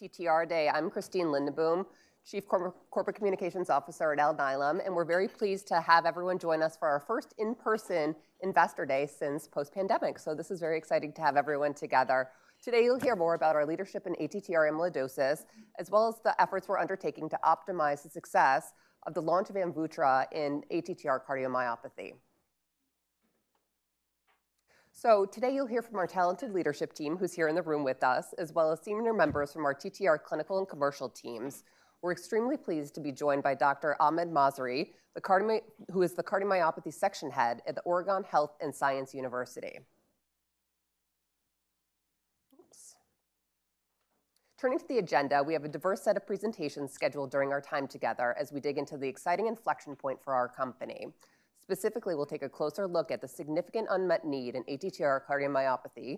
TTR Day. I'm Christine Lindenboom, Chief Corporate Communications Officer at Alnylam, and we're very pleased to have everyone join us for our first in-person investor day since post-pandemic. So this is very exciting to have everyone together. Today, you'll hear more about our leadership in ATTR amyloidosis, as well as the efforts we're undertaking to optimize the success of the launch of Amvuttra in ATTR cardiomyopathy. So today you'll hear from our talented leadership team, who's here in the room with us, as well as senior members from our TTR clinical and commercial teams. We're extremely pleased to be joined by Dr. Ahmed Masri, who is the cardiomyopathy section head at the Oregon Health and Science University. Oops! Turning to the agenda, we have a diverse set of presentations scheduled during our time together as we dig into the exciting inflection point for our company. Specifically, we'll take a closer look at the significant unmet need in ATTR cardiomyopathy.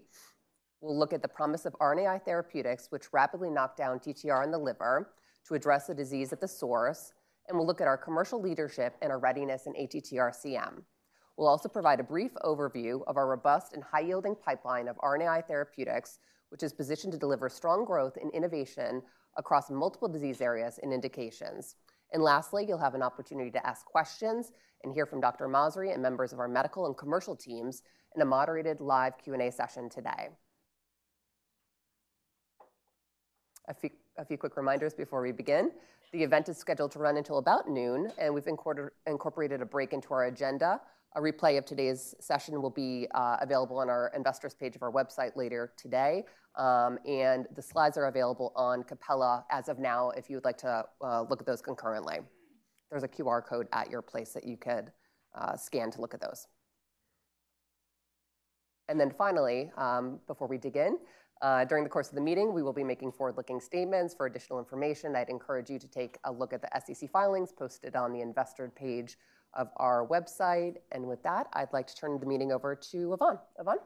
We'll look at the promise of RNAi therapeutics, which rapidly knock down TTR in the liver to address the disease at the source, and we'll look at our commercial leadership and our readiness in ATTR-CM. We'll also provide a brief overview of our robust and high-yielding pipeline of RNAi therapeutics, which is positioned to deliver strong growth and innovation across multiple disease areas and indications. And lastly, you'll have an opportunity to ask questions and hear from Dr. Masri and members of our medical and commercial teams in a moderated live Q&A session today. A few quick reminders before we begin. The event is scheduled to run until about noon, and we've incorporated a break into our agenda. A replay of today's session will be available on our investor page of our website later today, and the slides are available on Capella as of now if you would like to look at those concurrently. There's a QR code at your place that you could scan to look at those. And then finally, before we dig in, during the course of the meeting, we will be making forward-looking statements. For additional information, I'd encourage you to take a look at the SEC filings posted on the investor page of our website. And with that, I'd like to turn the meeting over to Yvonne. Yvonne?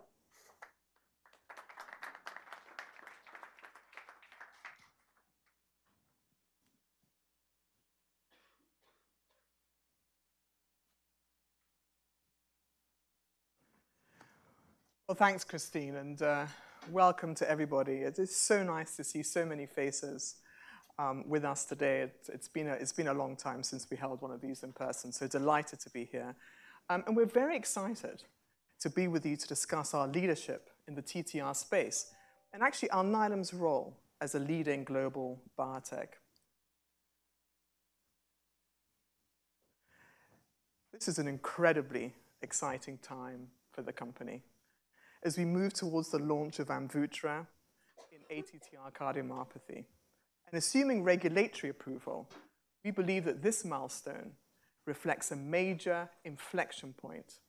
Well, thanks, Christine, and welcome to everybody. It is so nice to see so many faces with us today. It's been a long time since we held one of these in person, so delighted to be here. And we're very excited to be with you to discuss our leadership in the TTR space and actually Alnylam's role as a leading global biotech. This is an incredibly exciting time for the company as we move towards the launch of Amvuttra in ATTR cardiomyopathy. And assuming regulatory approval, we believe that this milestone reflects a major inflection point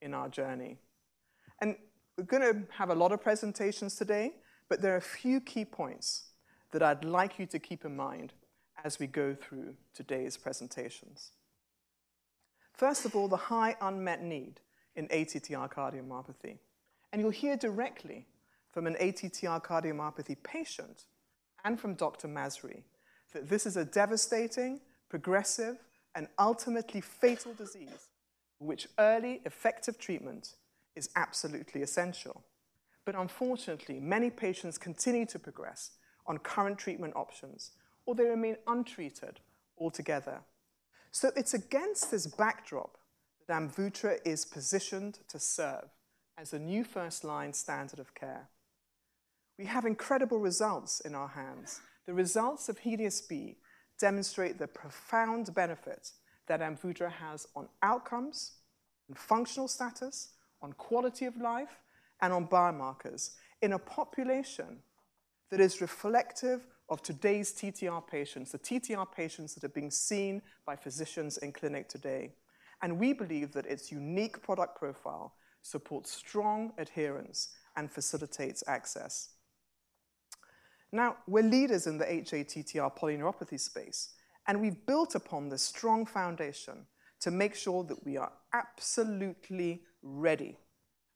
in our journey. And we're gonna have a lot of presentations today, but there are a few key points that I'd like you to keep in mind as we go through today's presentations. First of all, the high unmet need in ATTR cardiomyopathy, and you'll hear directly from an ATTR cardiomyopathy patient and from Dr. Masri that this is a devastating, progressive, and ultimately fatal disease, which early effective treatment is absolutely essential. But unfortunately, many patients continue to progress on current treatment options, or they remain untreated altogether. So it's against this backdrop that Amvuttra is positioned to serve as a new first-line standard of care. We have incredible results in our hands. The results of HELIOS-B demonstrate the profound benefit that Amvuttra has on outcomes, on functional status, on quality of life, and on biomarkers in a population that is reflective of today's TTR patients, the TTR patients that are being seen by physicians in clinic today, and we believe that its unique product profile supports strong adherence and facilitates access. Now, we're leaders in the hATTR polyneuropathy space, and we've built upon this strong foundation to make sure that we are absolutely ready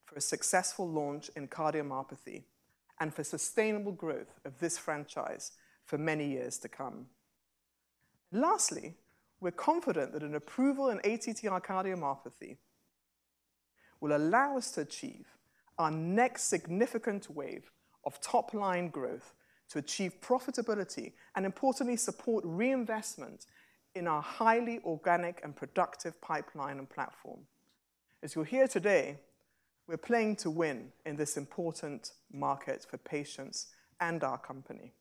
for a successful launch in cardiomyopathy and for sustainable growth of this franchise for many years to come. Lastly, we're confident that an approval in ATTR cardiomyopathy will allow us to achieve our next significant wave of top-line growth to achieve profitability and importantly, support reinvestment in our highly organic and productive pipeline and platform. As you'll hear today, we're playing to win in this important market for patients and our company.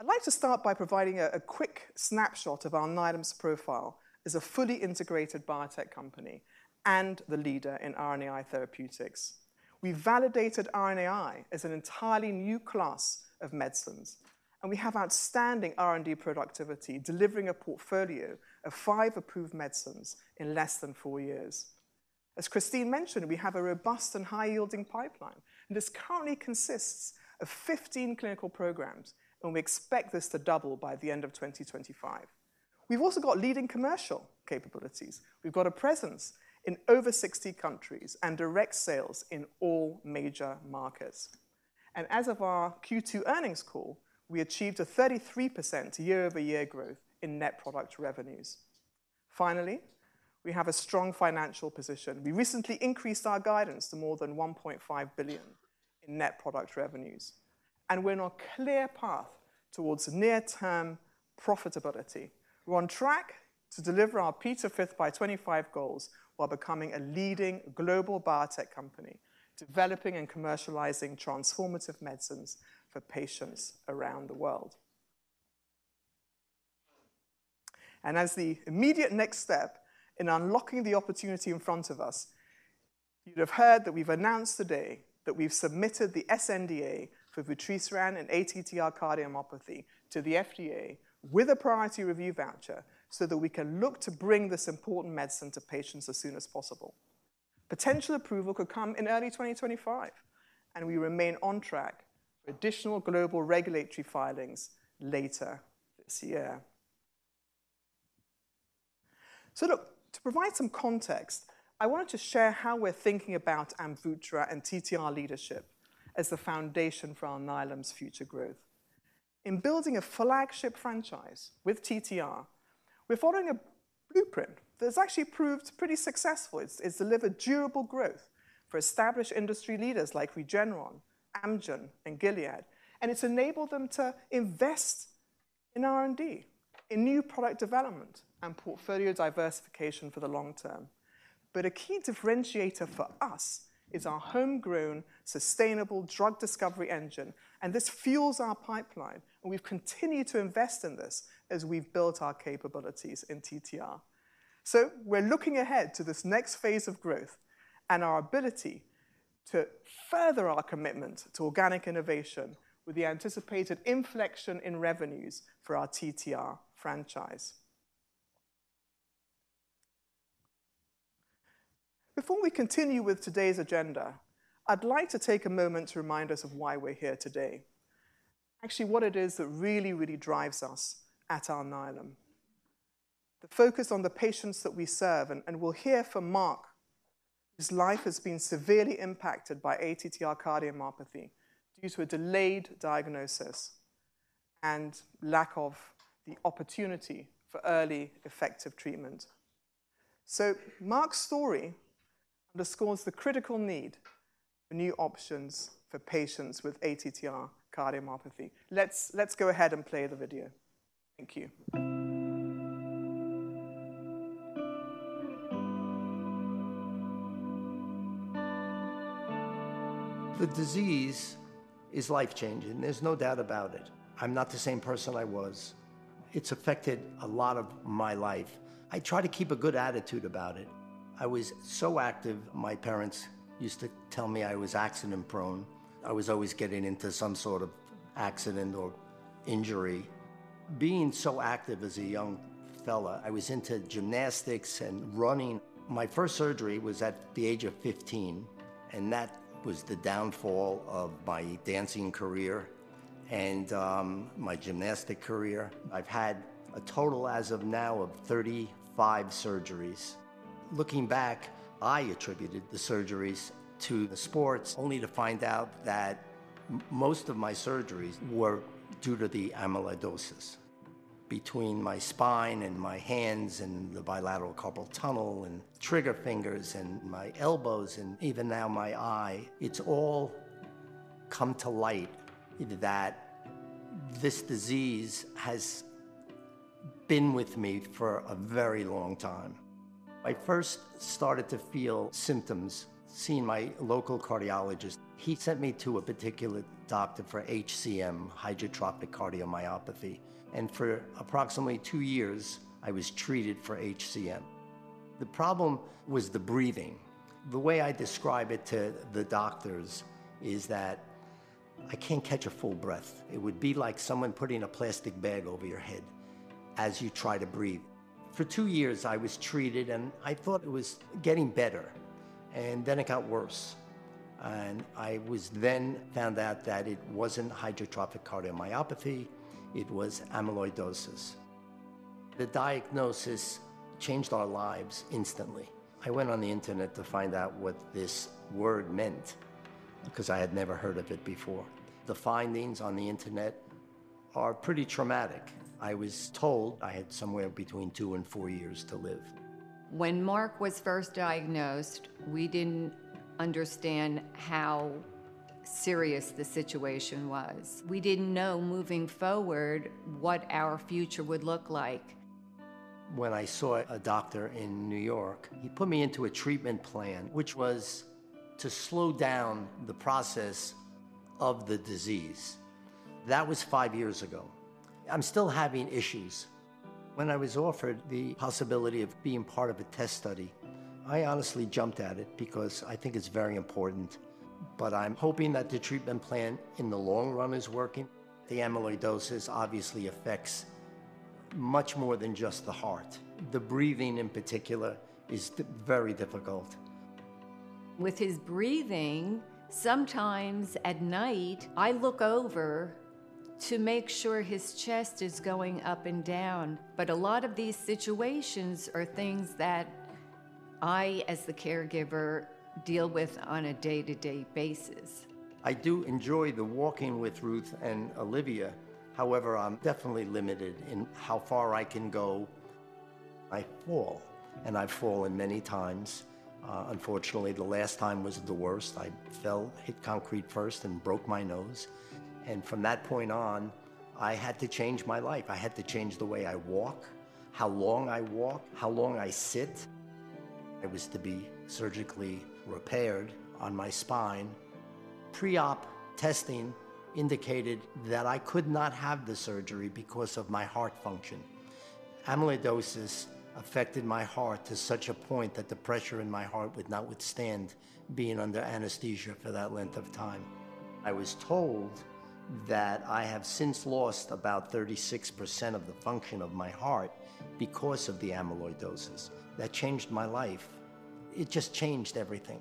I'd like to start by providing a quick snapshot of Alnylam's profile as a fully integrated biotech company and the leader in RNAi therapeutics. We validated RNAi as an entirely new class of medicines, and we have outstanding R&D productivity, delivering a portfolio of five approved medicines in less than four years. As Christine mentioned, we have a robust and high-yielding pipeline, and this currently consists of 15 clinical programs, and we expect this to double by the end of 2025. We've also got leading commercial capabilities. We've got a presence in over 60 countries and direct sales in all major markets. And as of our Q2 earnings call, we achieved a 33% year-over-year growth in net product revenues. Finally, we have a strong financial position. We recently increased our guidance to more than $1.5 billion in net product revenues, and we're on a clear path towards near-term profitability. We're on track to deliver our P5x25 goals, while becoming a leading global biotech company, developing and commercializing transformative medicines for patients around the world. As the immediate next step in unlocking the opportunity in front of us, you'd have heard that we've announced today that we've submitted the sNDA for vutrisiran in ATTR cardiomyopathy to the FDA with a priority review voucher, so that we can look to bring this important medicine to patients as soon as possible. Potential approval could come in early 2025, and we remain on track for additional global regulatory filings later this year. Look, to provide some context, I wanted to share how we're thinking about Amvuttra and TTR leadership as the foundation for Alnylam's future growth. In building a flagship franchise with TTR, we're following a blueprint that's actually proved pretty successful. It's delivered durable growth for established industry leaders like Regeneron, Amgen, and Gilead, and it's enabled them to invest in R&D, in new product development, and portfolio diversification for the long term. But a key differentiator for us is our homegrown, sustainable drug discovery engine, and this fuels our pipeline, and we've continued to invest in this as we've built our capabilities in TTR. So we're looking ahead to this next phase of growth and our ability to further our commitment to organic innovation with the anticipated inflection in revenues for our TTR franchise. Before we continue with today's agenda, I'd like to take a moment to remind us of why we're here today. Actually, what it is that really, really drives us at Alnylam. The focus on the patients that we serve, and we'll hear from Mark, whose life has been severely impacted by ATTR cardiomyopathy due to a delayed diagnosis and lack of the opportunity for early effective treatment. So Mark's story underscores the critical need for new options for patients with ATTR cardiomyopathy. Let's go ahead and play the video. Thank you. The disease is life-changing, there's no doubt about it. I'm not the same person I was. It's affected a lot of my life. I try to keep a good attitude about it. I was so active, my parents used to tell me I was accident prone. I was always getting into some sort of accident or injury. Being so active as a young fella, I was into gymnastics and running. My first surgery was at the age of fifteen, and that was the downfall of my dancing career and my gymnastic career. I've had a total, as of now, of 35 surgeries. Looking back, I attributed the surgeries to the sports, only to find out that most of my surgeries were due to the amyloidosis. Between my spine and my hands, and the bilateral carpal tunnel, and trigger fingers, and my elbows, and even now my eye, it's all come to light that this disease has been with me for a very long time. I first started to feel symptoms, seeing my local cardiologist. He sent me to a particular doctor for HCM, hypertrophic cardiomyopathy, and for approximately two years I was treated for HCM. The problem was the breathing. The way I describe it to the doctors is that I can't catch a full breath. It would be like someone putting a plastic bag over your head as you try to breathe. For two years, I was treated, and I thought it was getting better, and then it got worse, and I then found out that it wasn't hypertrophic cardiomyopathy, it was amyloidosis. The diagnosis changed our lives instantly. I went on the internet to find out what this word meant, because I had never heard of it before. The findings on the internet are pretty traumatic. I was told I had somewhere between two and four years to live. When Mark was first diagnosed, we didn't understand how serious the situation was. We didn't know, moving forward, what our future would look like. When I saw a doctor in New York, he put me into a treatment plan, which was to slow down the process of the disease. That was five years ago. I'm still having issues. When I was offered the possibility of being part of a test study, I honestly jumped at it because I think it's very important, but I'm hoping that the treatment plan, in the long run, is working. The amyloidosis obviously affects much more than just the heart. The breathing, in particular, is very difficult. With his breathing, sometimes at night, I look over to make sure his chest is going up and down. But a lot of these situations are things I, as the caregiver, deal with on a day-to-day basis. I do enjoy the walking with Ruth and Olivia. However, I'm definitely limited in how far I can go. I fall, and I've fallen many times. Unfortunately, the last time was the worst. I fell, hit concrete first, and broke my nose, and from that point on, I had to change my life. I had to change the way I walk, how long I walk, how long I sit. I was to be surgically repaired on my spine. Pre-op testing indicated that I could not have the surgery because of my heart function. Amyloidosis affected my heart to such a point that the pressure in my heart would not withstand being under anesthesia for that length of time. I was told that I have since lost about 36% of the function of my heart because of the amyloidosis. That changed my life. It just changed everything.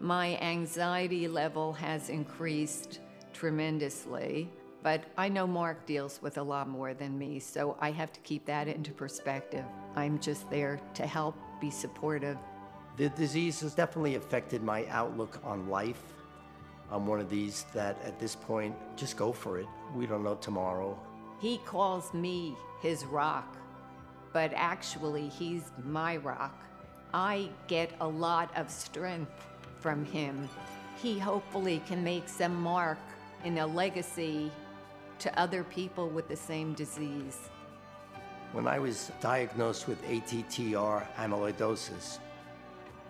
My anxiety level has increased tremendously, but I know Mark deals with a lot more than me, so I have to keep that into perspective. I'm just there to help be supportive. The disease has definitely affected my outlook on life. I'm one of these that, at this point, just go for it. We don't know tomorrow. He calls me his rock, but actually, he's my rock. I get a lot of strength from him. He hopefully can make some mark in a legacy to other people with the same disease. When I was diagnosed with ATTR amyloidosis,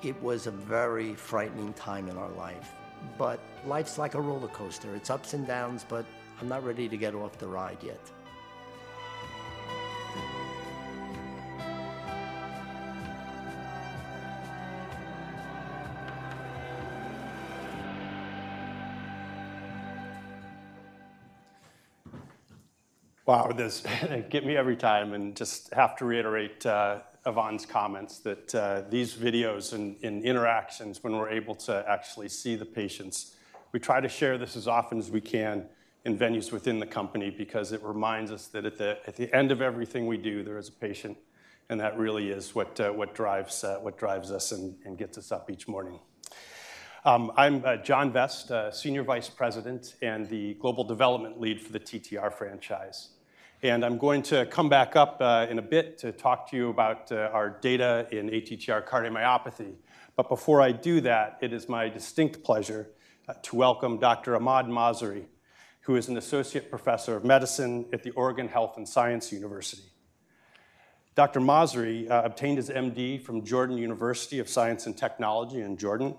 it was a very frightening time in our life. But life's like a rollercoaster. It's ups and downs, but I'm not ready to get off the ride yet. Wow, this gets me every time, and I just have to reiterate Yvonne's comments, that these videos and interactions when we're able to actually see the patients, we try to share this as often as we can in venues within the company because it reminds us that at the end of everything we do, there is a patient, and that really is what drives us and gets us up each morning. I'm John Vest, Senior Vice President and the Global Development Lead for the TTR franchise, and I'm going to come back up in a bit to talk to you about our data in ATTR cardiomyopathy. But before I do that, it is my distinct pleasure to welcome Dr. Ahmed Masri, who is an Associate Professor of Medicine at the Oregon Health and Science University. Dr. Masri obtained his MD from Jordan University of Science and Technology in Jordan,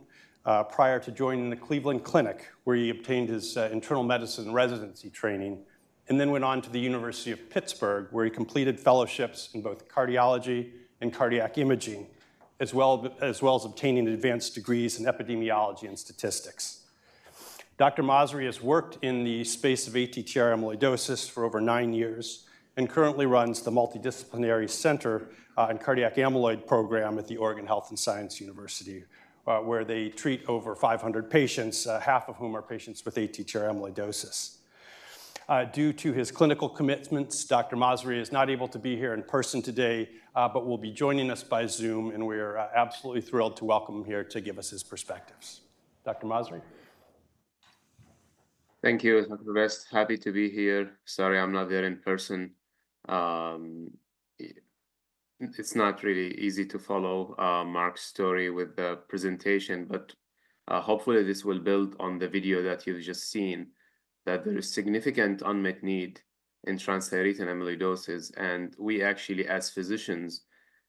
prior to joining the Cleveland Clinic, where he obtained his internal medicine residency training, and then went on to the University of Pittsburgh, where he completed fellowships in both cardiology and cardiac imaging, as well as obtaining advanced degrees in epidemiology and statistics. Dr. Masri has worked in the space of ATTR amyloidosis for over nine years and currently runs the Multidisciplinary Center and Cardiac Amyloid Program at the Oregon Health and Science University, where they treat over 500 patients, half of whom are patients with ATTR amyloidosis. Due to his clinical commitments, Dr. Masri is not able to be here in person today, but will be joining us by Zoom, and we are absolutely thrilled to welcome him here to give us his perspectives. Dr. Masri? Thank you, Dr. Vest. Happy to be here. Sorry, I'm not there in person. It's not really easy to follow Mark's story with the presentation, but, hopefully, this will build on the video that you've just seen, that there is significant unmet need in transthyretin amyloidosis, and we actually, as physicians,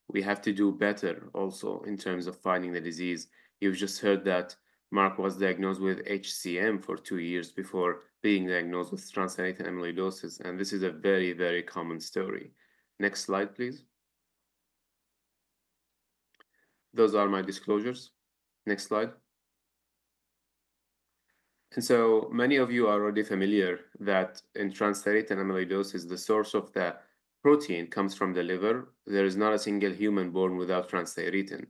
we have to do better also in terms of finding the disease. You've just heard that Mark was diagnosed with HCM for two years before being diagnosed with transthyretin amyloidosis, and this is a very, very common story. Next slide, please. Those are my disclosures. Next slide. And so many of you are already familiar that in transthyretin amyloidosis, the source of the protein comes from the liver. There is not a single human born without transthyretin.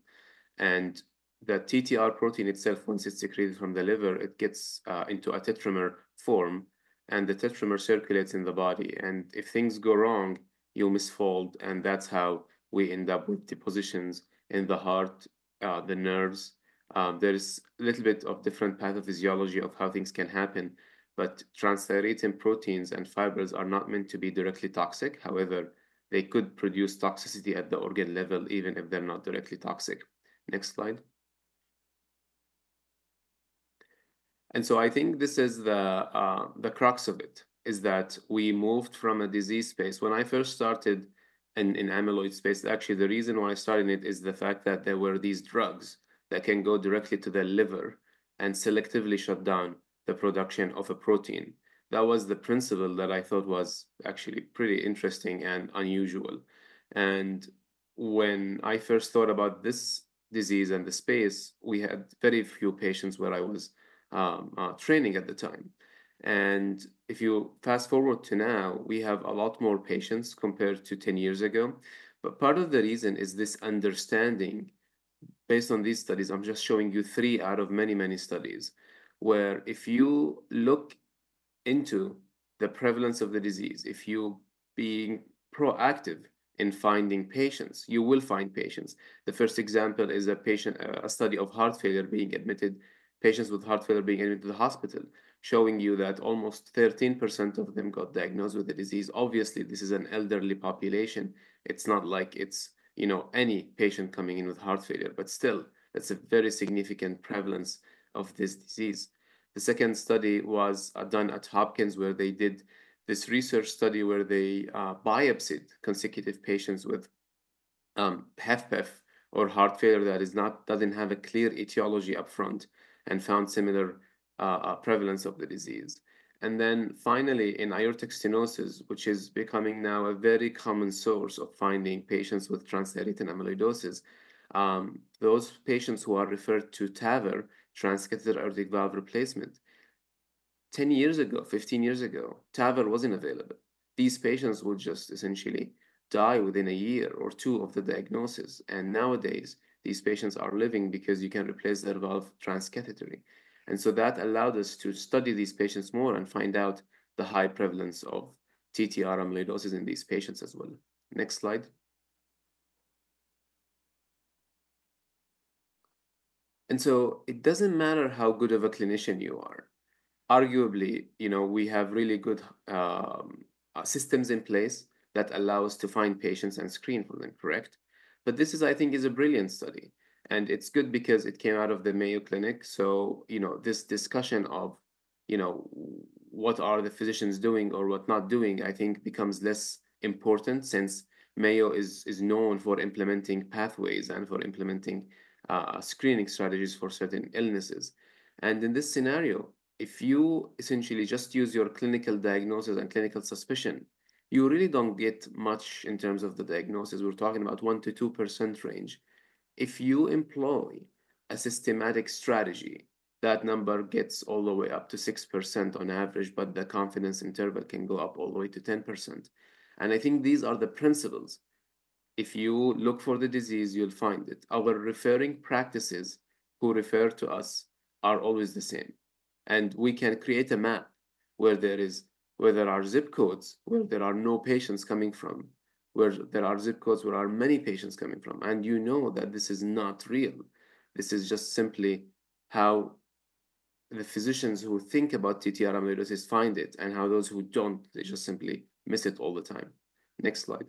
And the TTR protein itself, once it's secreted from the liver, it gets into a tetramer form, and the tetramer circulates in the body. And if things go wrong, you'll misfold, and that's how we end up with deposits in the heart, the nerves. There is a little bit of different pathophysiology of how things can happen, but transthyretin proteins and fibers are not meant to be directly toxic. However, they could produce toxicity at the organ level, even if they're not directly toxic. Next slide. And so I think this is the crux of it, is that we moved from a disease space. When I first started in amyloid space. Actually, the reason why I started it is the fact that there were these drugs that can go directly to the liver and selectively shut down the production of a protein. That was the principle that I thought was actually pretty interesting and unusual. And when I first thought about this disease and the space, we had very few patients where I was training at the time. And if you fast forward to now, we have a lot more patients compared to 10 years ago. But part of the reason is this understanding, based on these studies. I'm just showing you three out of many, many studies, where if you look into the prevalence of the disease. If you're being proactive in finding patients, you will find patients. The first example is a study of patients with heart failure being admitted to the hospital, showing you that almost 13% of them got diagnosed with the disease. Obviously, this is an elderly population. It's not like it's, you know, any patient coming in with heart failure, but still, it's a very significant prevalence of this disease. The second study was done at Hopkins, where they did this research study where they biopsied consecutive patients with HFpEF or heart failure that doesn't have a clear etiology upfront, and found similar prevalence of the disease. And then finally, in aortic stenosis, which is becoming now a very common source of finding patients with transthyretin amyloidosis, those patients who are referred to TAVR, transcatheter aortic valve replacement. 10 years ago, 15 years ago, TAVR wasn't available. These patients would just essentially die within a year or two of the diagnosis, and nowadays, these patients are living because you can replace their valve transcatheter. And so that allowed us to study these patients more and find out the high prevalence of TTR amyloidosis in these patients as well. Next slide. And so it doesn't matter how good of a clinician you are. Arguably, you know, we have really good systems in place that allow us to find patients and screen for them, correct? But this is, I think, a brilliant study, and it's good because it came out of the Mayo Clinic. So, you know, this discussion of, you know, what are the physicians doing or what not doing, I think becomes less important since Mayo is known for implementing pathways and for implementing screening strategies for certain illnesses. And in this scenario, if you essentially just use your clinical diagnosis and clinical suspicion, you really don't get much in terms of the diagnosis. We're talking about 1%-2% range. If you employ a systematic strategy, that number gets all the way up to 6% on average, but the confidence interval can go up all the way to 10%. And I think these are the principles. If you look for the disease, you'll find it. Our referring practices who refer to us are always the same, and we can create a map where there are zip codes where there are no patients coming from, where there are zip codes where there are many patients coming from, and you know that this is not real. This is just simply how the physicians who think about TTR amyloidosis find it, and how those who don't, they just simply miss it all the time. Next slide.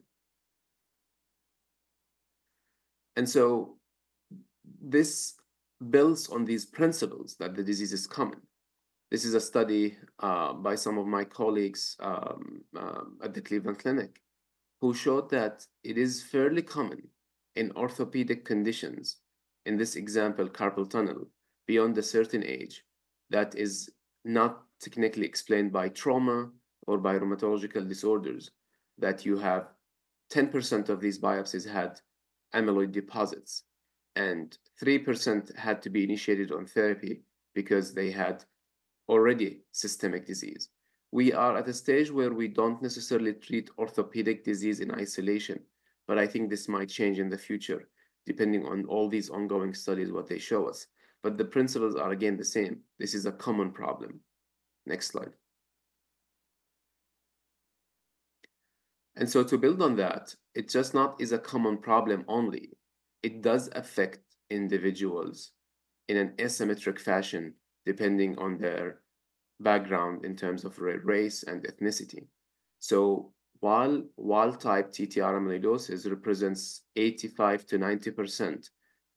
And so this builds on these principles that the disease is common. This is a study by some of my colleagues at the Cleveland Clinic, who showed that it is fairly common in orthopedic conditions, in this example, carpal tunnel, beyond a certain age, that is not technically explained by trauma or by rheumatological disorders, that you have 10% of these biopsies had amyloid deposits, and 3% had to be initiated on therapy because they had already systemic disease. We are at a stage where we don't necessarily treat orthopedic disease in isolation, but I think this might change in the future, depending on all these ongoing studies, what they show us. But the principles are, again, the same. This is a common problem. Next slide. And so to build on that, it just not is a common problem only. It does affect individuals in an asymmetric fashion, depending on their background in terms of race and ethnicity. So while wild-type TTR amyloidosis represents 85%-90%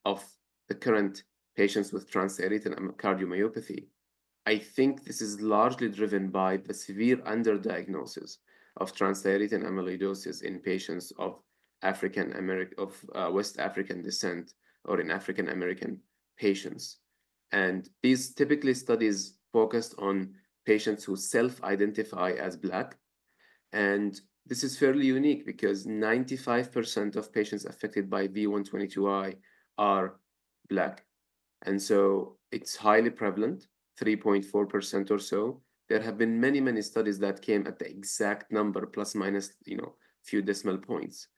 of the current patients with transthyretin amyloid cardiomyopathy, I think this is largely driven by the severe underdiagnosis of transthyretin amyloidosis in patients of West African descent or in African American patients. These, typically, studies focused on patients who self-identify as Black. This is fairly unique because 95% of patients affected by V122I are Black, and so it's highly prevalent, 3.4% or so. There have been many, many studies that came at the exact number, plus, minus, you know, few decimal points.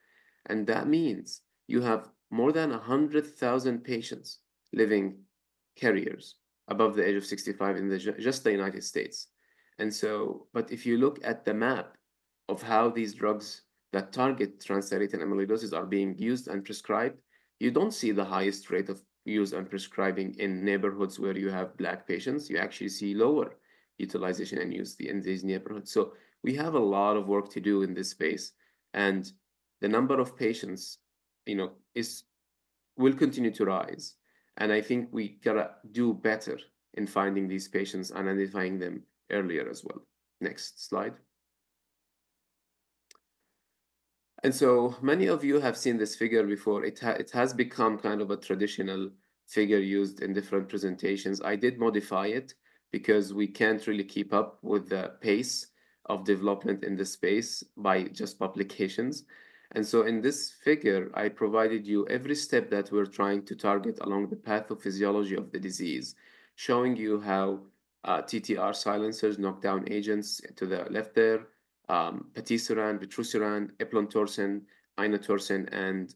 That means you have more than 100,000 patients living carriers above the age of 65 in just the United States. But if you look at the map of how these drugs that target transthyretin amyloidosis are being used and prescribed, you don't see the highest rate of use and prescribing in neighborhoods where you have Black patients. You actually see lower utilization and use in these neighborhoods. So we have a lot of work to do in this space, and the number of patients, you know, will continue to rise, and I think we gotta do better in finding these patients and identifying them earlier as well. Next slide. Many of you have seen this figure before. It has become kind of a traditional figure used in different presentations. I did modify it because we can't really keep up with the pace of development in this space by just publications. And so in this figure, I provided you every step that we're trying to target along the pathophysiology of the disease, showing you how TTR silencers, knockdown agents to the left there, patisiran, vutrisiran, eplontersen, inotersen, and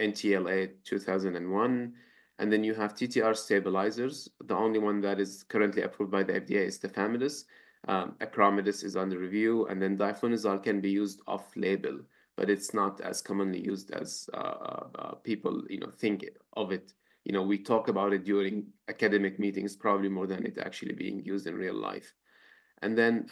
NTLA-2001, and then you have TTR stabilizers. The only one that is currently approved by the FDA is tafamidis. Acoramidis is under review, and then diflunisal can be used off-label, but it's not as commonly used as people, you know, think of it. You know, we talk about it during academic meetings probably more than it actually being used in real life. And then,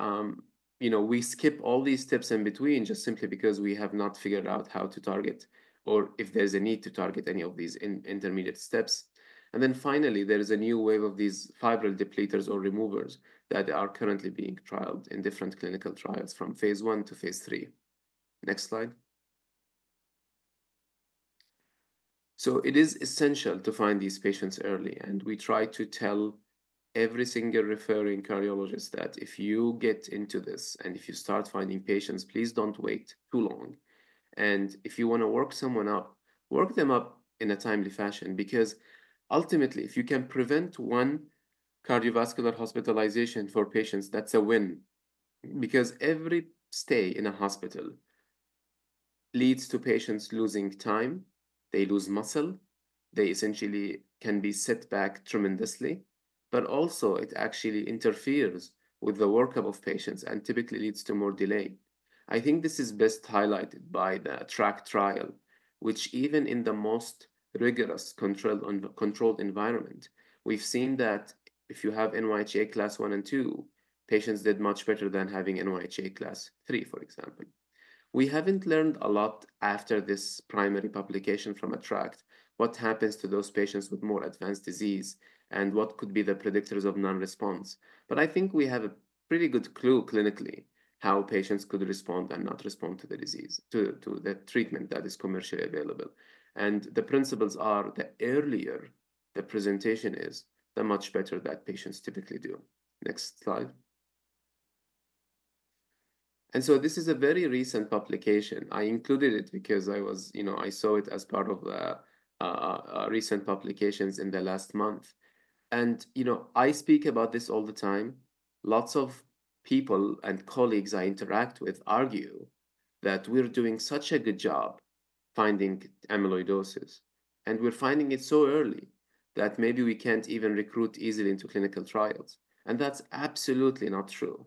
you know, we skip all these steps in between just simply because we have not figured out how to target or if there's a need to target any of these intermediate steps. And then finally, there is a new wave of these fibril depleters or removers that are currently being trialed in different clinical trials from phase I to phase III. Next slide. So it is essential to find these patients early, and we try to tell every single referring cardiologist that if you get into this, and if you start finding patients, please don't wait too long. And if you wanna work someone up, work them up in a timely fashion, because ultimately, if you can prevent one cardiovascular hospitalization for patients, that's a win. Because every stay in a hospital leads to patients losing time, they lose muscle, they essentially can be set back tremendously, but also it actually interferes with the workup of patients and typically leads to more delay. I think this is best highlighted by the ATTR-ACT trial, which even in the most rigorous, controlled environment, we've seen that if you have NYHA Class one and two, patients did much better than having NYHA Class three, for example. We haven't learned a lot after this primary publication from ATTR-ACT, what happens to those patients with more advanced disease and what could be the predictors of non-response. But I think we have a pretty good clue clinically, how patients could respond and not respond to the disease, to the treatment that is commercially available. And the principles are, the earlier the presentation is, the much better that patients typically do. Next slide. And so this is a very recent publication. I included it because I was-- you know, I saw it as part of the recent publications in the last month. You know, I speak about this all the time. Lots of people and colleagues I interact with argue that we're doing such a good job finding amyloidosis, and we're finding it so early, that maybe we can't even recruit easily into clinical trials. That's absolutely not true,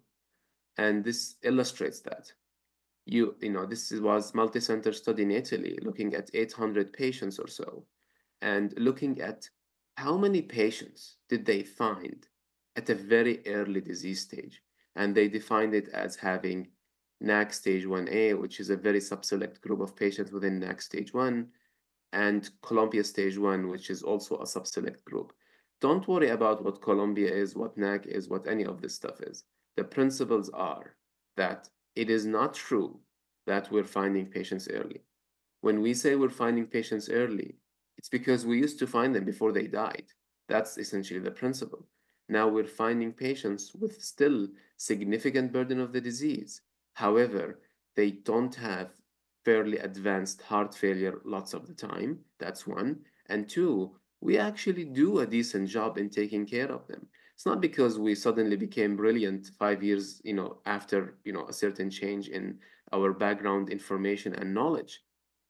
and this illustrates that. You know, this was a multicenter study in Italy, looking at 800 patients or so, and looking at how many patients did they find at a very early disease stage, and they defined it as having NAC stage 1A, which is a very subselect group of patients within NAC stage 1, and Columbia stage 1, which is also a subselect group. Don't worry about what Columbia is, what NAC is, what any of this stuff is. The principles are that it is not true that we're finding patients early. When we say we're finding patients early, it's because we used to find them before they died. That's essentially the principle. Now, we're finding patients with still significant burden of the disease. However, they don't have fairly advanced heart failure lots of the time. That's one. And two, we actually do a decent job in taking care of them. It's not because we suddenly became brilliant five years, you know, after, you know, a certain change in our background information and knowledge.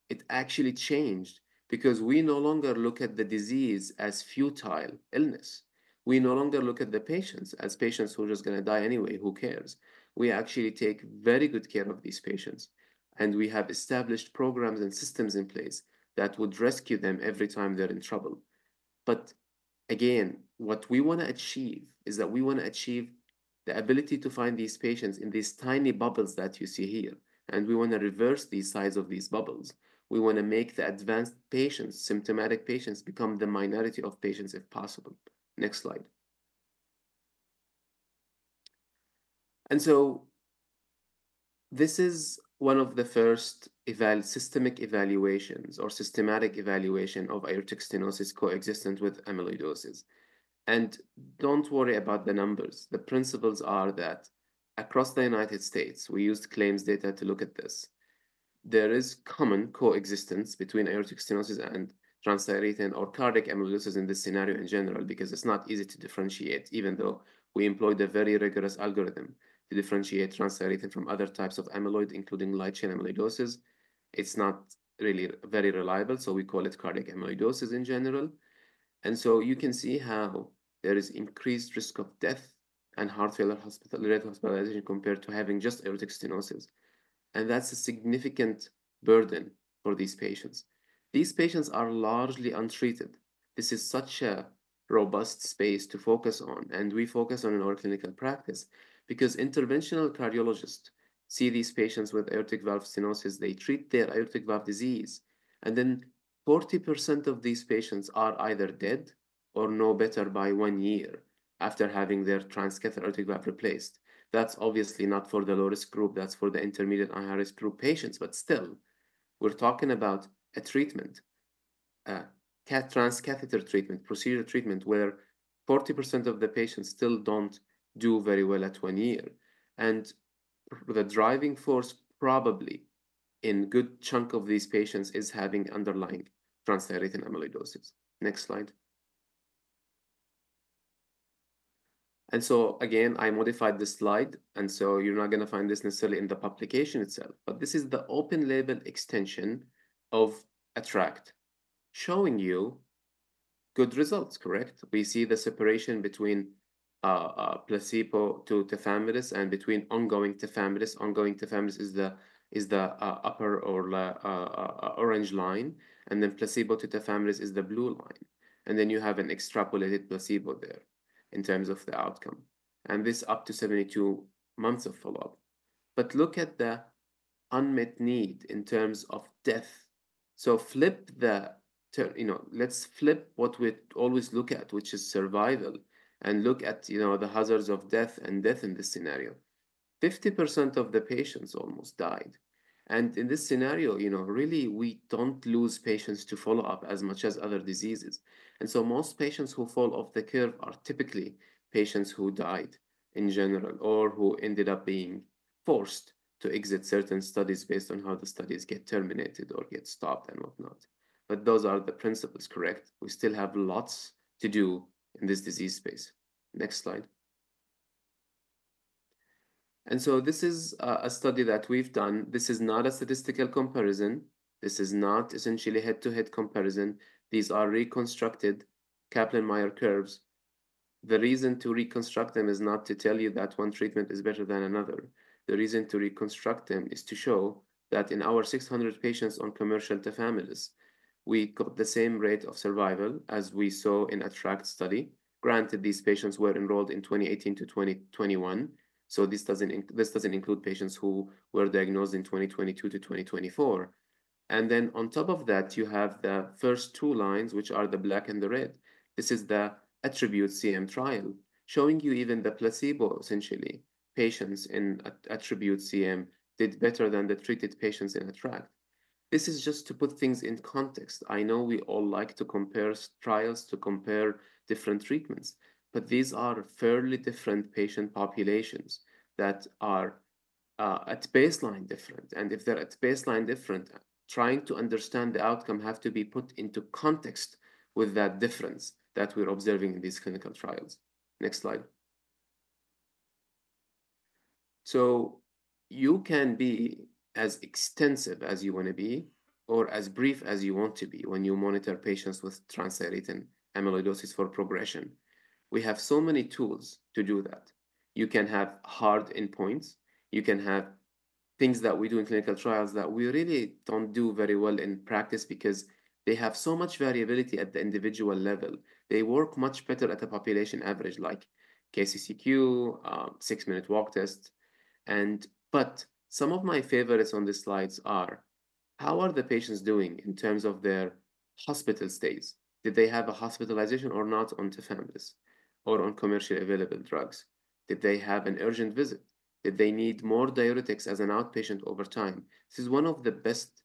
It actually changed because we no longer look at the disease as futile illness. We no longer look at the patients as patients who are just gonna die anyway, who cares? We actually take very good care of these patients, and we have established programs and systems in place that would rescue them every time they're in trouble. But again, what we wanna achieve is that we wanna achieve the ability to find these patients in these tiny bubbles that you see here, and we wanna reverse the size of these bubbles. We wanna make the advanced patients, symptomatic patients, become the minority of patients, if possible. Next slide. And so this is one of the first systematic evaluations or systematic evaluation of aortic stenosis coexistence with amyloidosis. And don't worry about the numbers. The principles are that across the United States, we used claims data to look at this. There is common coexistence between aortic stenosis and transthyretin or cardiac amyloidosis in this scenario in general, because it's not easy to differentiate, even though we employed a very rigorous algorithm to differentiate transthyretin from other types of amyloid, including light chain amyloidosis. It's not really very reliable, so we call it cardiac amyloidosis in general. And so you can see how there is increased risk of death and heart failure hospitalization rate compared to having just aortic stenosis, and that's a significant burden for these patients. These patients are largely untreated. This is such a robust space to focus on, and we focus on in our clinical practice. Because interventional cardiologists see these patients with aortic valve stenosis, they treat their aortic valve disease, and then 40% of these patients are either dead or no better by one year after having their transcatheter aortic valve replaced. That's obviously not for the low-risk group, that's for the intermediate and high-risk group patients, but still, we're talking about a treatment, transcatheter treatment, procedural treatment, where 40% of the patients still don't do very well at one year. The driving force, probably in good chunk of these patients, is having underlying transthyretin amyloidosis. Next slide. I modified this slide again, and so you're not gonna find this necessarily in the publication itself, but this is the open-label extension of ATTR-ACT, showing you good results. Correct? We see the separation between placebo to tafamidis and between ongoing tafamidis. Ongoing tafamidis is the upper or left orange line, and then placebo to tafamidis is the blue line. Then you have an extrapolated placebo there in terms of the outcome, and this up to 72 months of follow-up. But look at the unmet need in terms of death. Flip the term. You know, let's flip what we always look at, which is survival, and look at, you know, the hazards of death and death in this scenario. 50% of the patients almost died, and in this scenario, you know, really, we don't lose patients to follow-up as much as other diseases. And so most patients who fall off the curve are typically patients who died in general, or who ended up being forced to exit certain studies based on how the studies get terminated or get stopped and whatnot. But those are the principles, correct? We still have lots to do in this disease space. Next slide. And so this is a study that we've done. This is not a statistical comparison. This is not essentially head-to-head comparison. These are reconstructed Kaplan-Meier curves. The reason to reconstruct them is not to tell you that one treatment is better than another. The reason to reconstruct them is to show that in our 600 patients on commercial tafamidis, we got the same rate of survival as we saw in ATTR-ACT study. Granted, these patients were enrolled in 2018 to 2021, so this doesn't include patients who were diagnosed in 2022 to 2024. And then on top of that, you have the first two lines, which are the black and the red. This is the ATTRibute-CM trial, showing you even the placebo, essentially, patients in ATTRibute-CM did better than the treated patients in ATTR-ACT. This is just to put things in context. I know we all like to compare trials to compare different treatments, but these are fairly different patient populations that are at baseline, different. And if they're at baseline different, trying to understand the outcome have to be put into context with that difference that we're observing in these clinical trials. Next slide. So you can be as extensive as you wanna be or as brief as you want to be when you monitor patients with transthyretin amyloidosis for progression. We have so many tools to do that. You can have hard endpoints. You can have things that we do in clinical trials that we really don't do very well in practice because they have so much variability at the individual level. They work much better at a population average, like KCCQ, six-minute walk test. But some of my favorites on the slides are: How are the patients doing in terms of their hospital stays? Did they have a hospitalization or not on tafamidis or on commercially available drugs? Did they have an urgent visit? Did they need more diuretics as an outpatient over time? This is one of the best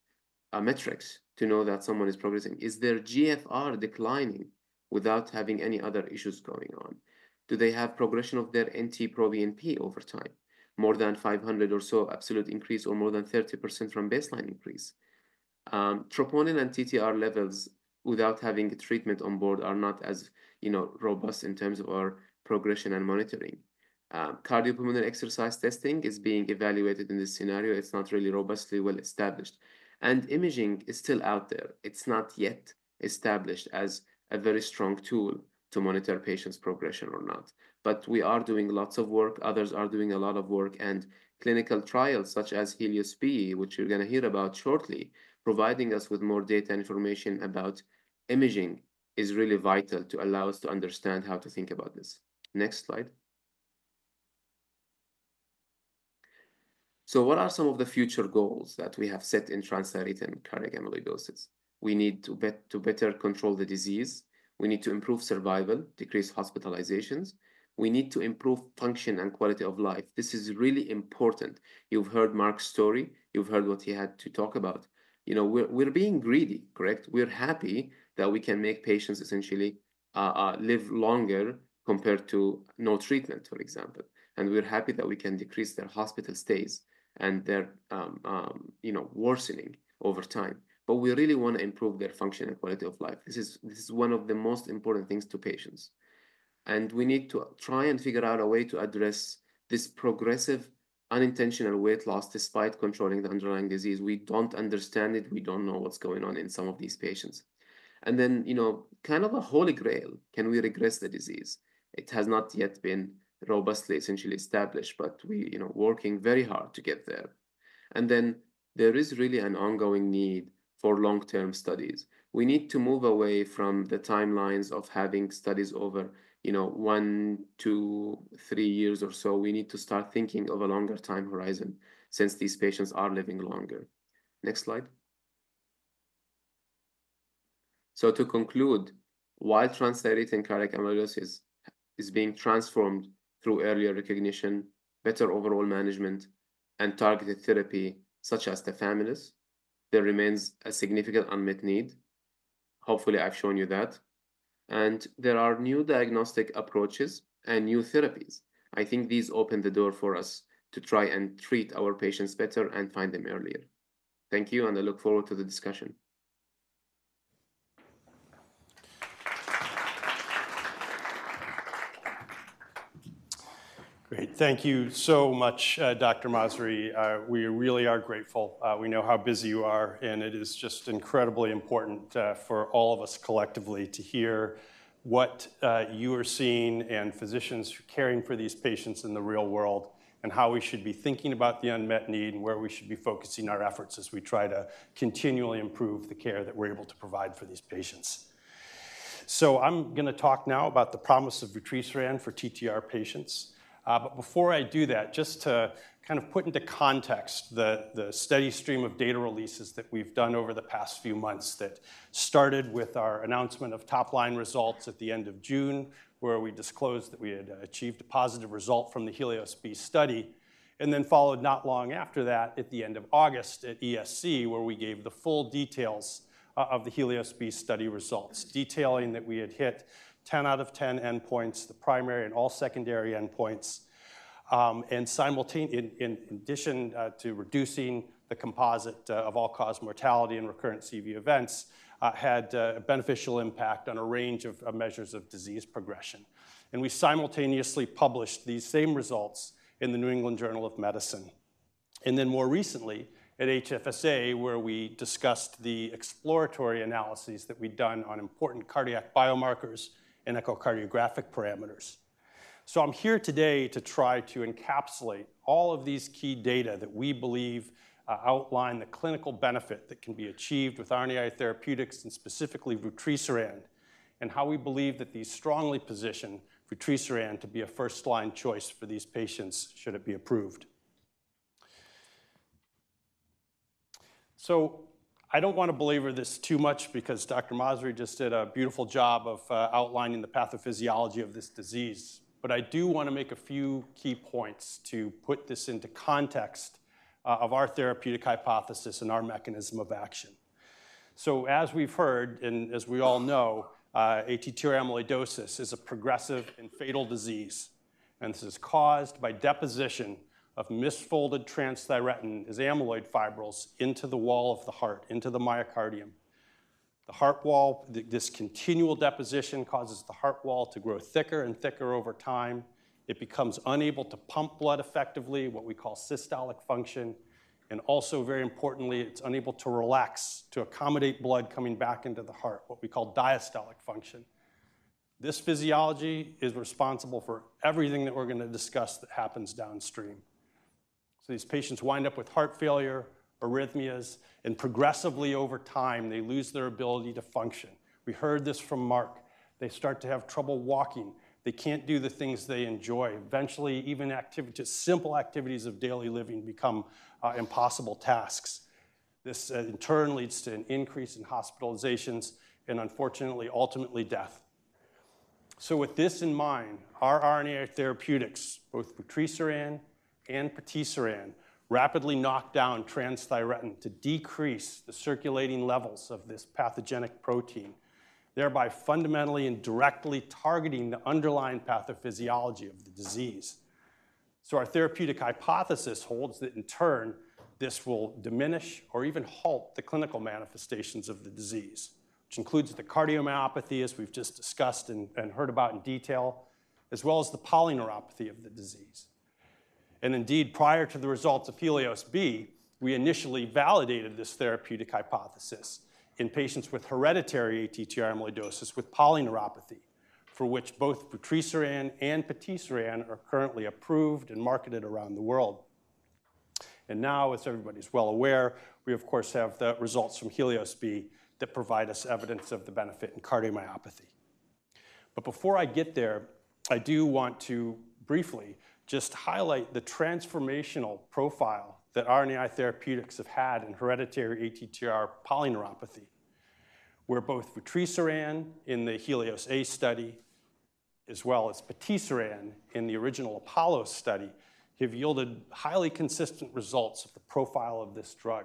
metrics to know that someone is progressing. Is their GFR declining without having any other issues going on? Do they have progression of their NT-proBNP over time, more than 500 or so absolute increase or more than 30% from baseline increase? Troponin and TTR levels without having treatment on board are not as, you know, robust in terms of our progression and monitoring. Cardiopulmonary exercise testing is being evaluated in this scenario. It's not really robustly well established. Imaging is still out there. It's not yet established as a very strong tool to monitor a patient's progression or not. But we are doing lots of work, others are doing a lot of work, and clinical trials such as HELIOS-B, which you're gonna hear about shortly, providing us with more data and information about imaging, is really vital to allow us to understand how to think about this. Next slide. So what are some of the future goals that we have set in transthyretin cardiac amyloidosis? We need to be to better control the disease. We need to improve survival, decrease hospitalizations. We need to improve function and quality of life. This is really important. You've heard Mark's story. You've heard what he had to talk about. You know, we're being greedy, correct? We're happy that we can make patients essentially live longer compared to no treatment, for example, and we're happy that we can decrease their hospital stays and their, you know, worsening over time. But we really wanna improve their function and quality of life. This is one of the most important things to patients. And we need to try and figure out a way to address this progressive, unintentional weight loss despite controlling the underlying disease. We don't understand it. We don't know what's going on in some of these patients. And then, you know, kind of a holy grail, can we regress the disease? It has not yet been robustly, essentially established, but we, you know, working very hard to get there. And then there is really an ongoing need for long-term studies. We need to move away from the timelines of having studies over, you know, one, two, three years or so. We need to start thinking of a longer time horizon since these patients are living longer. Next slide, so to conclude, while transthyretin cardiac amyloidosis is being transformed through earlier recognition, better overall management, and targeted therapy, such as Tafamidis, there remains a significant unmet need. Hopefully, I've shown you that, and there are new diagnostic approaches and new therapies. I think these open the door for us to try and treat our patients better and find them earlier. Thank you, and I look forward to the discussion. Great. Thank you so much, Dr. Masri. We really are grateful. We know how busy you are, and it is just incredibly important for all of us collectively to hear what you are seeing and physicians caring for these patients in the real world, and how we should be thinking about the unmet need and where we should be focusing our efforts as we try to continually improve the care that we're able to provide for these patients. So I'm gonna talk now about the promise of vutrisiran for TTR patients. But before I do that, just to kind of put into context the steady stream of data releases that we've done over the past few months that started with our announcement of top-line results at the end of June, where we disclosed that we had achieved a positive result from the HELIOS-B study, and then followed not long after that at the end of August at ESC, where we gave the full details of the HELIOS-B study results, detailing that we had hit 10 out of 10 endpoints, the primary and all secondary endpoints. And in addition to reducing the composite of all-cause mortality and recurrent CV events, had a beneficial impact on a range of measures of disease progression. We simultaneously published these same results in The New England Journal of Medicine, and then more recently at HFSA, where we discussed the exploratory analyses that we'd done on important cardiac biomarkers and echocardiographic parameters. I'm here today to try to encapsulate all of these key data that we believe outline the clinical benefit that can be achieved with RNAi therapeutics, and specifically vutrisiran, and how we believe that these strongly position vutrisiran to be a first-line choice for these patients, should it be approved. I don't want to belabor this too much because Dr. Masri just did a beautiful job of outlining the pathophysiology of this disease. I do want to make a few key points to put this into context of our therapeutic hypothesis and our mechanism of action. As we've heard, and as we all know, ATTR amyloidosis is a progressive and fatal disease, and this is caused by deposition of misfolded transthyretin as amyloid fibrils into the wall of the heart, into the myocardium. The heart wall. This continual deposition causes the heart wall to grow thicker and thicker over time. It becomes unable to pump blood effectively, what we call systolic function, and also, very importantly, it's unable to relax to accommodate blood coming back into the heart, what we call diastolic function. This physiology is responsible for everything that we're gonna discuss that happens downstream. So these patients wind up with heart failure, arrhythmias, and progressively, over time, they lose their ability to function. We heard this from Mark. They start to have trouble walking. They can't do the things they enjoy. Eventually, even just simple activities of daily living become impossible tasks. This, in turn, leads to an increase in hospitalizations and unfortunately, ultimately, death. So with this in mind, our RNA therapeutics, both vutrisiran and patisiran, rapidly knock down transthyretin to decrease the circulating levels of this pathogenic protein, thereby fundamentally and directly targeting the underlying pathophysiology of the disease. So our therapeutic hypothesis holds that, in turn, this will diminish or even halt the clinical manifestations of the disease, which includes the cardiomyopathy, as we've just discussed and heard about in detail, as well as the polyneuropathy of the disease. And indeed, prior to the results of HELIOS-B, we initially validated this therapeutic hypothesis in patients with hereditary ATTR amyloidosis with polyneuropathy, for which both vutrisiran and patisiran are currently approved and marketed around the world. And now, as everybody is well aware, we, of course, have the results from HELIOS-B that provide us evidence of the benefit in cardiomyopathy. But before I get there, I do want to briefly just highlight the transformational profile that RNAi therapeutics have had in hereditary ATTR polyneuropathy, where both vutrisiran in the HELIOS-A study, as well as patisiran in the original APOLLO study, have yielded highly consistent results of the profile of this drug,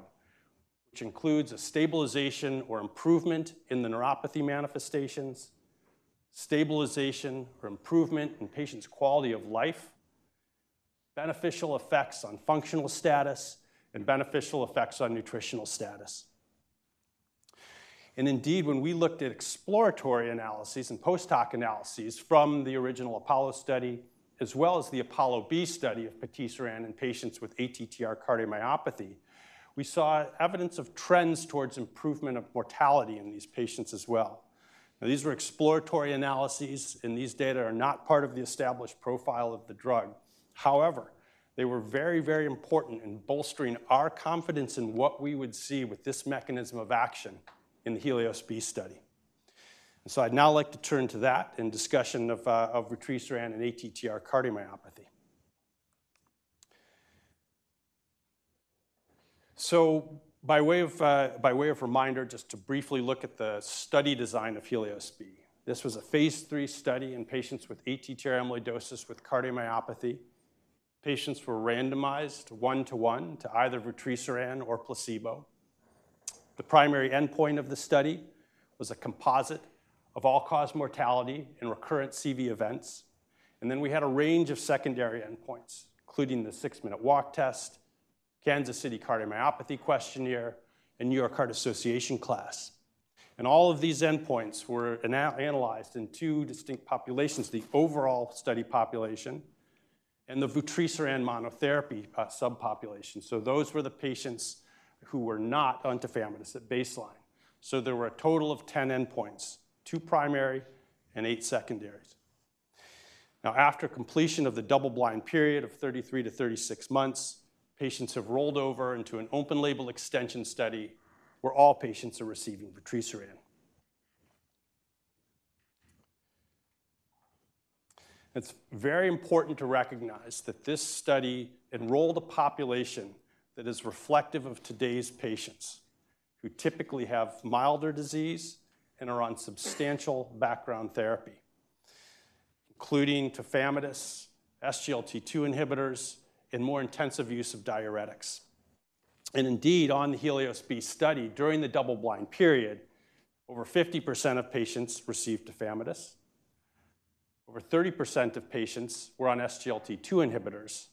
which includes a stabilization or improvement in the neuropathy manifestations, stabilization or improvement in patients' quality of life, beneficial effects on functional status, and beneficial effects on nutritional status. And indeed, when we looked at exploratory analyses and post-hoc analyses from the original APOLLO study, as well as the APOLLO-B study of patisiran in patients with ATTR cardiomyopathy, we saw evidence of trends towards improvement of mortality in these patients as well. Now, these were exploratory analyses, and these data are not part of the established profile of the drug. However, they were very, very important in bolstering our confidence in what we would see with this mechanism of action in the HELIOS-B study. And so I'd now like to turn to that in discussion of vutrisiran and ATTR cardiomyopathy. So by way of reminder, just to briefly look at the study design of HELIOS-B. This was a phase III study in patients with ATTR amyloidosis with cardiomyopathy. Patients were randomized one to one to either vutrisiran or placebo. The primary endpoint of the study was a composite of all-cause mortality and recurrent CV events. And then we had a range of secondary endpoints, including the six minute walk test, Kansas City Cardiomyopathy Questionnaire, and New York Heart Association class. All of these endpoints were analyzed in two distinct populations: the overall study population and the vutrisiran monotherapy subpopulation. Those were the patients who were not on tafamidis at baseline. There were a total of ten endpoints, two primary and eight secondaries. Now, after completion of the double-blind period of 33-36 months, patients have rolled over into an open-label extension study where all patients are receiving vutrisiran. It's very important to recognize that this study enrolled a population that is reflective of today's patients, who typically have milder disease and are on substantial background therapy, including tafamidis, SGLT2 inhibitors, and more intensive use of diuretics. And indeed, on the HELIOS-B study, during the double-blind period, over 50% of patients received tafamidis, over 30% of patients were on SGLT2 inhibitors,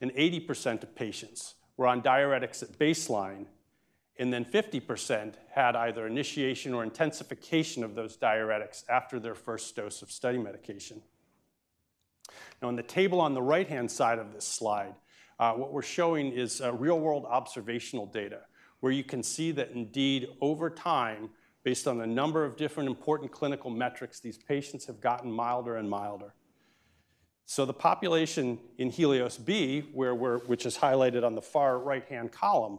and 80% of patients were on diuretics at baseline, and then 50% had either initiation or intensification of those diuretics after their first dose of study medication. Now, on the table on the right-hand side of this slide, what we're showing is real-world observational data, where you can see that indeed, over time, based on a number of different important clinical metrics, these patients have gotten milder and milder. So the population in HELIOS-B, where we're which is highlighted on the far right-hand column,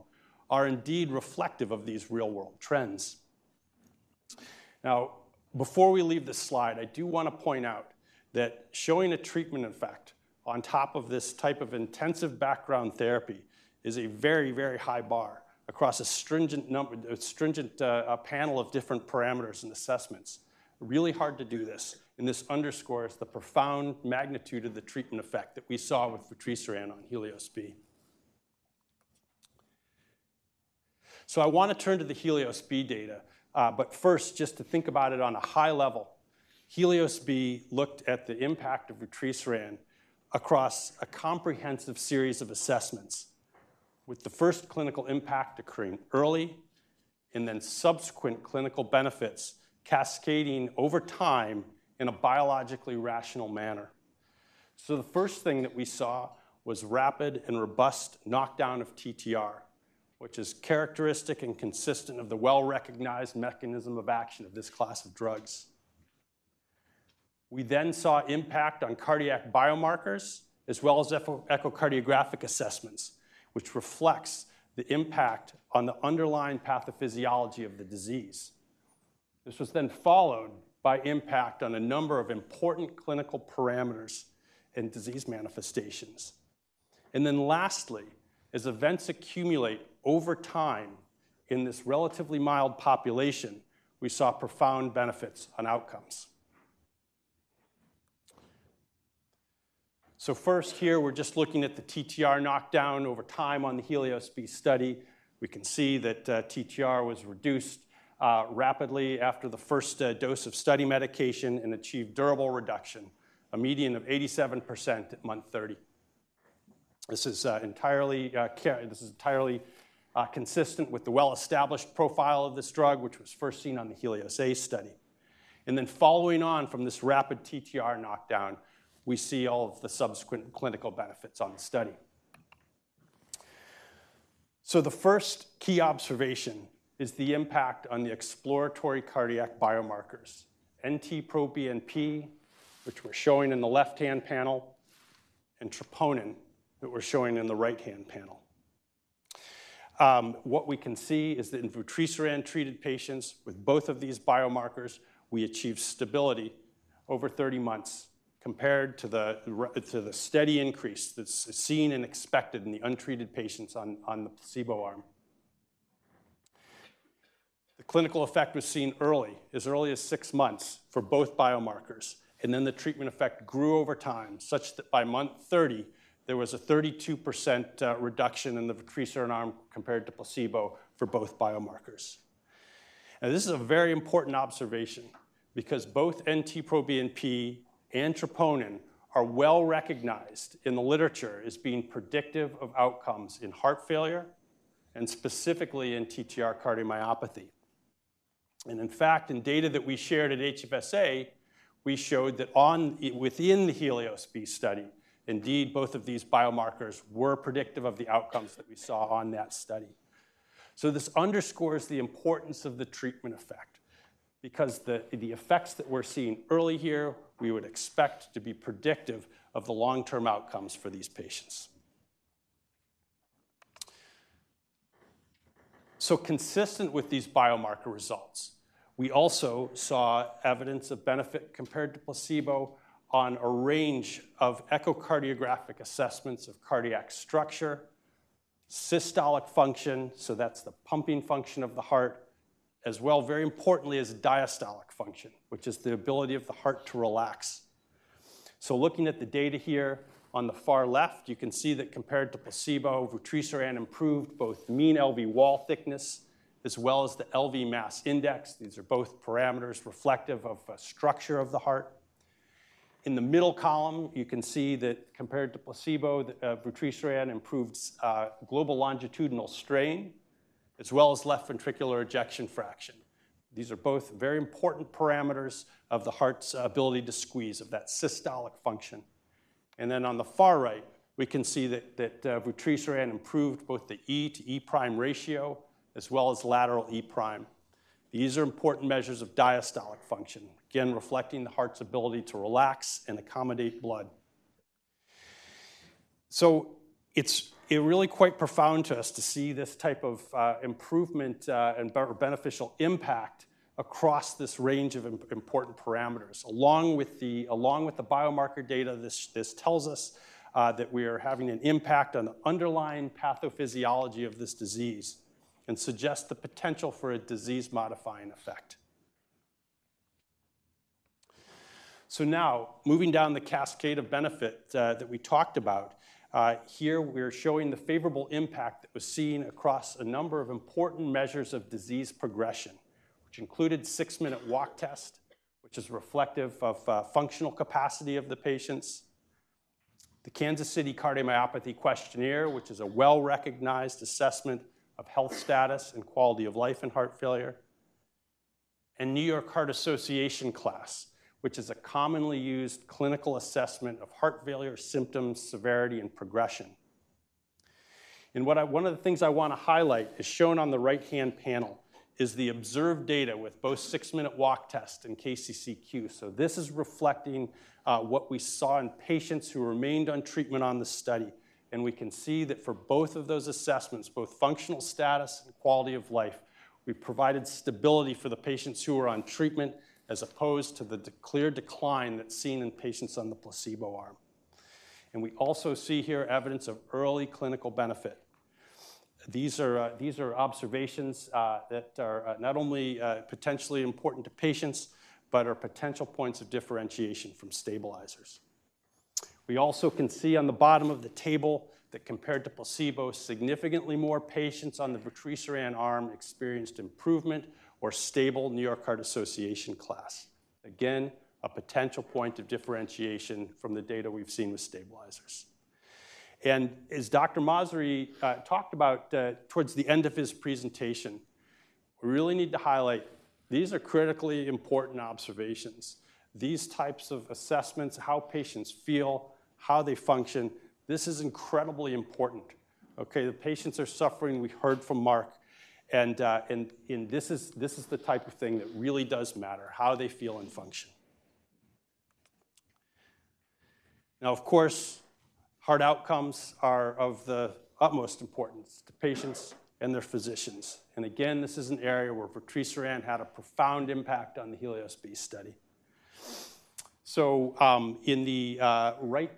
are indeed reflective of these real-world trends. Now, before we leave this slide, I do want to point out that showing a treatment effect on top of this type of intensive background therapy is a very, very high bar across a stringent, a panel of different parameters and assessments. Really hard to do this, and this underscores the profound magnitude of the treatment effect that we saw with vutrisiran on HELIOS-B. So I want to turn to the HELIOS-B data, but first, just to think about it on a high level. HELIOS-B looked at the impact of vutrisiran across a comprehensive series of assessments, with the first clinical impact occurring early and then subsequent clinical benefits cascading over time in a biologically rational manner. The first thing that we saw was rapid and robust knockdown of TTR, which is characteristic and consistent of the well-recognized mechanism of action of this class of drugs. We then saw impact on cardiac biomarkers, as well as echocardiographic assessments, which reflects the impact on the underlying pathophysiology of the disease. This was then followed by impact on a number of important clinical parameters and disease manifestations. And then lastly, as events accumulate over time in this relatively mild population, we saw profound benefits on outcomes. First here, we're just looking at the TTR knockdown over time on the HELIOS-B study. We can see that TTR was reduced rapidly after the first dose of study medication and achieved durable reduction, a median of 87% at month 30. This is entirely consistent with the well-established profile of this drug, which was first seen on the HELIOS-A study. And then following on from this rapid TTR knockdown, we see all of the subsequent clinical benefits on the study. So the first key observation is the impact on the exploratory cardiac biomarkers, NT-proBNP, which we're showing in the left-hand panel, and troponin, that we're showing in the right-hand panel. What we can see is that in vutrisiran-treated patients, with both of these biomarkers, we achieved stability over thirty months, compared to the steady increase that's seen and expected in the untreated patients on the placebo arm. The clinical effect was seen early, as early as six months for both biomarkers, and then the treatment effect grew over time, such that by month 30, there was a 32% reduction in the vutrisiran arm compared to placebo for both biomarkers. Now, this is a very important observation because both NT-proBNP and troponin are well-recognized in the literature as being predictive of outcomes in heart failure and specifically in TTR cardiomyopathy. And in fact, in data that we shared at HFSA, we showed that within the HELIOS-B study, indeed, both of these biomarkers were predictive of the outcomes that we saw on that study. So this underscores the importance of the treatment effect, because the effects that we're seeing early here, we would expect to be predictive of the long-term outcomes for these patients. So consistent with these biomarker results, we also saw evidence of benefit compared to placebo on a range of echocardiographic assessments of cardiac structure, systolic function, so that's the pumping function of the heart, as well, very importantly, as diastolic function, which is the ability of the heart to relax. So looking at the data here on the far left, you can see that compared to placebo, vutrisiran improved both the mean LV wall thickness as well as the LV mass index. These are both parameters reflective of structure of the heart.... In the middle column, you can see that compared to placebo, vutrisiran improves global longitudinal strain, as well as left ventricular ejection fraction. These are both very important parameters of the heart's ability to squeeze, of that systolic function. And then on the far right, we can see that vutrisiran improved both the E to E prime ratio, as well as lateral E prime. These are important measures of diastolic function, again, reflecting the heart's ability to relax and accommodate blood. It's really quite profound to us to see this type of improvement and beneficial impact across this range of important parameters. Along with the biomarker data, this tells us that we are having an impact on the underlying pathophysiology of this disease and suggests the potential for a disease-modifying effect. So now, moving down the cascade of benefit that we talked about, here we are showing the favorable impact that was seen across a number of important measures of disease progression, which included 6-minute walk test, which is reflective of functional capacity of the patients, the Kansas City Cardiomyopathy Questionnaire, which is a well-recognized assessment of health status and quality of life in heart failure, and New York Heart Association class, which is a commonly used clinical assessment of heart failure symptoms, severity, and progression. And what I one of the things I wanna highlight is shown on the right-hand panel, is the observed data with both 6-minute walk test and KCCQ. This is reflecting what we saw in patients who remained on treatment on the study, and we can see that for both of those assessments, both functional status and quality of life, we provided stability for the patients who were on treatment, as opposed to the clear decline that's seen in patients on the placebo arm. We also see here evidence of early clinical benefit. These are observations that are not only potentially important to patients, but are potential points of differentiation from stabilizers. We also can see on the bottom of the table that compared to placebo, significantly more patients on the vutrisiran arm experienced improvement or stable New York Heart Association class. Again, a potential point of differentiation from the data we've seen with stabilizers. And as Dr. Masri talked about towards the end of his presentation, we really need to highlight these are critically important observations. These types of assessments, how patients feel, how they function, this is incredibly important, okay? The patients are suffering. We heard from Mark, and this is the type of thing that really does matter, how they feel and function. Now, of course, hard outcomes are of the utmost importance to patients and their physicians. And again, this is an area where vutrisiran had a profound impact on the HELIOS-B study. So, in the right,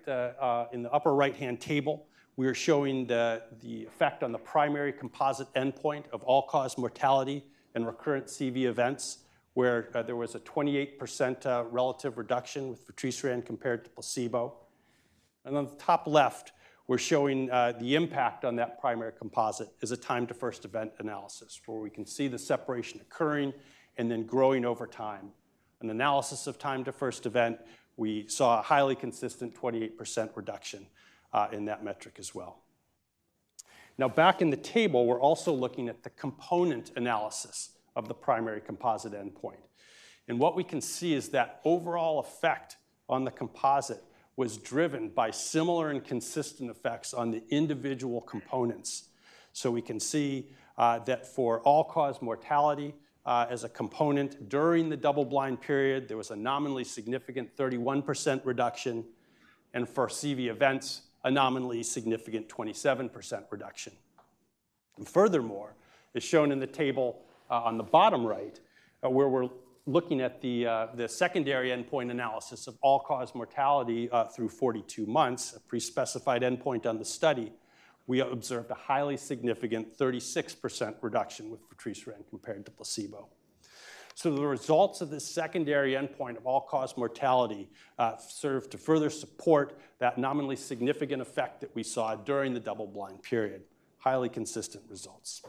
in the upper right-hand table, we are showing the effect on the primary composite endpoint of all-cause mortality and recurrent CV events, where there was a 28% relative reduction with vutrisiran compared to placebo. On the top left, we're showing the impact on that primary composite as a time to first event analysis, where we can see the separation occurring and then growing over time. An analysis of time to first event, we saw a highly consistent 28% reduction in that metric as well. Now, back in the table, we're also looking at the component analysis of the primary composite endpoint. What we can see is that overall effect on the composite was driven by similar and consistent effects on the individual components. We can see that for all-cause mortality, as a component during the double-blind period, there was a nominally significant 31% reduction, and for CV events, a nominally significant 27% reduction. Furthermore, as shown in the table on the bottom right, where we're looking at the secondary endpoint analysis of all-cause mortality through 42 months, a pre-specified endpoint on the study, we observed a highly significant 36% reduction with vutrisiran compared to placebo. So the results of this secondary endpoint of all-cause mortality served to further support that nominally significant effect that we saw during the double-blind period. Highly consistent results.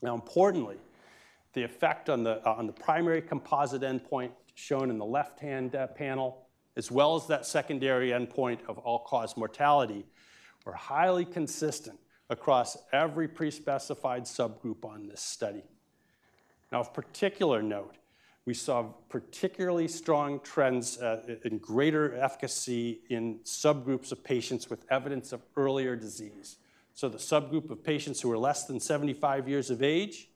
Now, importantly, the effect on the primary composite endpoint, shown in the left-hand panel, as well as that secondary endpoint of all-cause mortality, were highly consistent across every pre-specified subgroup on this study. Now, of particular note, we saw particularly strong trends in greater efficacy in subgroups of patients with evidence of earlier disease. The subgroup of patients who were less than 75 years of age,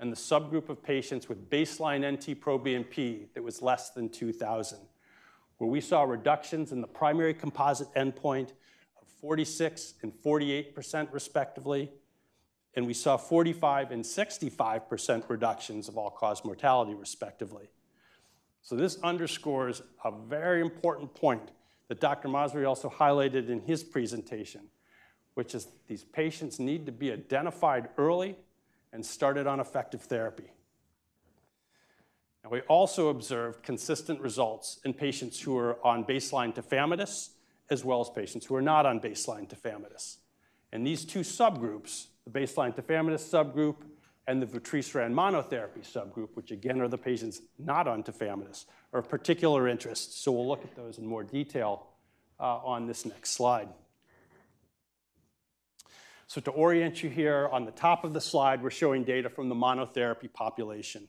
and the subgroup of patients with baseline NT-proBNP that was less than 2,000, where we saw reductions in the primary composite endpoint of 46% and 48% respectively, and we saw 45% and 65% reductions of all-cause mortality, respectively. This underscores a very important point that Dr. Masri also highlighted in his presentation, which is these patients need to be identified early and started on effective therapy. Now, we also observed consistent results in patients who were on baseline Tafamidis, as well as patients who were not on baseline Tafamidis... And these two subgroups, the baseline Tafamidis subgroup and the vutrisiran monotherapy subgroup, which again, are the patients not on Tafamidis, are of particular interest. So we'll look at those in more detail on this next slide. To orient you here, on the top of the slide, we're showing data from the monotherapy population.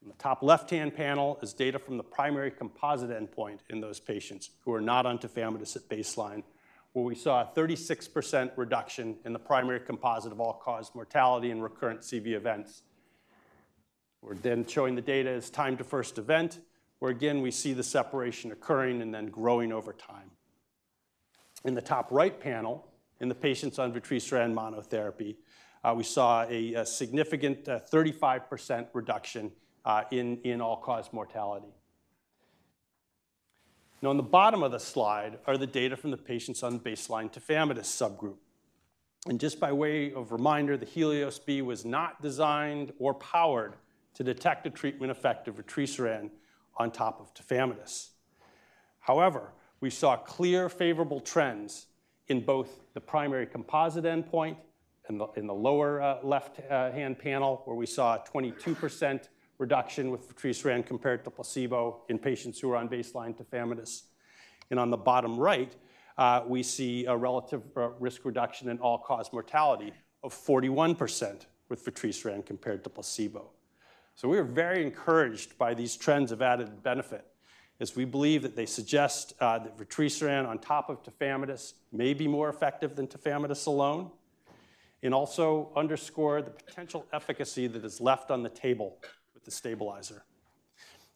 In the top left-hand panel is data from the primary composite endpoint in those patients who are not on tafamidis at baseline, where we saw a 36% reduction in the primary composite of all-cause mortality and recurrent CV events. We're then showing the data as time to first event, where again, we see the separation occurring and then growing over time. In the top right panel, in the patients on vutrisiran monotherapy, we saw a significant 35% reduction in all-cause mortality. Now, on the bottom of the slide are the data from the patients on baseline tafamidis subgroup, and just by way of reminder, the HELIOS-B was not designed or powered to detect a treatment effect of vutrisiran on top of tafamidis. However, we saw clear favorable trends in both the primary composite endpoint in the lower left hand panel, where we saw a 22% reduction with vutrisiran compared to placebo in patients who were on baseline tafamidis, and on the bottom right, we see a relative risk reduction in all-cause mortality of 41% with vutrisiran compared to placebo. We are very encouraged by these trends of added benefit, as we believe that they suggest that vutrisiran on top of tafamidis may be more effective than tafamidis alone, and also underscore the potential efficacy that is left on the table with the stabilizer.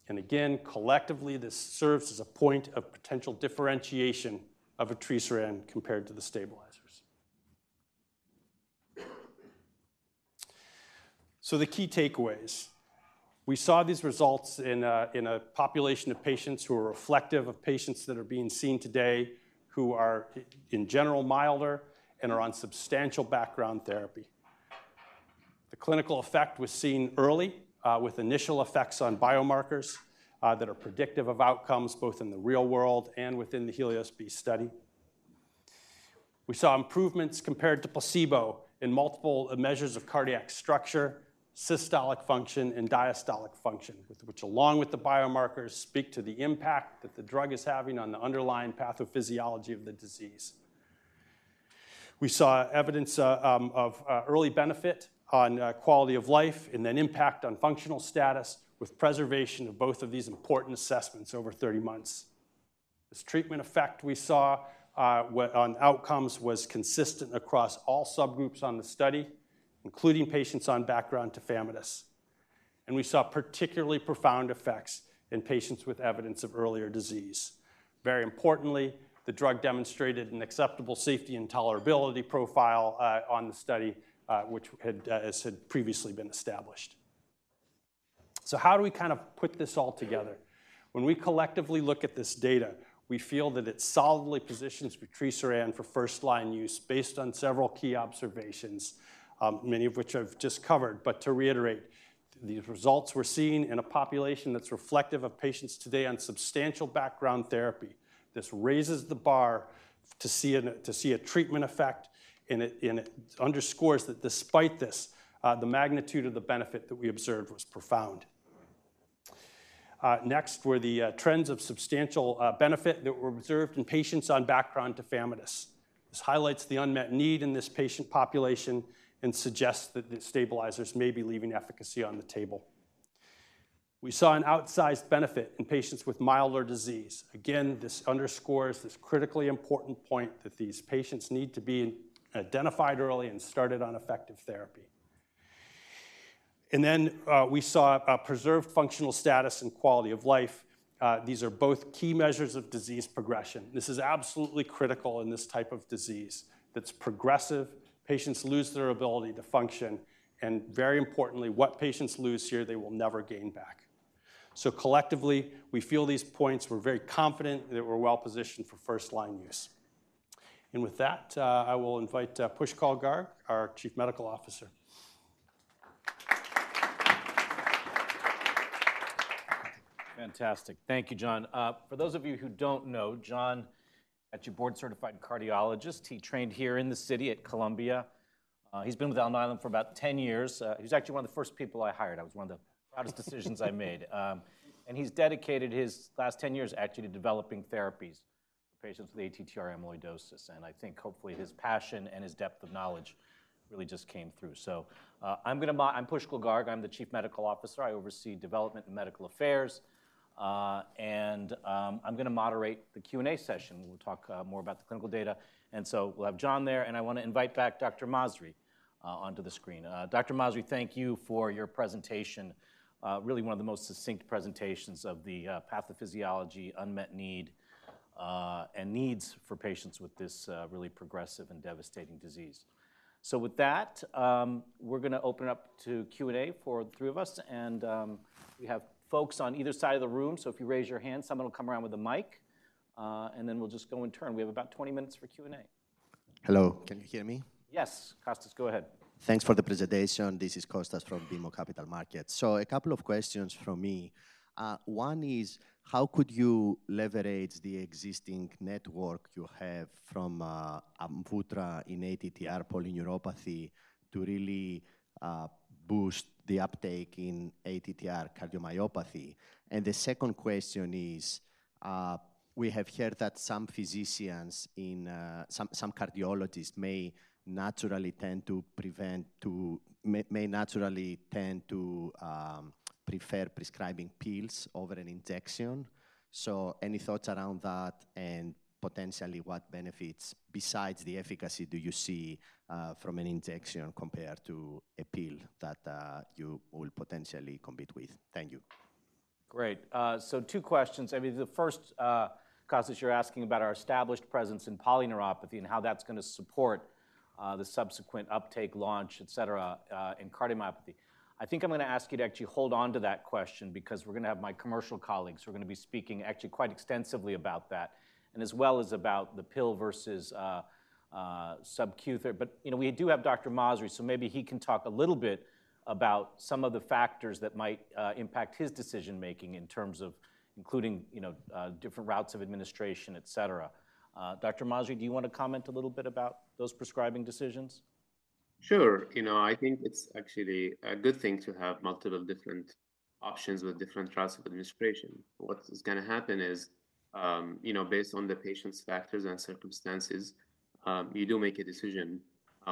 And again, collectively, this serves as a point of potential differentiation of vutrisiran compared to the stabilizers. The key takeaways. We saw these results in a population of patients who are reflective of patients that are being seen today, who are in general milder and are on substantial background therapy. The clinical effect was seen early with initial effects on biomarkers that are predictive of outcomes, both in the real world and within the HELIOS-B study. We saw improvements compared to placebo in multiple measures of cardiac structure, systolic function, and diastolic function, which along with the biomarkers speak to the impact that the drug is having on the underlying pathophysiology of the disease. We saw evidence of early benefit on quality of life and an impact on functional status, with preservation of both of these important assessments over thirty months. This treatment effect we saw on outcomes was consistent across all subgroups on the study, including patients on background tafamidis. And we saw particularly profound effects in patients with evidence of earlier disease. Very importantly, the drug demonstrated an acceptable safety and tolerability profile on the study, which, as had previously been established. So how do we kind of put this all together? When we collectively look at this data, we feel that it solidly positions vutrisiran for first-line use based on several key observations, many of which I've just covered. But to reiterate, these results we're seeing in a population that's reflective of patients today on substantial background therapy. This raises the bar to see a treatment effect, and it underscores that despite this, the magnitude of the benefit that we observed was profound. Next were the trends of substantial benefit that were observed in patients on background tafamidis. This highlights the unmet need in this patient population and suggests that the stabilizers may be leaving efficacy on the table. We saw an outsized benefit in patients with milder disease. Again, this underscores this critically important point that these patients need to be identified early and started on effective therapy, and then we saw a preserved functional status and quality of life. These are both key measures of disease progression. This is absolutely critical in this type of disease that's progressive. Patients lose their ability to function, and very importantly, what patients lose here, they will never gain back. So collectively, we feel these points were very confident that we're well-positioned for first-line use, and with that, I will invite Pushkal Garg, our Chief Medical Officer. Fantastic. Thank you, John. For those of you who don't know, John, actually a board-certified cardiologist. He trained here in the city at Columbia. He's been with Alnylam for about ten years. He's actually one of the first people I hired. That was one of the proudest decisions I made. And he's dedicated his last ten years actually to developing therapies for patients with ATTR amyloidosis, and I think hopefully, his passion and his depth of knowledge really just came through. So, I'm Pushkal Garg, I'm the Chief Medical Officer. I oversee development and medical affairs, and, I'm gonna moderate the Q&A session. We'll talk, more about the clinical data. And so we'll have John there, and I wanna invite back Dr. Masri, onto the screen. Dr. Masri, thank you for your presentation. Really one of the most succinct presentations of the pathophysiology, unmet need, and needs for patients with this really progressive and devastating disease. So with that, we're gonna open it up to Q&A for the 3 of us, and we have folks on either side of the room, so if you raise your hand, someone will come around with a mic, and then we'll just go in turn. We have about 20 minutes for Q&A.... Hello, can you hear me? Yes, Kostas, go ahead. Thanks for the presentation. This is Kostas from BMO Capital Markets. So a couple of questions from me. One is, how could you leverage the existing network you have from Amvuttra in ATTR polyneuropathy to really boost the uptake in ATTR cardiomyopathy? And the second question is, we have heard that some cardiologists may naturally tend to prefer prescribing pills over an injection. So any thoughts around that, and potentially, what benefits, besides the efficacy, do you see from an injection compared to a pill that you will potentially compete with? Thank you. Great. So two questions. I mean, the first, Kostas, you're asking about our established presence in polyneuropathy and how that's gonna support, the subsequent uptake, launch, et cetera, in cardiomyopathy. I think I'm gonna ask you to actually hold onto that question because we're gonna have my commercial colleagues, who are gonna be speaking actually quite extensively about that, and as well as about the pill versus, sub-Q therapy. But, you know, we do have Dr. Masri, so maybe he can talk a little bit about some of the factors that might, impact his decision-making in terms of including, you know, different routes of administration, et cetera. Dr. Masri, do you want to comment a little bit about those prescribing decisions? Sure. You know, I think it's actually a good thing to have multiple different options with different routes of administration. What is gonna happen is, you know, based on the patient's factors and circumstances, you do make a decision,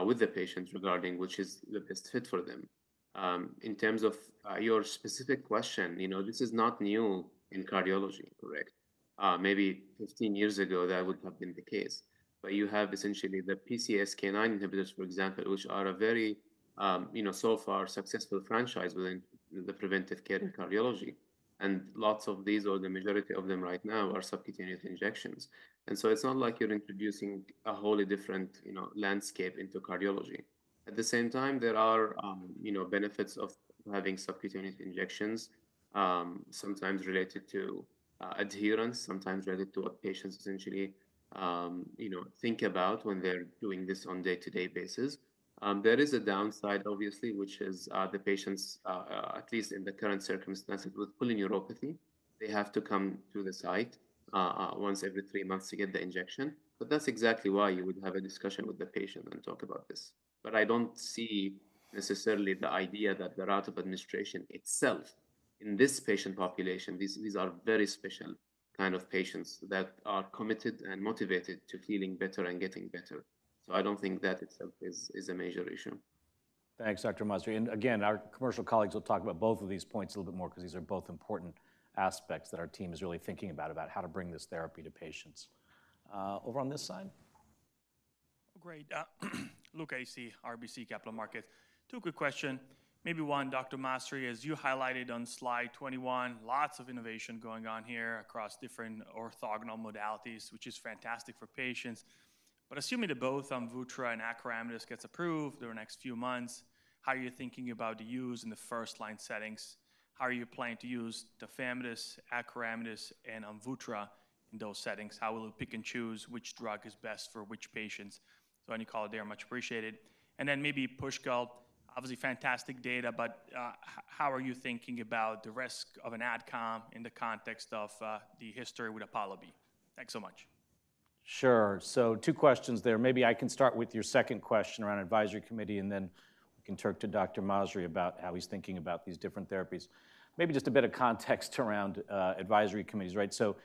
with the patient regarding which is the best fit for them. In terms of, your specific question, you know, this is not new in cardiology, correct? Maybe 15 years ago, that would have been the case. But you have essentially the PCSK9 inhibitors, for example, which are a very, you know, so far successful franchise within the preventive care in cardiology, and lots of these, or the majority of them right now, are subcutaneous injections. And so it's not like you're introducing a wholly different, you know, landscape into cardiology. At the same time, there are, you know, benefits of having subcutaneous injections, sometimes related to, adherence, sometimes related to what patients essentially, you know, think about when they're doing this on day-to-day basis. There is a downside, obviously, which is, the patients, at least in the current circumstances with polyneuropathy, they have to come to the site, once every three months to get the injection, but that's exactly why you would have a discussion with the patient and talk about this. But I don't see necessarily the idea that the route of administration itself, in this patient population... These are very special kind of patients that are committed and motivated to feeling better and getting better. So I don't think that itself is a major issue. Thanks, Dr. Masri, and again, our commercial colleagues will talk about both of these points a little bit more 'cause these are both important aspects that our team is really thinking about, about how to bring this therapy to patients. Over on this side? Great. Luca Issi, RBC Capital Markets. Two quick questions. Maybe one, Dr. Masri, as you highlighted on slide 21, lots of innovation going on here across different orthogonal modalities, which is fantastic for patients. But assuming that both Amvuttra and acoramidis get approved during the next few months, how are you thinking about the use in the first-line settings? How are you planning to use tafamidis, acoramidis, and Amvuttra in those settings? How will you pick and choose which drug is best for which patients? So any call there are much appreciated. And then maybe Pushkal, obviously, fantastic data, but, how are you thinking about the risk of an ad com in the context of, the history with APOLLO-B? Thanks so much. Sure. So two questions there. Maybe I can start with your second question around advisory committee, and then we can turn to Dr. Masri about how he's thinking about these different therapies. Maybe just a bit of context around advisory committees, right? So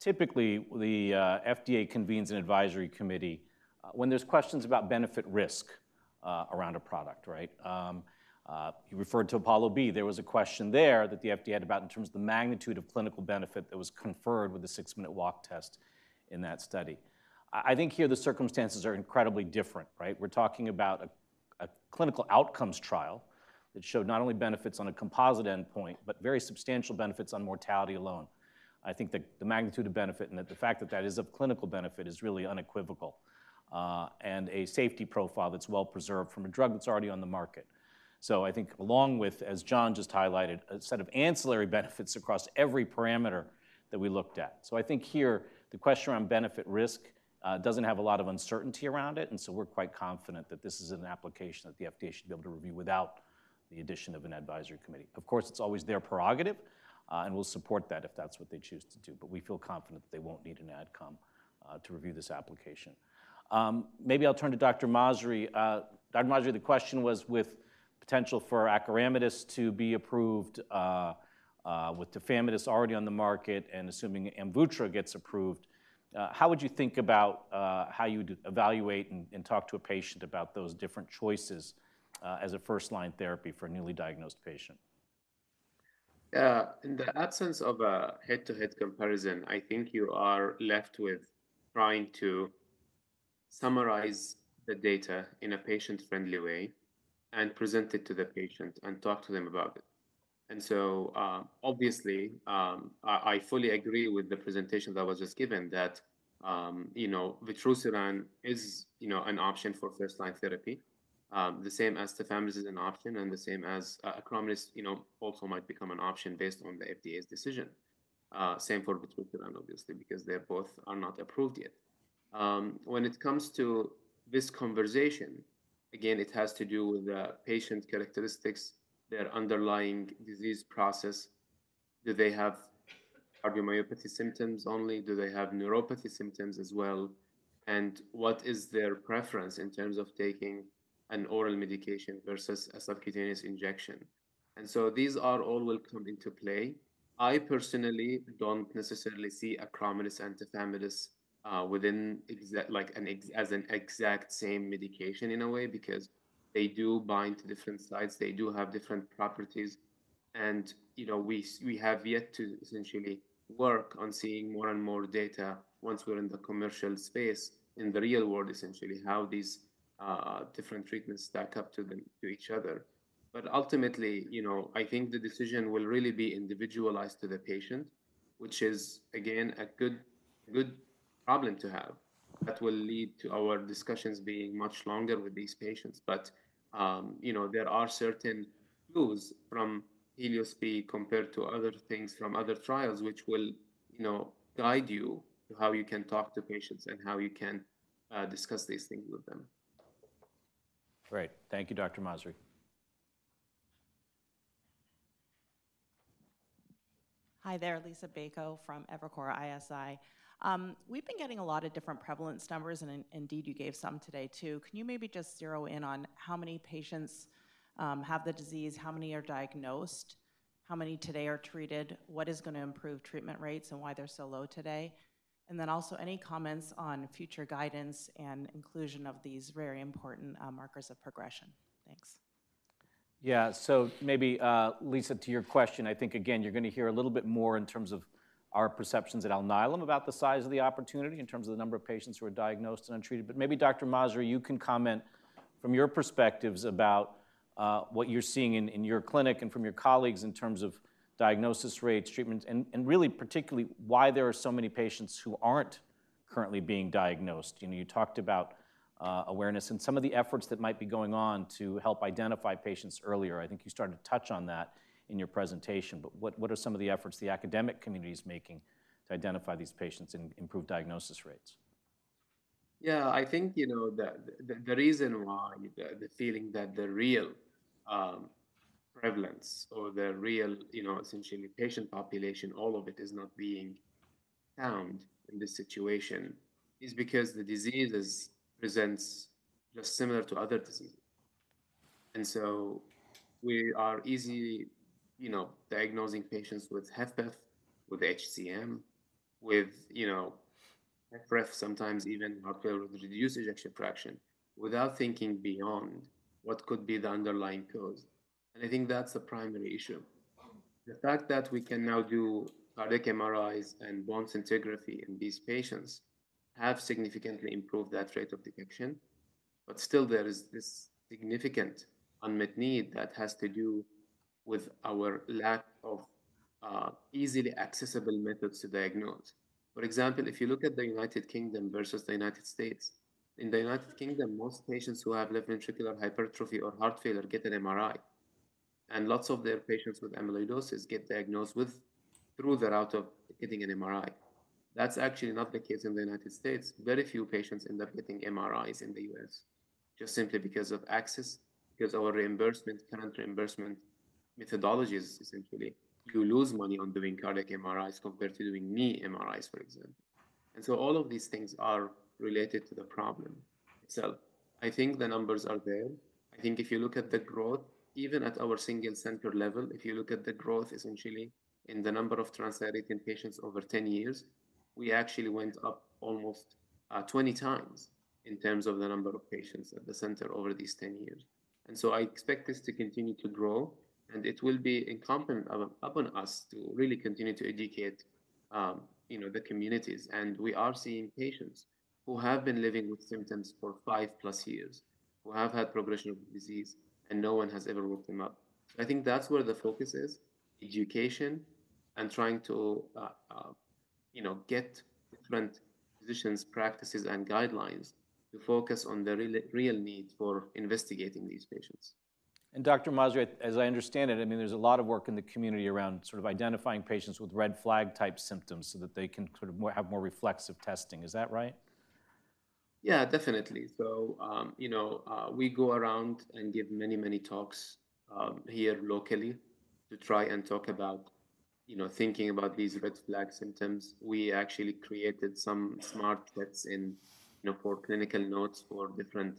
typically, the FDA convenes an advisory committee when there's questions about benefit-risk around a product, right? You referred to APOLLO-B. There was a question there that the FDA had about in terms of the magnitude of clinical benefit that was conferred with a 6-minute walk test in that study. I think here the circumstances are incredibly different, right? We're talking about a clinical outcomes trial that showed not only benefits on a composite endpoint, but very substantial benefits on mortality alone. I think the magnitude of benefit and the fact that it is of clinical benefit is really unequivocal, and a safety profile that's well-preserved from a drug that's already on the market. I think along with, as John just highlighted, a set of ancillary benefits across every parameter that we looked at. I think here, the question around benefit-risk doesn't have a lot of uncertainty around it, and so we're quite confident that this is an application that the FDA should be able to review without the addition of an advisory committee. Of course, it's always their prerogative, and we'll support that if that's what they choose to do, but we feel confident that they won't need an ad com to review this application. Maybe I'll turn to Dr. Masri. Dr. Masri, the question was with potential for Acoramidis to be approved, with Tafamidis already on the market, and assuming Amvuttra gets approved, how would you think about how you would evaluate and talk to a patient about those different choices as a first-line therapy for a newly diagnosed patient? In the absence of a head-to-head comparison, I think you are left with trying to summarize the data in a patient-friendly way and present it to the patient and talk to them about it. And so, obviously, I fully agree with the presentation that was just given that, you know, vutrisiran is, you know, an option for first-line therapy, the same as tafamidis is an option, and the same as, acoramidis, you know, also might become an option based on the FDA's decision... Same for eplontersen, obviously, because they both are not approved yet. When it comes to this conversation, again, it has to do with the patient characteristics, their underlying disease process. Do they have cardiomyopathy symptoms only? Do they have neuropathy symptoms as well? And what is their preference in terms of taking an oral medication versus a subcutaneous injection? And so these are all will come into play. I personally don't necessarily see Acoramidis and Tafamidis within exact like, an exact same medication in a way, because they do bind to different sites. They do have different properties and, you know, we have yet to essentially work on seeing more and more data once we're in the commercial space, in the real world, essentially, how these different treatments stack up to the, to each other. But ultimately, you know, I think the decision will really be individualized to the patient, which is, again, a good, good problem to have. That will lead to our discussions being much longer with these patients, but you know, there are certain rules from HELIOS-B compared to other things from other trials, which will, you know, guide you to how you can talk to patients and how you can discuss these things with them. Great. Thank you, Dr. Masri. Hi there, Liisa Bayko from Evercore ISI. We've been getting a lot of different prevalence numbers, and indeed, you gave some today, too. Can you maybe just zero in on how many patients have the disease? How many are diagnosed? How many today are treated? What is gonna improve treatment rates, and why they're so low today? And then also, any comments on future guidance and inclusion of these very important markers of progression? Thanks. Yeah. So maybe, Liisa, to your question, I think, again, you're gonna hear a little bit more in terms of our perceptions at Alnylam about the size of the opportunity, in terms of the number of patients who are diagnosed and untreated. But maybe, Dr. Masri, you can comment from your perspectives about what you're seeing in your clinic and from your colleagues in terms of diagnosis rates, treatments, and really, particularly, why there are so many patients who aren't currently being diagnosed. You know, you talked about awareness and some of the efforts that might be going on to help identify patients earlier. I think you started to touch on that in your presentation, but what are some of the efforts the academic community is making to identify these patients and improve diagnosis rates? Yeah, I think, you know, the reason why the feeling that the real prevalence or the real, you know, essentially patient population, all of it, is not being found in this situation is because the disease presents just similar to other diseases. And so we are easily, you know, diagnosing patients with HFpEF, with HCM, with, you know, reduced ejection fraction, without thinking beyond what could be the underlying cause. And I think that's the primary issue. The fact that we can now do cardiac MRIs and bone scintigraphy in these patients has significantly improved that rate of detection, but still there is this significant unmet need that has to do with our lack of easily accessible methods to diagnose. For example, if you look at the United Kingdom versus the United States, in the United Kingdom, most patients who have left ventricular hypertrophy or heart failure get an MRI, and lots of their patients with amyloidosis get diagnosed with... through the route of getting an MRI. That's actually not the case in the United States. Very few patients end up getting MRIs in the U.S., just simply because of access, because our reimbursement, current reimbursement methodologies, essentially, you lose money on doing cardiac MRIs compared to doing knee MRIs, for example. And so all of these things are related to the problem. So I think the numbers are there. I think if you look at the growth, even at our single center level, if you look at the growth essentially in the number of ATTR patients over 10 years, we actually went up almost 20 times in terms of the number of patients at the center over these 10 years. And so I expect this to continue to grow, and it will be incumbent upon us to really continue to educate, you know, the communities. And we are seeing patients who have been living with symptoms for 5+ years, who have had progression of disease, and no one has ever looked them up. I think that's where the focus is, education and trying to, you know, get different physicians, practices, and guidelines to focus on the real need for investigating these patients. Dr. Masri, as I understand it, I mean, there's a lot of work in the community around sort of identifying patients with red flag type symptoms so that they can sort of have more reflexive testing. Is that right? Yeah, definitely. So, you know, we go around and give many, many talks here locally to try and talk about, you know, thinking about these red flag symptoms. We actually created some SmartSets in, you know, for clinical notes for different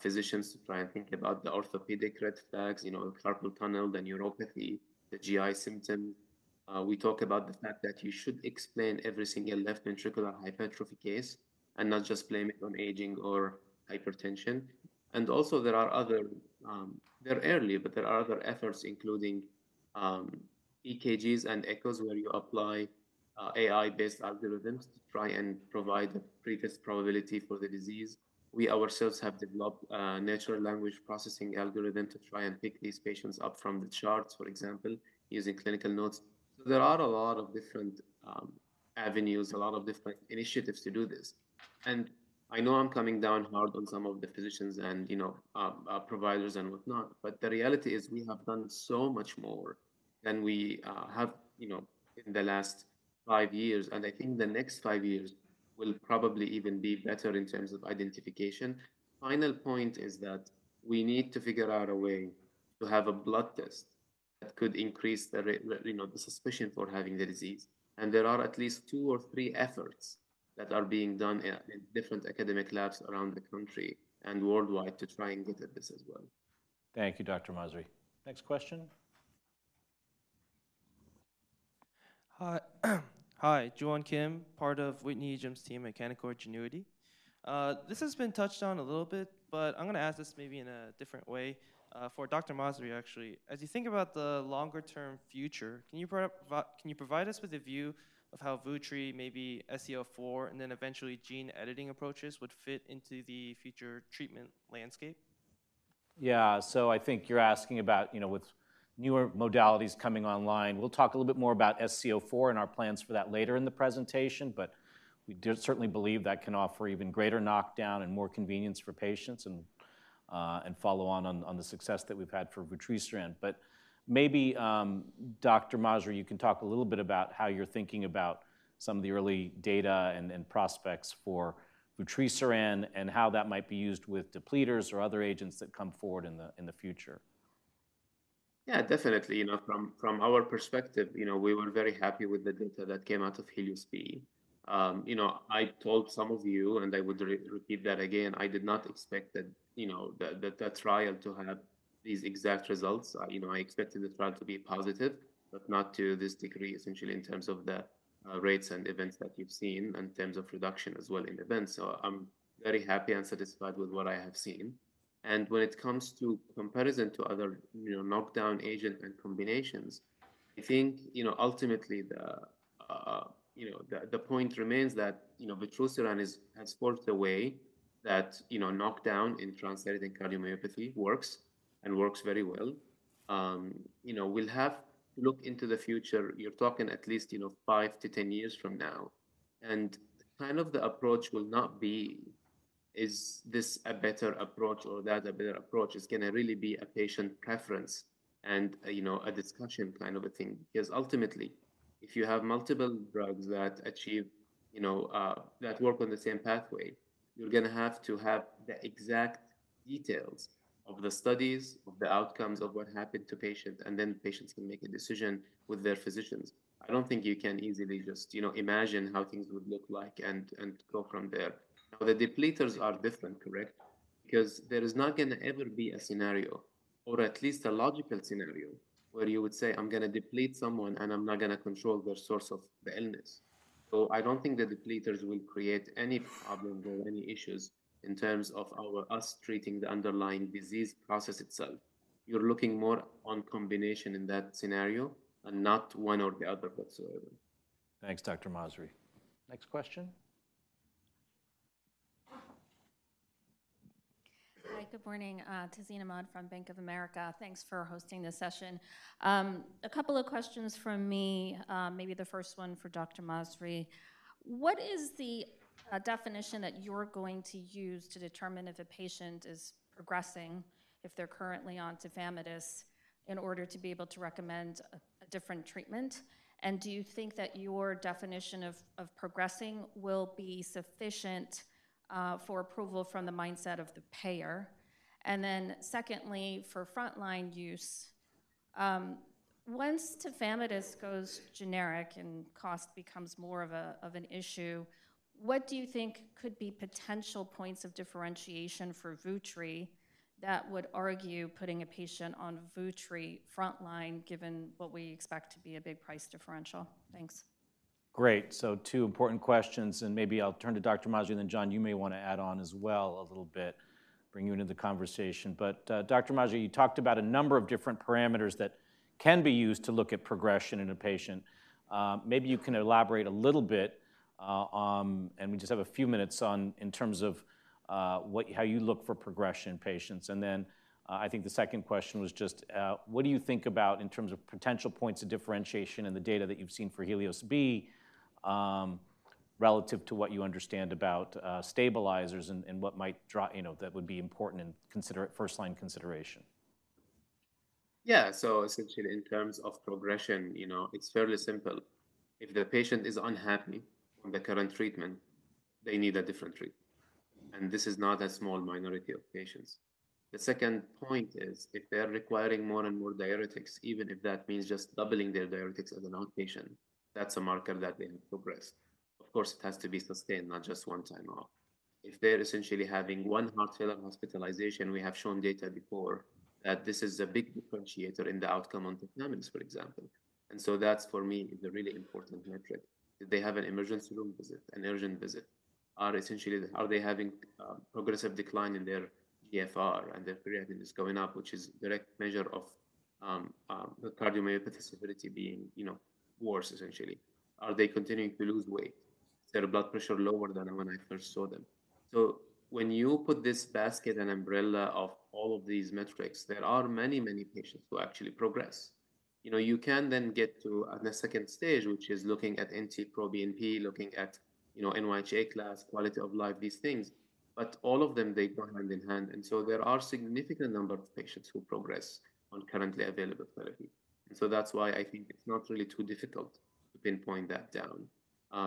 physicians to try and think about the orthopedic red flags, you know, carpal tunnel, the neuropathy, the GI symptom. We talk about the fact that you should explain every single left ventricular hypertrophy case and not just blame it on aging or hypertension. And also, there are other, they're early, but there are other efforts, including EKGs and Echos, where you apply AI-based algorithms to try and provide the previous probability for the disease. We ourselves have developed a natural language processing algorithm to try and pick these patients up from the charts, for example, using clinical notes. There are a lot of different avenues, a lot of different initiatives to do this. And I know I'm coming down hard on some of the physicians and, you know, providers and whatnot, but the reality is we have done so much more than we have, you know, in the last five years, and I think the next five years will probably even be better in terms of identification. Final point is that we need to figure out a way to have a blood test that could increase the rate, you know, the suspicion for having the disease, and there are at least two or three efforts that are being done in different academic labs around the country and worldwide to try and get at this as well. Thank you, Dr. Masri. Next question? Hi. Hi, Joohwan Kim, part of Whitney Ijem's team, Canaccord Genuity. This has been touched on a little bit, but I'm gonna ask this maybe in a different way, for Dr. Masri, actually. As you think about the longer-term future, can you provide us with a view of how Vutri, maybe SC04, and then eventually gene editing approaches would fit into the future treatment landscape? Yeah. So I think you're asking about, you know, with newer modalities coming online. We'll talk a little bit more about SC04 and our plans for that later in the presentation, but we do certainly believe that can offer even greater knockdown and more convenience for patients and follow on the success that we've had for vutrisiran. But maybe, Dr. Masri, you can talk a little bit about how you're thinking about some of the early data and prospects for vutrisiran and how that might be used with depleters or other agents that come forward in the future. Yeah, definitely. You know, from our perspective, you know, we were very happy with the data that came out of HELIOS-B. You know, I told some of you, and I would repeat that again, I did not expect that, you know, that trial to have these exact results. You know, I expected the trial to be positive, but not to this degree, essentially in terms of the rates and events that you've seen and terms of reduction as well in events. So I'm very happy and satisfied with what I have seen. And when it comes to comparison to other, you know, knockdown agent and combinations, I think, you know, ultimately the point remains that, you know, vutrisiran has sparked the way that, you know, knockdown in transthyretin cardiomyopathy works and works very well. You know, we'll have to look into the future. You're talking at least, you know, five to 10 years from now. And kind of the approach will not be, is this a better approach or that a better approach? It's gonna really be a patient preference and, you know, a discussion kind of a thing. Because ultimately, if you have multiple drugs that achieve, you know, that work on the same pathway, you're gonna have to have the exact details of the studies, of the outcomes, of what happened to patients, and then patients can make a decision with their physicians. I don't think you can easily just, you know, imagine how things would look like and go from there. The depleters are different, correct? Because there is not gonna ever be a scenario, or at least a logical scenario, where you would say: I'm gonna deplete someone, and I'm not gonna control the source of the illness. So I don't think the depleters will create any problem or any issues in terms of our, us treating the underlying disease process itself. You're looking more on combination in that scenario and not one or the other whatsoever. Thanks, Dr. Masri. Next question? Hi, good morning, Tazeen Ahmad from Bank of America. Thanks for hosting this session. A couple of questions from me, maybe the first one for Dr. Masri. What is the definition that you're going to use to determine if a patient is progressing, if they're currently on tafamidis, in order to be able to recommend a different treatment? And do you think that your definition of progressing will be sufficient for approval from the mindset of the payer? And then secondly, for frontline use, once tafamidis goes generic and cost becomes more of an issue, what do you think could be potential points of differentiation for vutrisiran that would argue putting a patient on vutrisiran frontline, given what we expect to be a big price differential? Thanks. Great. So two important questions, and maybe I'll turn to Dr. Masri, and then, John, you may wanna add on as well a little bit, bring you into the conversation. But, Dr. Masri, you talked about a number of different parameters that can be used to look at progression in a patient. Maybe you can elaborate a little bit, and we just have a few minutes on, in terms of, how you look for progression in patients. And then, I think the second question was just: what do you think about in terms of potential points of differentiation and the data that you've seen for HELIOS-B, relative to what you understand about, stabilizers and, and what might draw, you know, that would be important in first-line consideration? Yeah. So essentially, in terms of progression, you know, it's fairly simple. If the patient is unhappy with the current treatment, they need a different treatment, and this is not a small minority of patients. The second point is, if they are requiring more and more diuretics, even if that means just doubling their diuretics as an outpatient, that's a marker that they have progressed. Of course, it has to be sustained, not just one time off. If they're essentially having one heart failure hospitalization, we have shown data before that this is a big differentiator in the outcome on Tafamidis, for example. And so that's, for me, the really important metric. Did they have an emergency room visit, an urgent visit? Are they having progressive decline in their eGFR, and their creatinine is going up, which is direct measure of the cardiomyopathy stability being, you know, worse essentially. Are they continuing to lose weight? Their blood pressure lower than when I first saw them. So when you put this basket and umbrella of all of these metrics, there are many, many patients who actually progress. You know, you can then get to the second stage, which is looking at NT-proBNP, looking at, you know, NYHA class, quality of life, these things, but all of them, they go hand in hand. And so there are significant number of patients who progress on currently available therapy. So that's why I think it's not really too difficult to pinpoint that down.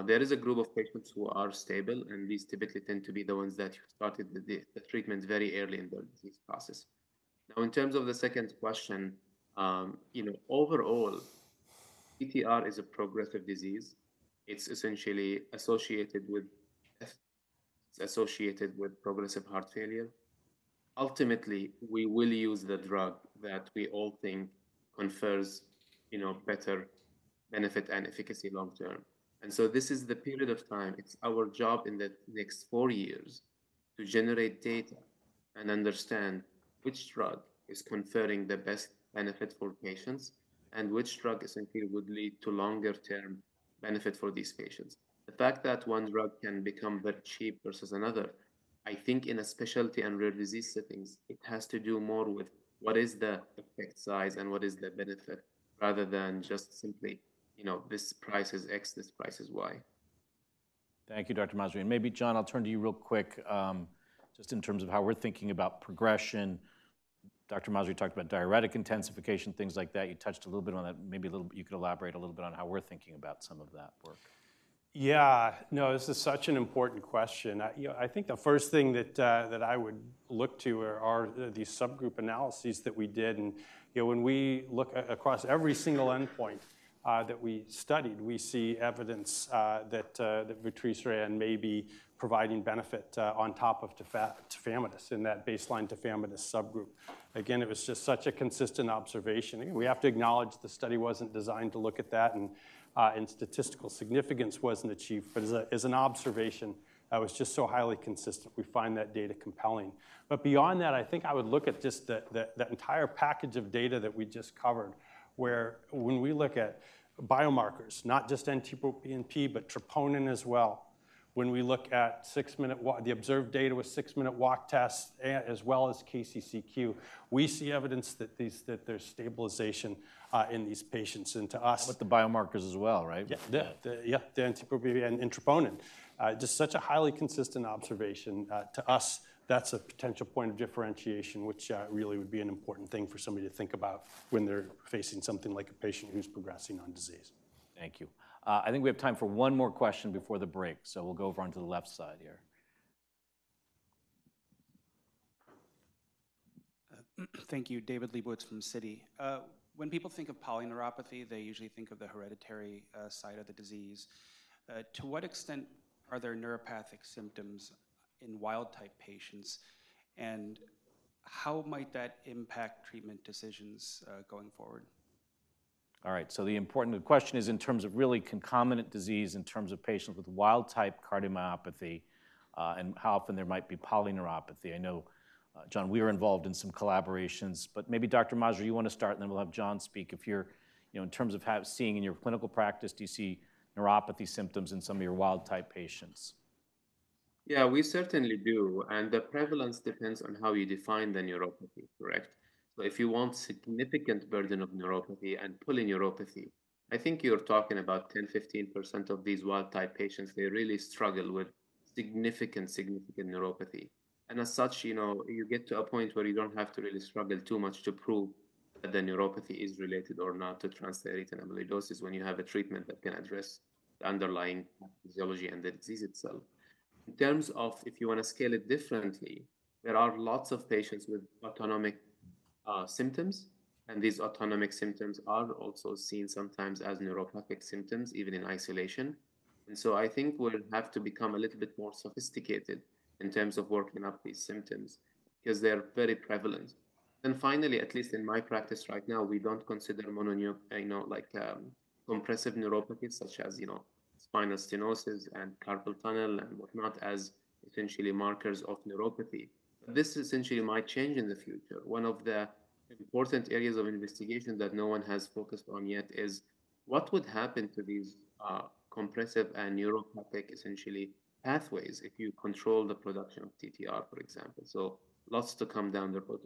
There is a group of patients who are stable, and these typically tend to be the ones that you started the treatment very early in the disease process. Now, in terms of the second question, you know, overall, TTR is a progressive disease. It's essentially associated with progressive heart failure. Ultimately, we will use the drug that we all think confers, you know, better benefit and efficacy long term, and so this is the period of time, it's our job in the next four years to generate data and understand which drug is conferring the best benefit for patients, and which drug essentially would lead to longer term benefit for these patients. The fact that one drug can become very cheap versus another, I think in a specialty and rare disease settings, it has to do more with what is the effect size and what is the benefit, rather than just simply, you know, this price is X, this price is Y. Thank you, Dr. Masri. And maybe John, I'll turn to you real quick, just in terms of how we're thinking about progression. Dr. Masri talked about diuretic intensification, things like that. You touched a little bit on that. Maybe a little. You could elaborate a little bit on how we're thinking about some of that work. Yeah. No, this is such an important question. I, you know, I think the first thing that I would look to are the subgroup analyses that we did, and, you know, when we look across every single endpoint that we studied, we see evidence that vutrisiran may be providing benefit on top of tafamidis in that baseline tafamidis subgroup. Again, it was just such a consistent observation. We have to acknowledge the study wasn't designed to look at that, and statistical significance wasn't achieved, but as an observation, that was just so highly consistent, we find that data compelling. But beyond that, I think I would look at just the entire package of data that we just covered, where when we look at biomarkers, not just NT-proBNP, but troponin as well, when we look at six-minute walk, the observed data with six-minute walk tests as well as KCCQ, we see evidence that these, that there's stabilization in these patients, and to us- With the biomarkers as well, right? The NT-proBNP and troponin. Just such a highly consistent observation. To us, that's a potential point of differentiation, which really would be an important thing for somebody to think about when they're facing something like a patient who's progressing on disease. Thank you. I think we have time for one more question before the break, so we'll go over onto the left side here. Thank you. David Lebowitz from Citi. When people think of polyneuropathy, they usually think of the hereditary side of the disease. To what extent are there neuropathic symptoms in wild-type patients, and how might that impact treatment decisions going forward? All right, so the important question is in terms of really concomitant disease, in terms of patients with wild-type cardiomyopathy, and how often there might be polyneuropathy. I know, John, we were involved in some collaborations, but maybe Dr. Masri, you want to start, and then we'll have John speak. If you're, you know, in terms of seeing in your clinical practice, do you see neuropathy symptoms in some of your wild-type patients? Yeah, we certainly do, and the prevalence depends on how you define the neuropathy, correct? So if you want significant burden of neuropathy and polyneuropathy, I think you're talking about 10-15% of these wild-type patients. They really struggle with significant neuropathy. And as such, you know, you get to a point where you don't have to really struggle too much to prove that the neuropathy is related or not to transthyretin amyloidosis when you have a treatment that can address the underlying pathology and the disease itself. In terms of if you wanna scale it differently, there are lots of patients with autonomic symptoms, and these autonomic symptoms are also seen sometimes as neuropathic symptoms, even in isolation. And so I think we'll have to become a little bit more sophisticated in terms of working up these symptoms because they are very prevalent. Finally, at least in my practice right now, we don't consider mononeuropathy, you know, like, compressive neuropathy, such as, you know, spinal stenosis and carpal tunnel and whatnot, as essentially markers of neuropathy. This essentially might change in the future. One of the important areas of investigation that no one has focused on yet is what would happen to these compressive and neuropathic, essentially, pathways if you control the production of TTR, for example? Lots to come down the road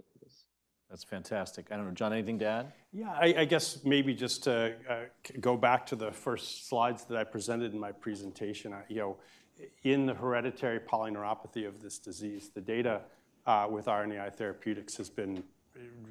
with this. That's fantastic. I don't know, John, anything to add? Yeah, I guess maybe just to go back to the first slides that I presented in my presentation. You know, in the hereditary polyneuropathy of this disease, the data with RNAi therapeutics has been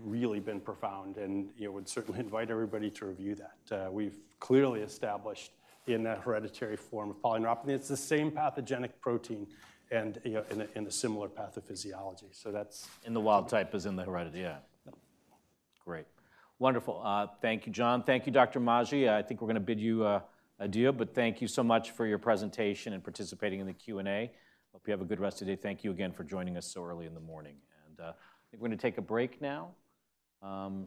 really profound, and you know, would certainly invite everybody to review that. We've clearly established in that hereditary form of polyneuropathy, it's the same pathogenic protein and you know, in a similar pathophysiology. So that's- In the wild-type as in the hereditary, yeah. Yeah. Great. Wonderful. Thank you, John. Thank you, Dr. Masri. I think we're gonna bid you adieu, but thank you so much for your presentation and participating in the Q&A. Hope you have a good rest of the day. Thank you again for joining us so early in the morning. I think we're gonna take a break now. How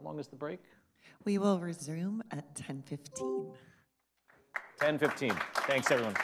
long is the break? We will resume at 10:15 A.M. 10:15 A.M. Thanks, everyone.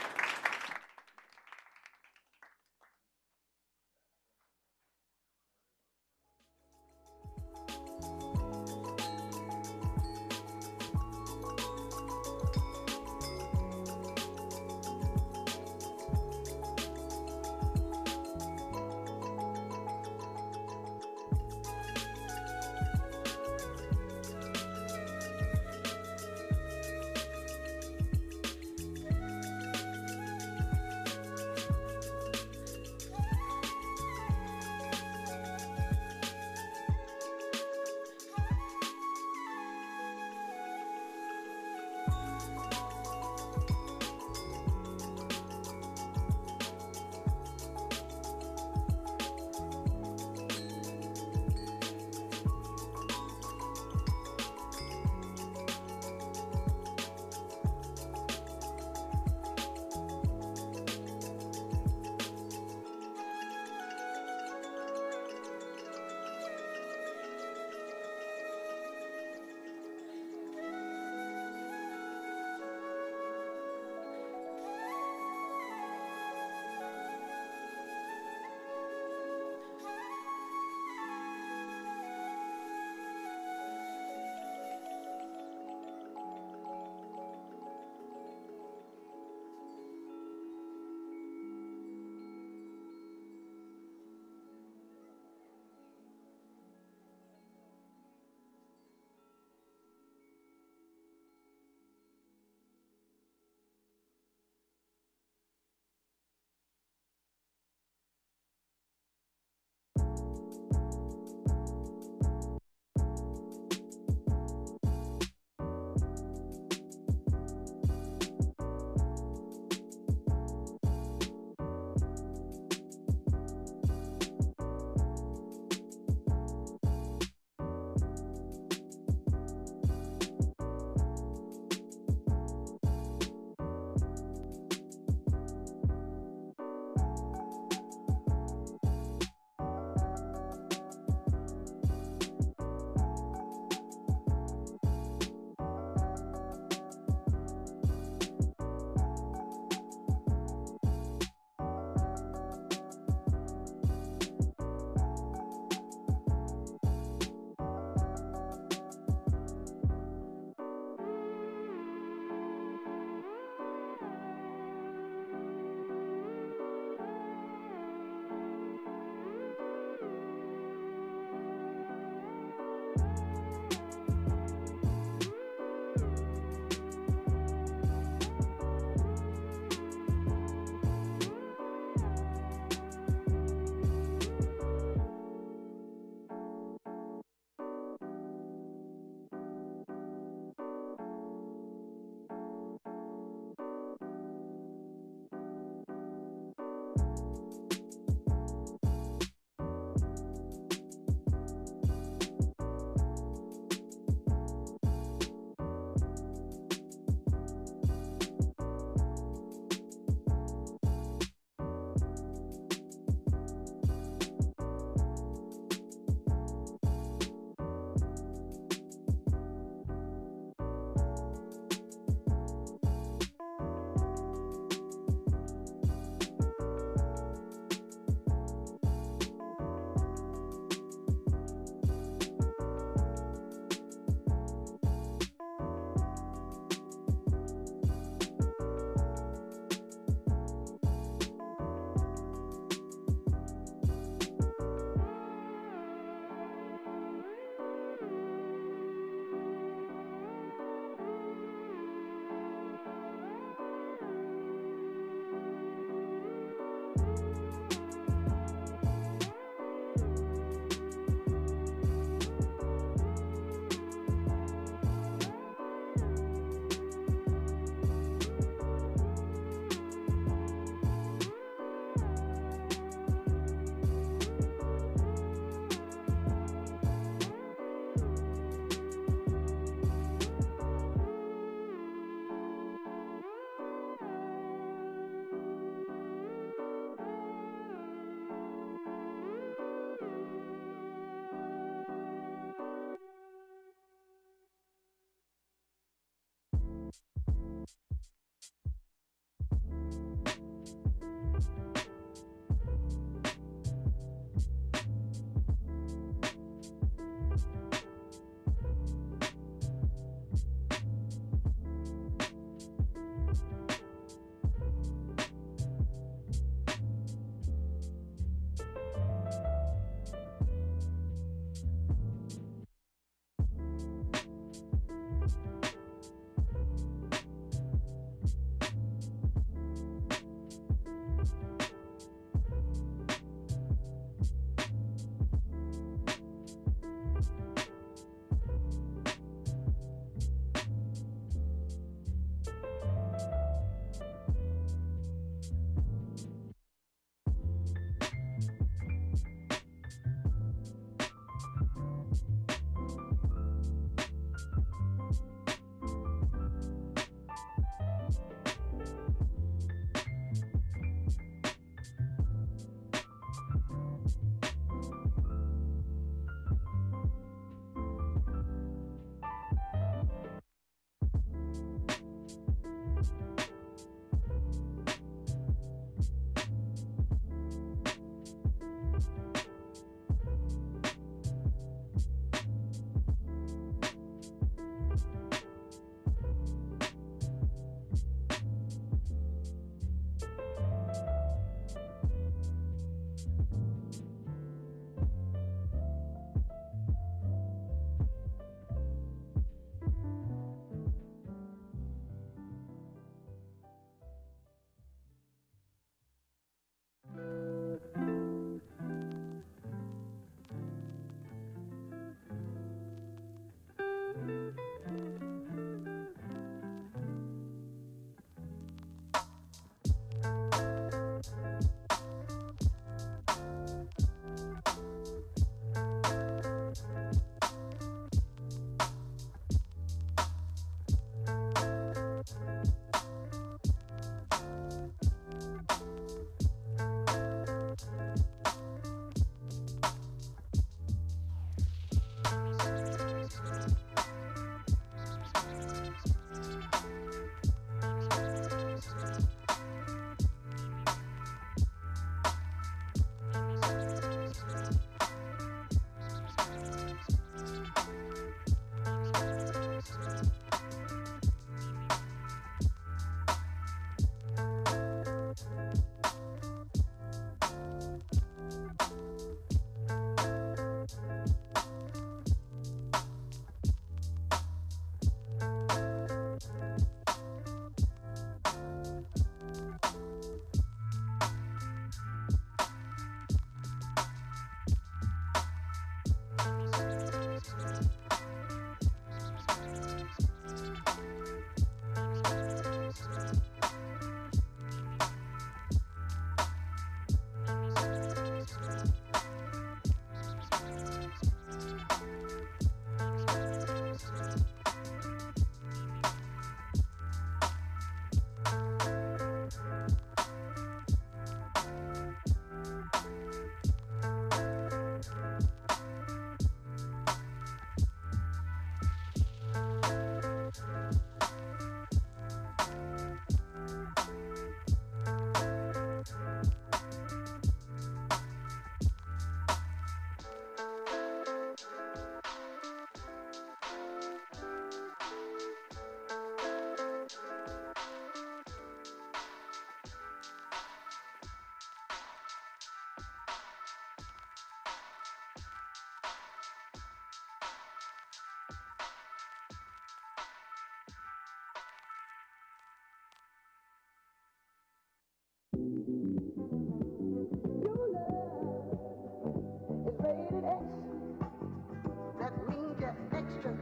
Your love is rated X. That means you're extra,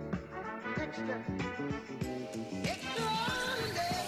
extra, extra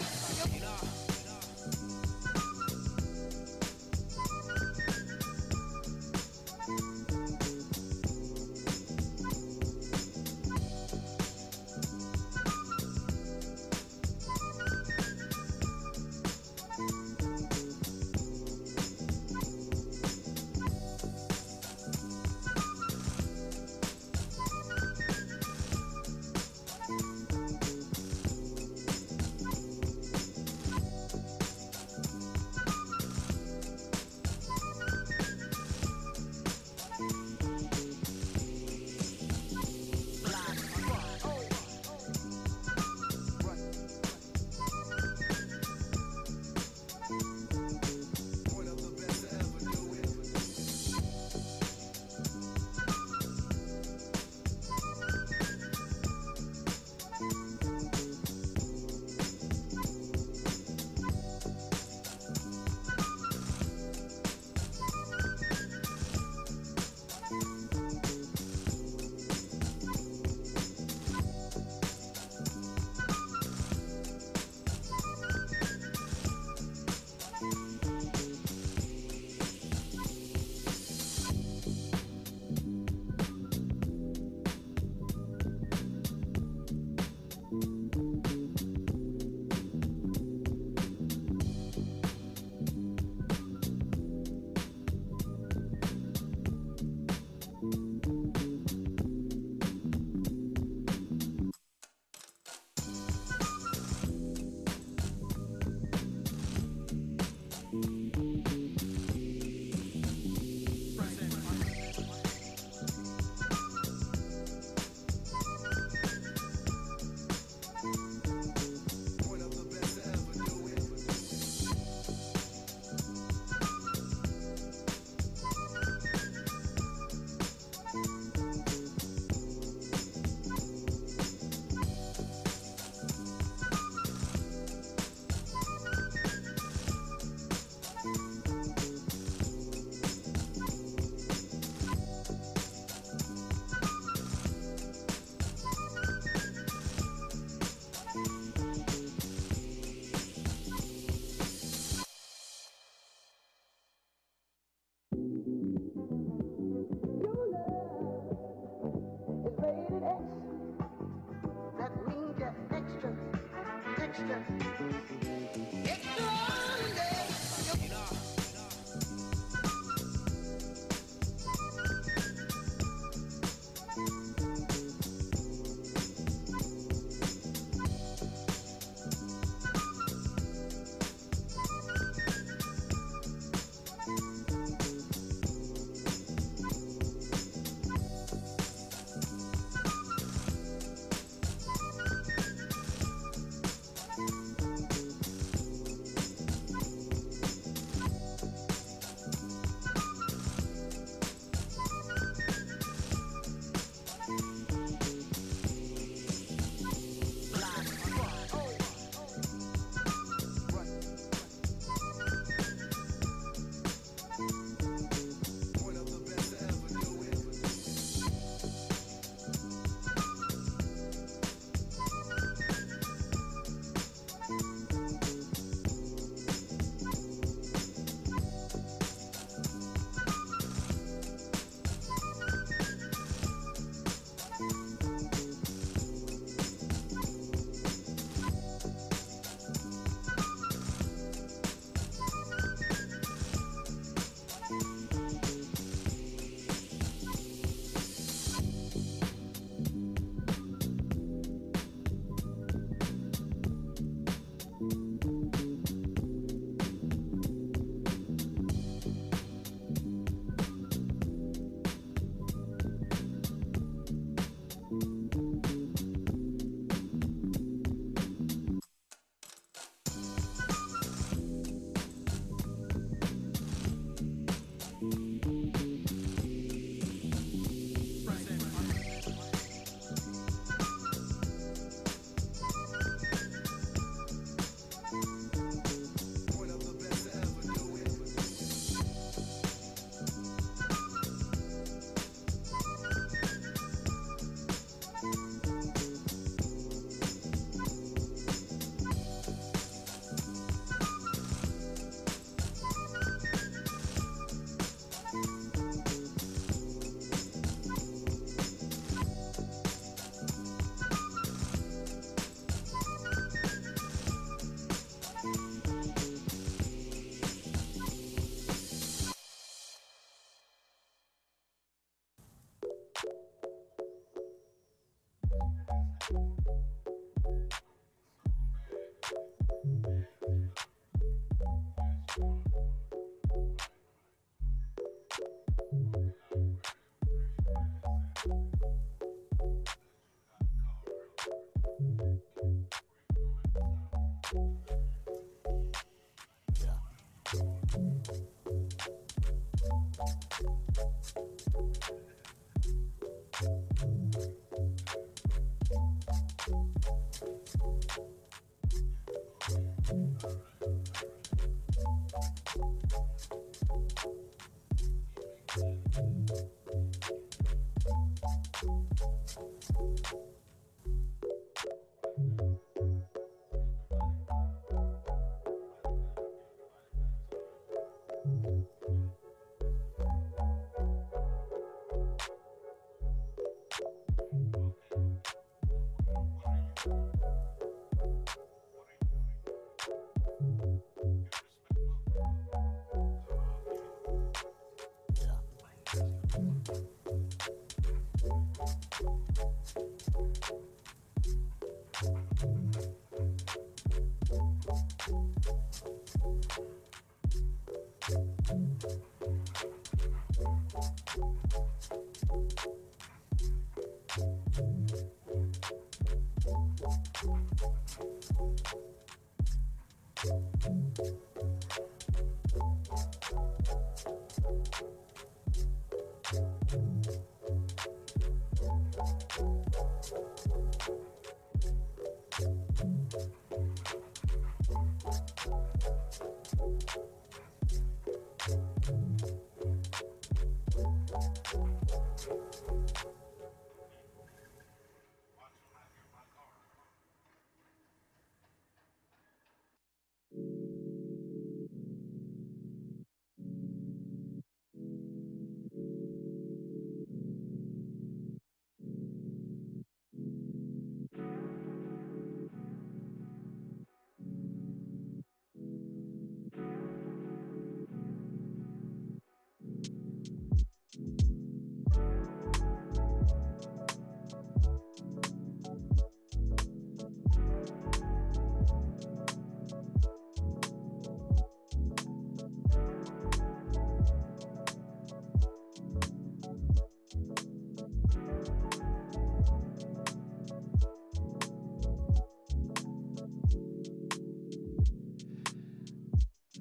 ordinary!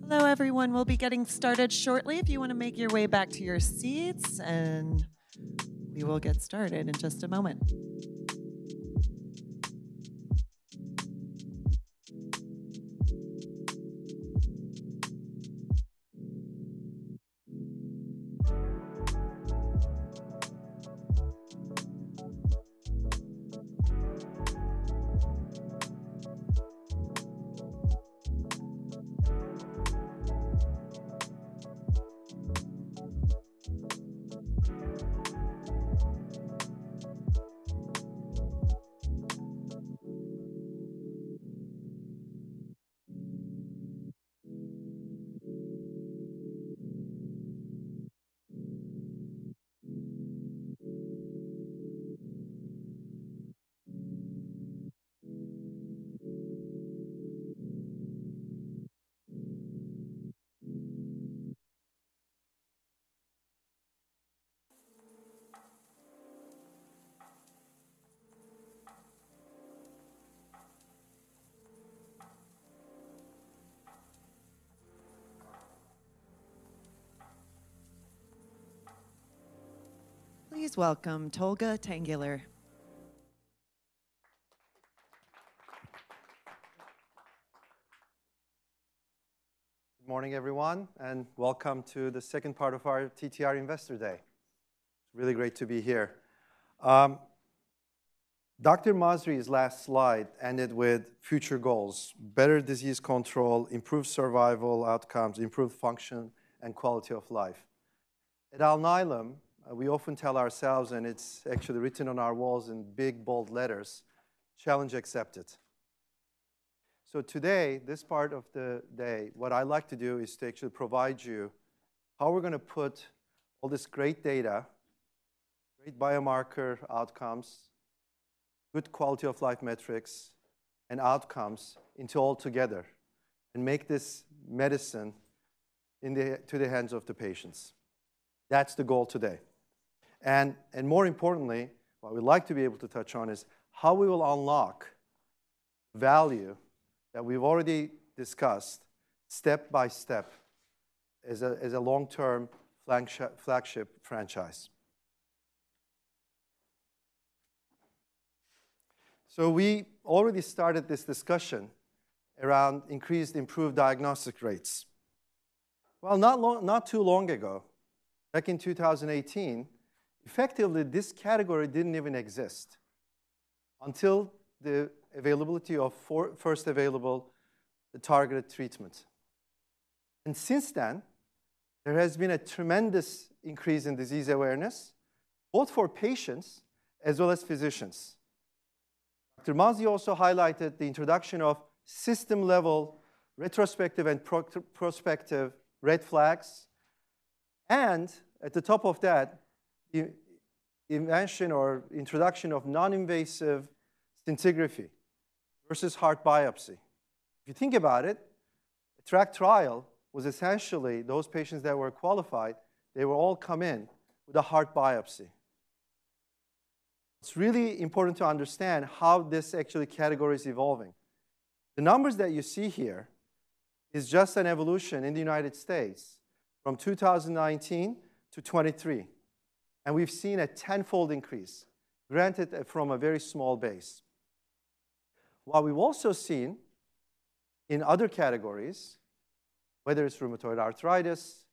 Hello, everyone. We'll be getting started shortly. If you wanna make your way back to your seats, and we will get started in just a moment. Please welcome Tolga Tanguler. Good morning, everyone, and welcome to the second part of our TTR Investor Day. It's really great to be here. Dr. Masri's last slide ended with future goals: better disease control, improved survival outcomes, improved function and quality of life. At Alnylam, we often tell ourselves, and it's actually written on our walls in big, bold letters, "Challenge accepted." So today, this part of the day, what I'd like to do is to actually provide you how we're gonna put all this great data, great biomarker outcomes, good quality of life metrics, and outcomes into all together, and make this medicine into the hands of the patients. That's the goal today, and more importantly, what we'd like to be able to touch on is, how we will unlock value that we've already discussed step by step as a long-term flagship franchise. We already started this discussion around increased improved diagnostic rates. Not too long ago, back in 2018, effectively, this category didn't even exist until the availability of first available, the targeted treatment. And since then, there has been a tremendous increase in disease awareness, both for patients as well as physicians. Dr. Masri also highlighted the introduction of system-level retrospective and prospective red flags, and at the top of that, the invention or introduction of non-invasive scintigraphy versus heart biopsy. If you think about it, ATTR-ACT trial was essentially those patients that were qualified, they were all come in with a heart biopsy. It's really important to understand how this actually category is evolving. The numbers that you see here is just an evolution in the United States from 2019 to 2023, and we've seen a tenfold increase, granted from a very small base. What we've also seen in other categories, whether it's rheumatoid arthritis,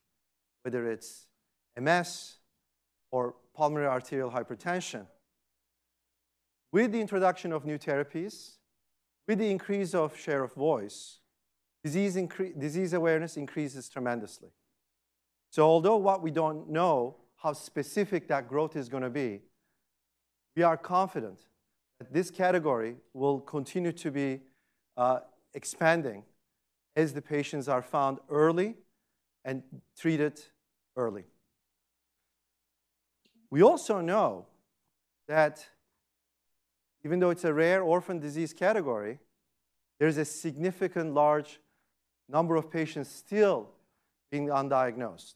whether it's MS or pulmonary arterial hypertension, with the introduction of new therapies, with the increase of share of voice, disease awareness increases tremendously. So although what we don't know how specific that growth is gonna be, we are confident that this category will continue to be expanding as the patients are found early and treated early. We also know that even though it's a rare orphan disease category, there is a significant large number of patients still being undiagnosed.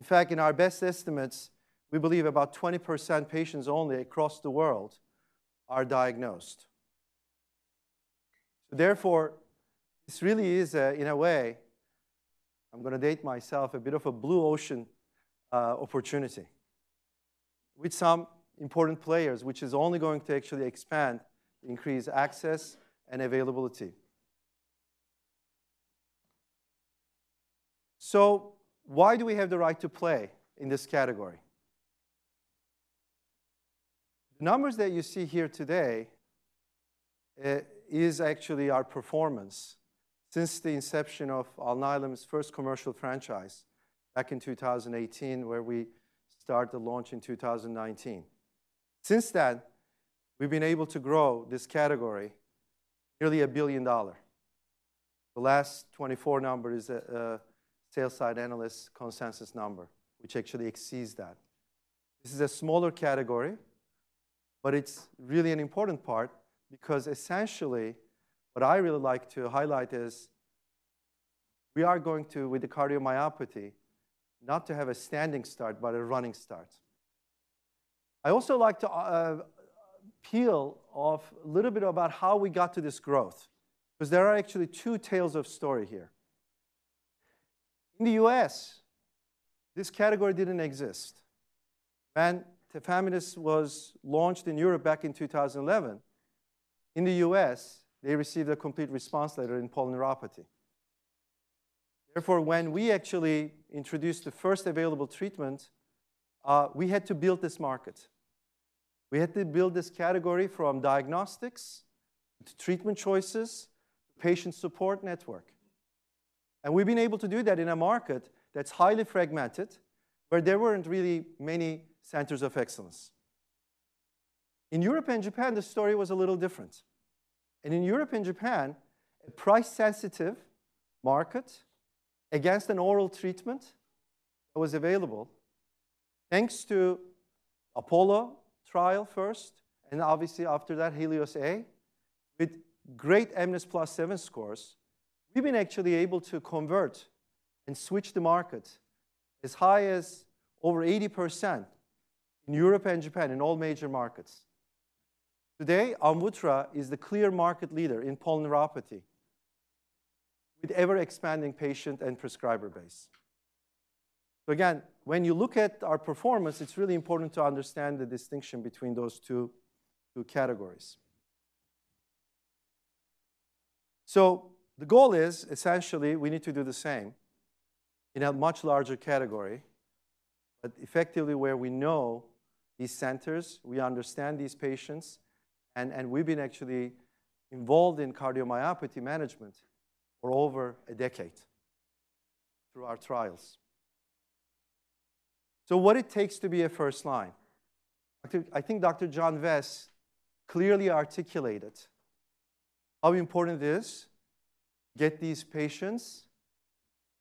In fact, in our best estimates, we believe about 20% patients only across the world are diagnosed. Therefore, this really is, in a way, I'm gonna date myself, a bit of a blue ocean opportunity with some important players, which is only going to actually expand, increase access and availability. Why do we have the right to play in this category? The numbers that you see here today is actually our performance since the inception of Alnylam's first commercial franchise back in 2018, where we started to launch in 2019. Since then, we've been able to grow this category nearly $1 billion. The last 24 number is a sell-side analyst consensus number, which actually exceeds that. This is a smaller category, but it's really an important part because essentially, what I really like to highlight is, we are going to, with the cardiomyopathy, not to have a standing start, but a running start. I also like to peel back a little bit about how we got to this growth, 'cause there are actually two tales of story here. In the U.S., this category didn't exist. When Tafamidis was launched in Europe back in 2011, in the U.S., they received a complete response letter in polyneuropathy. Therefore, when we actually introduced the first available treatment, we had to build this market. We had to build this category from diagnostics to treatment choices, patient support network, and we've been able to do that in a market that's highly fragmented, where there weren't really many centers of excellence. In Europe and Japan, the story was a little different. In Europe and Japan, a price-sensitive market against an oral treatment that was available, thanks to APOLLO trial first, and obviously after that HELIOS-A, with great mNIS+7 scores, we've been actually able to convert and switch the market as high as over 80% in Europe and Japan, in all major markets. Today, Amvuttra is the clear market leader in polyneuropathy, with ever-expanding patient and prescriber base. Again, when you look at our performance, it's really important to understand the distinction between those two categories. The goal is, essentially, we need to do the same in a much larger category, but effectively where we know these centers, we understand these patients, and we've been actually involved in cardiomyopathy management for over a decade through our trials. What it takes to be a first line? I think Dr. John Vest clearly articulated how important it is, get these patients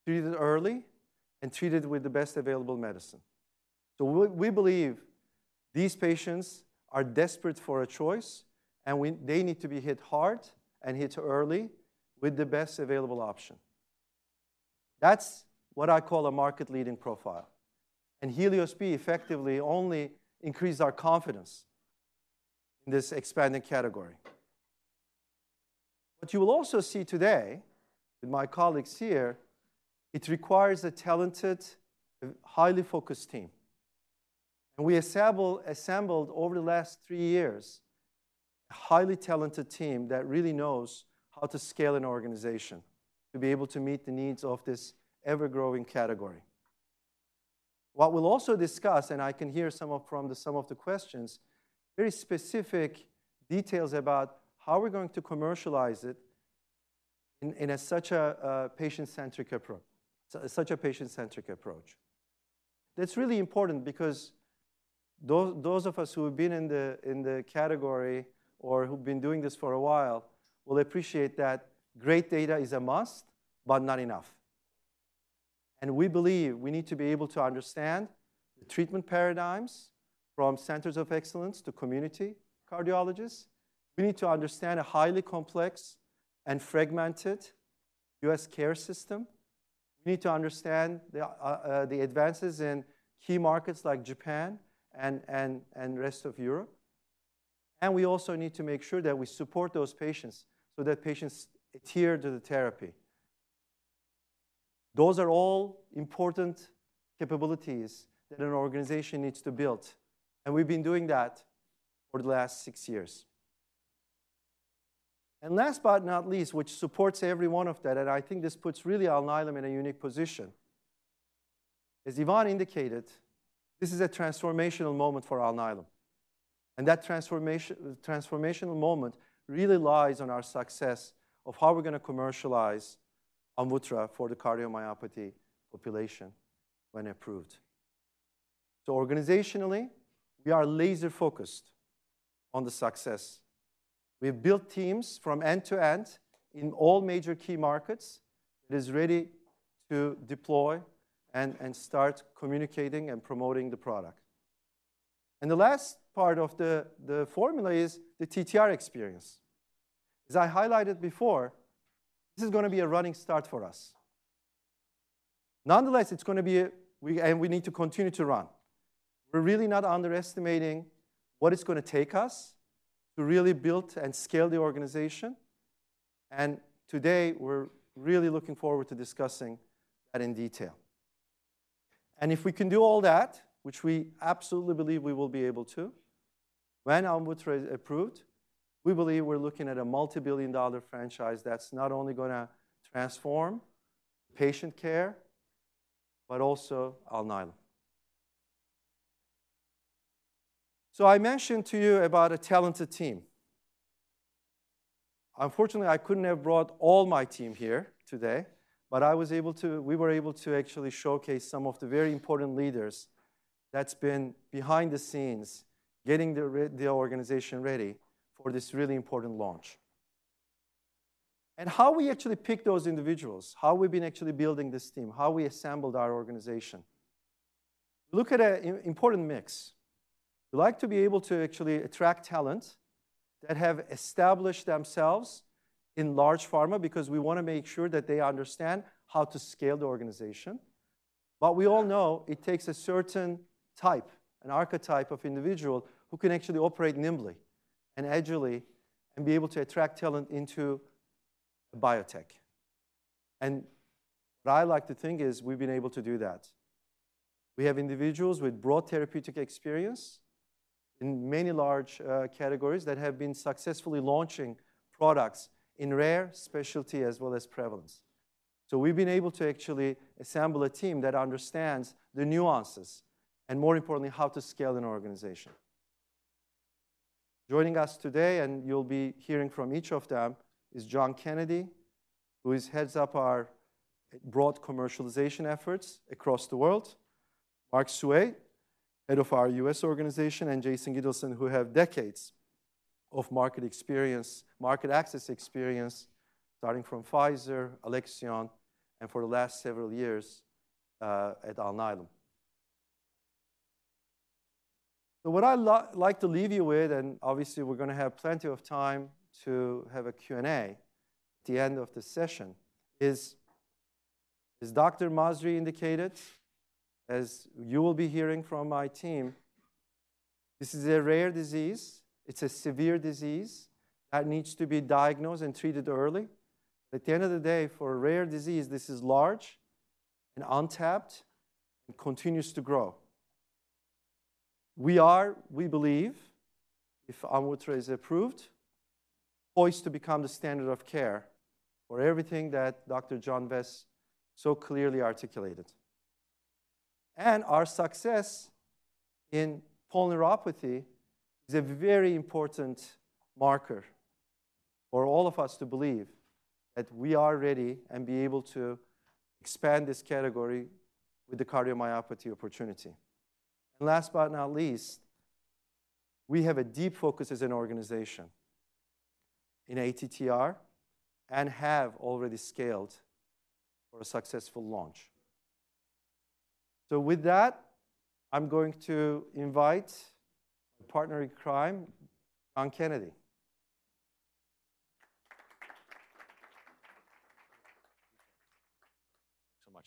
treated early, and treated with the best available medicine. So we believe these patients are desperate for a choice, and they need to be hit hard and hit early with the best available option. That's what I call a market leading profile. And HELIOS-B effectively only increased our confidence in this expanding category. What you will also see today, with my colleagues here, it requires a talented, highly focused team. And we assembled over the last three years, a highly talented team that really knows how to scale an organization, to be able to meet the needs of this ever-growing category. What we'll also discuss, and I can hear some of... from some of the questions, very specific details about how we're going to commercialize it in such a patient-centric approach. That's really important because those of us who have been in the category or who've been doing this for a while will appreciate that great data is a must, but not enough, and we believe we need to be able to understand the treatment paradigms from centers of excellence to community cardiologists. We need to understand a highly complex and fragmented U.S. care system. We need to understand the advances in key markets like Japan and the rest of Europe, and we also need to make sure that we support those patients, so that patients adhere to the therapy. Those are all important capabilities that an organization needs to build, and we've been doing that for the last six years and last but not least, which supports every one of that, and I think this puts really Alnylam in a unique position. As Yvonne indicated, this is a transformational moment for Alnylam, and that transformational moment really lies on our success of how we're gonna commercialize Amvuttra for the cardiomyopathy population when approved, so organizationally, we are laser-focused on the success. We've built teams from end to end in all major key markets, that is ready to deploy and start communicating and promoting the product and the last part of the formula is the TTR experience. As I highlighted before, this is gonna be a running start for us. Nonetheless, it's gonna be and we need to continue to run. We're really not underestimating what it's gonna take us to really build and scale the organization, and today we're really looking forward to discussing that in detail, and if we can do all that, which we absolutely believe we will be able to, when Amvuttra is approved, we believe we're looking at a multi-billion dollar franchise that's not only gonna transform patient care, but also Alnylam, so I mentioned to you about a talented team. Unfortunately, I couldn't have brought all my team here today, but I was able to, we were able to actually showcase some of the very important leaders that's been behind the scenes, getting the the organization ready for this really important launch, and how we actually pick those individuals? How we've been actually building this team? How we assembled our organization? Look at an important mix. We like to be able to actually attract talent that have established themselves in large pharma, because we wanna make sure that they understand how to scale the organization. But we all know it takes a certain type, an archetype of individual, who can actually operate nimbly and agilely, and be able to attract talent into biotech. And what I like to think is, we've been able to do that. We have individuals with broad therapeutic experience in many large categories that have been successfully launching products in rare specialty as well as prevalence. So we've been able to actually assemble a team that understands the nuances, and more importantly, how to scale an organization. Joining us today, and you'll be hearing from each of them, is John Kennedy, who heads up our broad commercialization efforts across the world. Mark Sew, head of our U.S. organization, and Jason Gittleson, who have decades of market experience, market access experience, starting from Pfizer, Alexion, and for the last several years at Alnylam. So what I'd like to leave you with, and obviously we're gonna have plenty of time to have a Q&A at the end of the session, is, as Dr. Masri indicated, as you will be hearing from my team, this is a rare disease. It's a severe disease that needs to be diagnosed and treated early. At the end of the day, for a rare disease, this is large and untapped, and continues to grow. We are, we believe, if Amvuttra is approved, poised to become the standard of care for everything that Dr. John Vest so clearly articulated. Our success in polyneuropathy is a very important marker for all of us to believe that we are ready and be able to expand this category with the cardiomyopathy opportunity. Last but not least, we have a deep focus as an organization in ATTR, and have already scaled for a successful launch. With that, I'm going to invite my partner in crime, John Kennedy. Thanks so much.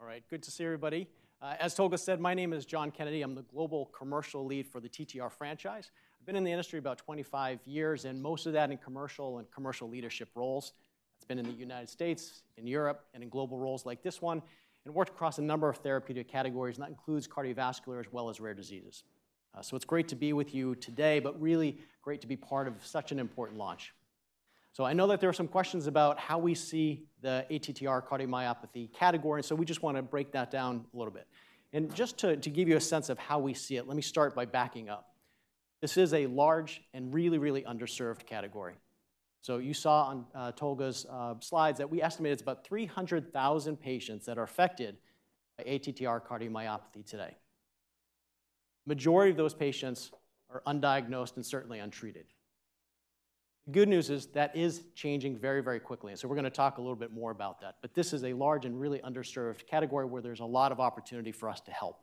All right, good to see everybody. As Tolga said, my name is John Kennedy. I'm the global commercial lead for the TTR franchise. I've been in the industry about 25 years, and most of that in commercial and commercial leadership roles. It's been in the United States, in Europe, and in global roles like this one, and worked across a number of therapeutic categories, and that includes cardiovascular as well as rare diseases. So it's great to be with you today, but really great to be part of such an important launch. So I know that there are some questions about how we see the ATTR cardiomyopathy category, and so we just wanna break that down a little bit, and just to give you a sense of how we see it, let me start by backing up. This is a large and really, really underserved category, so you saw on Tolga's slides that we estimate it's about 300,000 patients that are affected by ATTR cardiomyopathy today. Majority of those patients are undiagnosed and certainly untreated. The good news is, that is changing very, very quickly, and so we're gonna talk a little bit more about that, but this is a large and really underserved category where there's a lot of opportunity for us to help.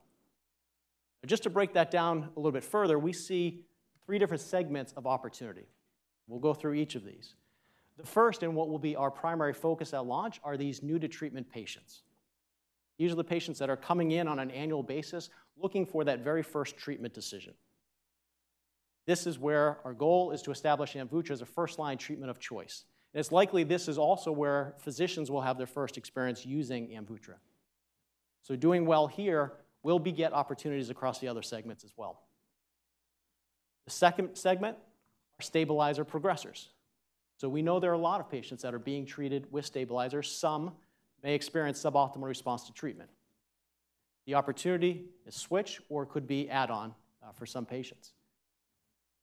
Just to break that down a little bit further, we see three different segments of opportunity. We'll go through each of these. The first, and what will be our primary focus at launch, are these new to treatment patients. These are the patients that are coming in on an annual basis, looking for that very first treatment decision. This is where our goal is to establish Amvuttra as a first-line treatment of choice, and it's likely this is also where physicians will have their first experience using Amvuttra. So doing well here will beget opportunities across the other segments as well. The second segment are stabilizer progressors. So we know there are a lot of patients that are being treated with stabilizers. Some may experience suboptimal response to treatment. The opportunity is switch or could be add-on, for some patients.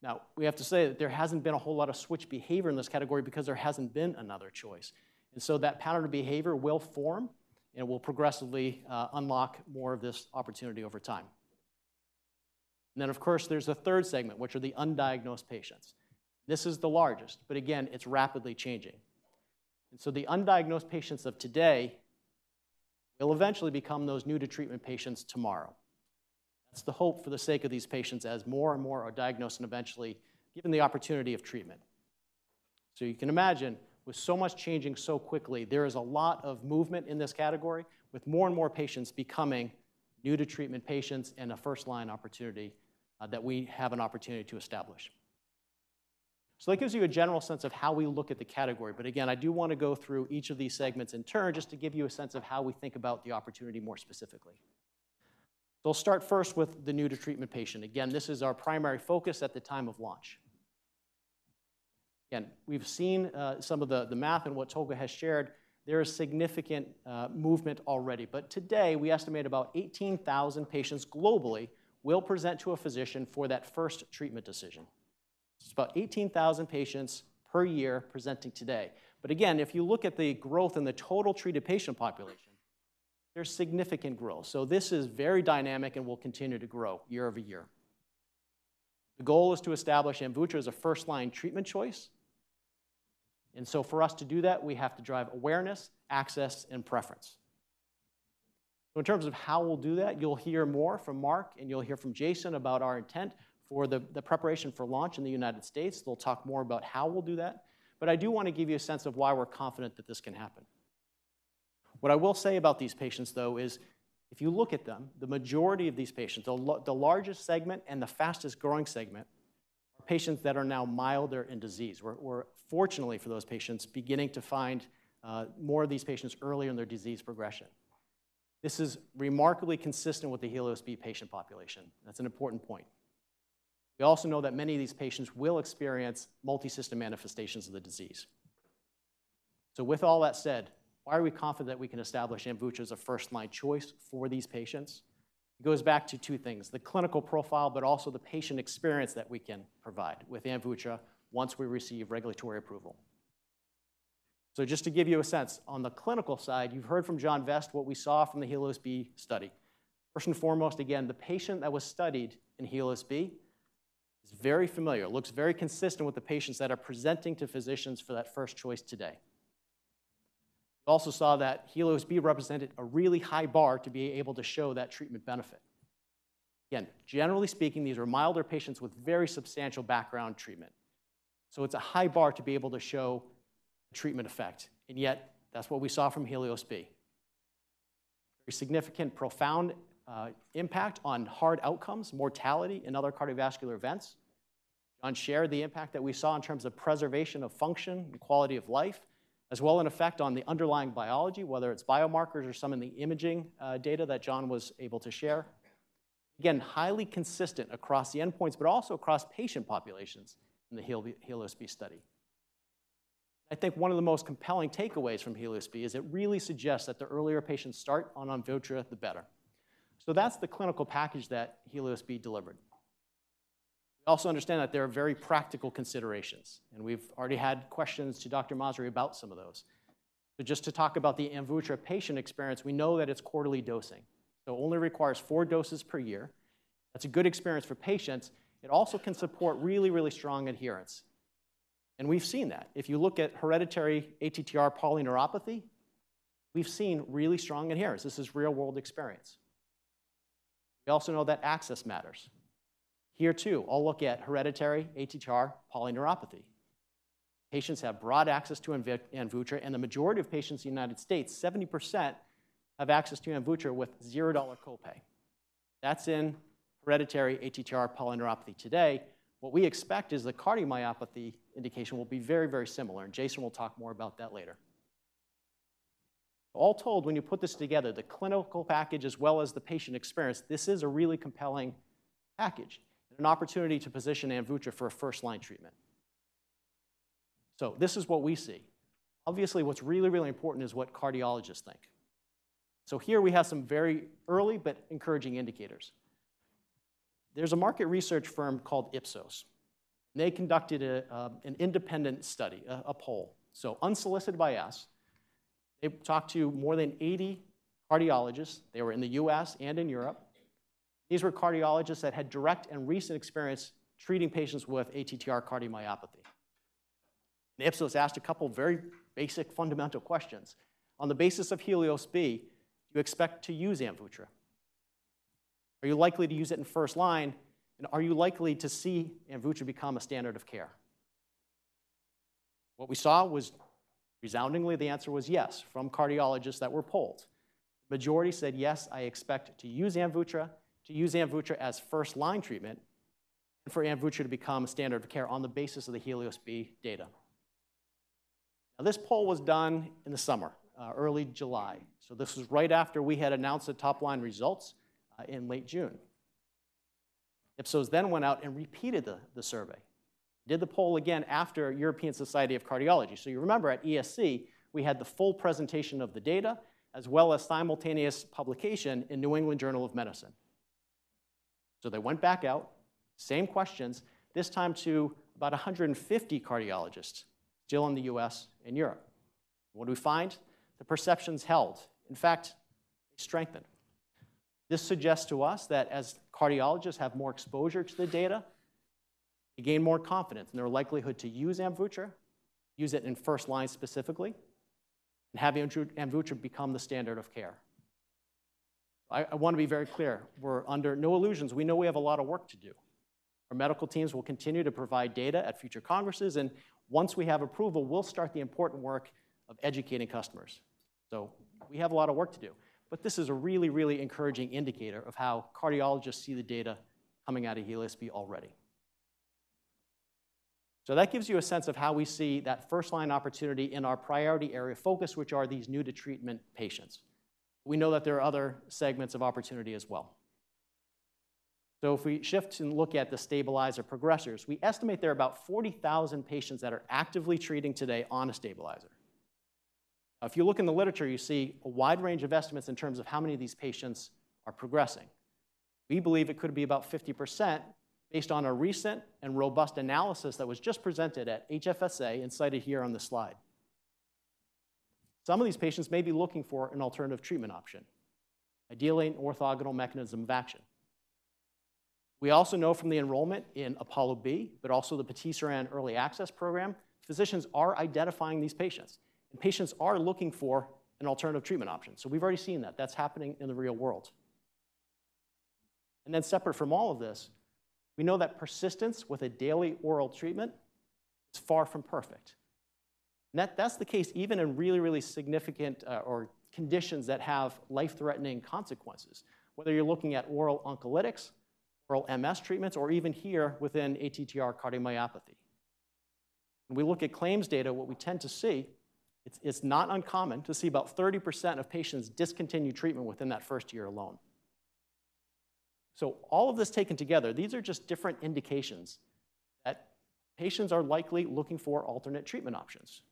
Now, we have to say that there hasn't been a whole lot of switch behavior in this category because there hasn't been another choice, and so that pattern of behavior will form and will progressively unlock more of this opportunity over time. And then, of course, there's a third segment, which are the undiagnosed patients. This is the largest, but again, it's rapidly changing. And so the undiagnosed patients of today will eventually become those new to treatment patients tomorrow. That's the hope for the sake of these patients as more and more are diagnosed and eventually given the opportunity of treatment. So you can imagine, with so much changing so quickly, there is a lot of movement in this category, with more and more patients becoming new to treatment patients and a first-line opportunity, that we have an opportunity to establish. So that gives you a general sense of how we look at the category. But again, I do wanna go through each of these segments in turn, just to give you a sense of how we think about the opportunity more specifically. We'll start first with the new to treatment patient. Again, this is our primary focus at the time of launch. We've seen some of the math and what Tolga has shared. There is significant movement already. But today, we estimate about 18,000 patients globally will present to a physician for that first treatment decision. It's about 18,000 patients per year presenting today. But again, if you look at the growth in the total treated patient population, there's significant growth. So this is very dynamic and will continue to grow year-over-year. The goal is to establish Amvuttra as a first-line treatment choice, and so for us to do that, we have to drive awareness, access, and preference. So in terms of how we'll do that, you'll hear more from Mark, and you'll hear from Jason about our intent for the preparation for launch in the United States. They'll talk more about how we'll do that, but I do wanna give you a sense of why we're confident that this can happen. What I will say about these patients, though, is, if you look at them, the majority of these patients, the largest segment and the fastest growing segment, are patients that are now milder in disease. We're fortunately for those patients beginning to find more of these patients early in their disease progression. This is remarkably consistent with the HELIOS-B patient population. That's an important point. We also know that many of these patients will experience multisystem manifestations of the disease. So with all that said, why are we confident we can establish Amvuttra as a first-line choice for these patients?... It goes back to two things: the clinical profile, but also the patient experience that we can provide with Amvuttra once we receive regulatory approval. So just to give you a sense, on the clinical side, you've heard from John Vest what we saw from the HELIOS-B study. First and foremost, again, the patient that was studied in HELIOS-B is very familiar. It looks very consistent with the patients that are presenting to physicians for that first choice today. We also saw that HELIOS-B represented a really high bar to be able to show that treatment benefit. Again, generally speaking, these are milder patients with very substantial background treatment. So it's a high bar to be able to show treatment effect, and yet that's what we saw from HELIOS-B. Very significant, profound, impact on hard outcomes, mortality, and other cardiovascular events. John shared the impact that we saw in terms of preservation of function and quality of life, as well as an effect on the underlying biology, whether it's biomarkers or some in the imaging data that John was able to share. Again, highly consistent across the endpoints, but also across patient populations in the HELIOS-B study. I think one of the most compelling takeaways from HELIOS-B is it really suggests that the earlier patients start on Amvuttra, the better. So that's the clinical package that HELIOS-B delivered. We also understand that there are very practical considerations, and we've already had questions to Dr. Masri about some of those. But just to talk about the Amvuttra patient experience, we know that it's quarterly dosing, so it only requires four doses per year. That's a good experience for patients. It also can support really, really strong adherence, and we've seen that. If you look at hereditary ATTR polyneuropathy, we've seen really strong adherence. This is real-world experience. We also know that access matters. Here, too, I'll look at hereditary ATTR polyneuropathy. Patients have broad access to Amvuttra, and the majority of patients in the United States, 70%, have access to Amvuttra with zero-dollar copay. That's in hereditary ATTR polyneuropathy today. What we expect is the cardiomyopathy indication will be very, very similar, and Jason will talk more about that later. All told, when you put this together, the clinical package as well as the patient experience, this is a really compelling package and an opportunity to position Amvuttra for a first-line treatment. So this is what we see. Obviously, what's really, really important is what cardiologists think. So here we have some very early but encouraging indicators. There's a market research firm called Ipsos, and they conducted an independent study, a poll, so unsolicited by us, they talked to more than 80 cardiologists. They were in the U.S. and in Europe. These were cardiologists that had direct and recent experience treating patients with ATTR cardiomyopathy. And Ipsos asked a couple of very basic, fundamental questions: On the basis of HELIOS-B, do you expect to use Amvuttra? Are you likely to use it in first line, and are you likely to see Amvuttra become a standard of care? What we saw was, resoundingly, the answer was yes from cardiologists that were polled. Majority said: "Yes, I expect to use Amvuttra, to use Amvuttra as first-line treatment and for Amvuttra to become a standard of care on the basis of the HELIOS-B data." Now, this poll was done in the summer, early July, so this was right after we had announced the top-line results, in late June. Ipsos then went out and repeated the survey, did the poll again after European Society of Cardiology. So you remember, at ESC, we had the full presentation of the data, as well as simultaneous publication in New England Journal of Medicine. So they went back out, same questions, this time to about 150 cardiologists, still in the U.S. and Europe. What do we find? The perceptions held. In fact, they strengthened. This suggests to us that as cardiologists have more exposure to the data, they gain more confidence in their likelihood to use Amvuttra, use it in first-line specifically, and have Amvuttra become the standard of care. I, I want to be very clear, we're under no illusions. We know we have a lot of work to do. Our medical teams will continue to provide data at future congresses, and once we have approval, we'll start the important work of educating customers. So we have a lot of work to do, but this is a really, really encouraging indicator of how cardiologists see the data coming out of HELIOS-B already. So that gives you a sense of how we see that first-line opportunity in our priority area of focus, which are these new-to-treatment patients. We know that there are other segments of opportunity as well. If we shift and look at the stabilizer progressors, we estimate there are about 40,000 patients that are actively treating today on a stabilizer. Now, if you look in the literature, you see a wide range of estimates in terms of how many of these patients are progressing. We believe it could be about 50%, based on a recent and robust analysis that was just presented at HFSA and cited here on the slide. Some of these patients may be looking for an alternative treatment option, ideally an orthogonal mechanism of action. We also know from the enrollment in APOLLO-B, but also the Patisiran Early Access Program, physicians are identifying these patients, and patients are looking for an alternative treatment option. We've already seen that. That's happening in the real world. And then separate from all of this, we know that persistence with a daily oral treatment is far from perfect. And that, that's the case even in really, really significant or conditions that have life-threatening consequences, whether you're looking at oral oncolytics, oral MS treatments, or even here within ATTR cardiomyopathy. When we look at claims data, what we tend to see, it's not uncommon to see about 30% of patients discontinue treatment within that first year alone. So all of this taken together, these are just different indications that patients are likely looking for alternate treatment options.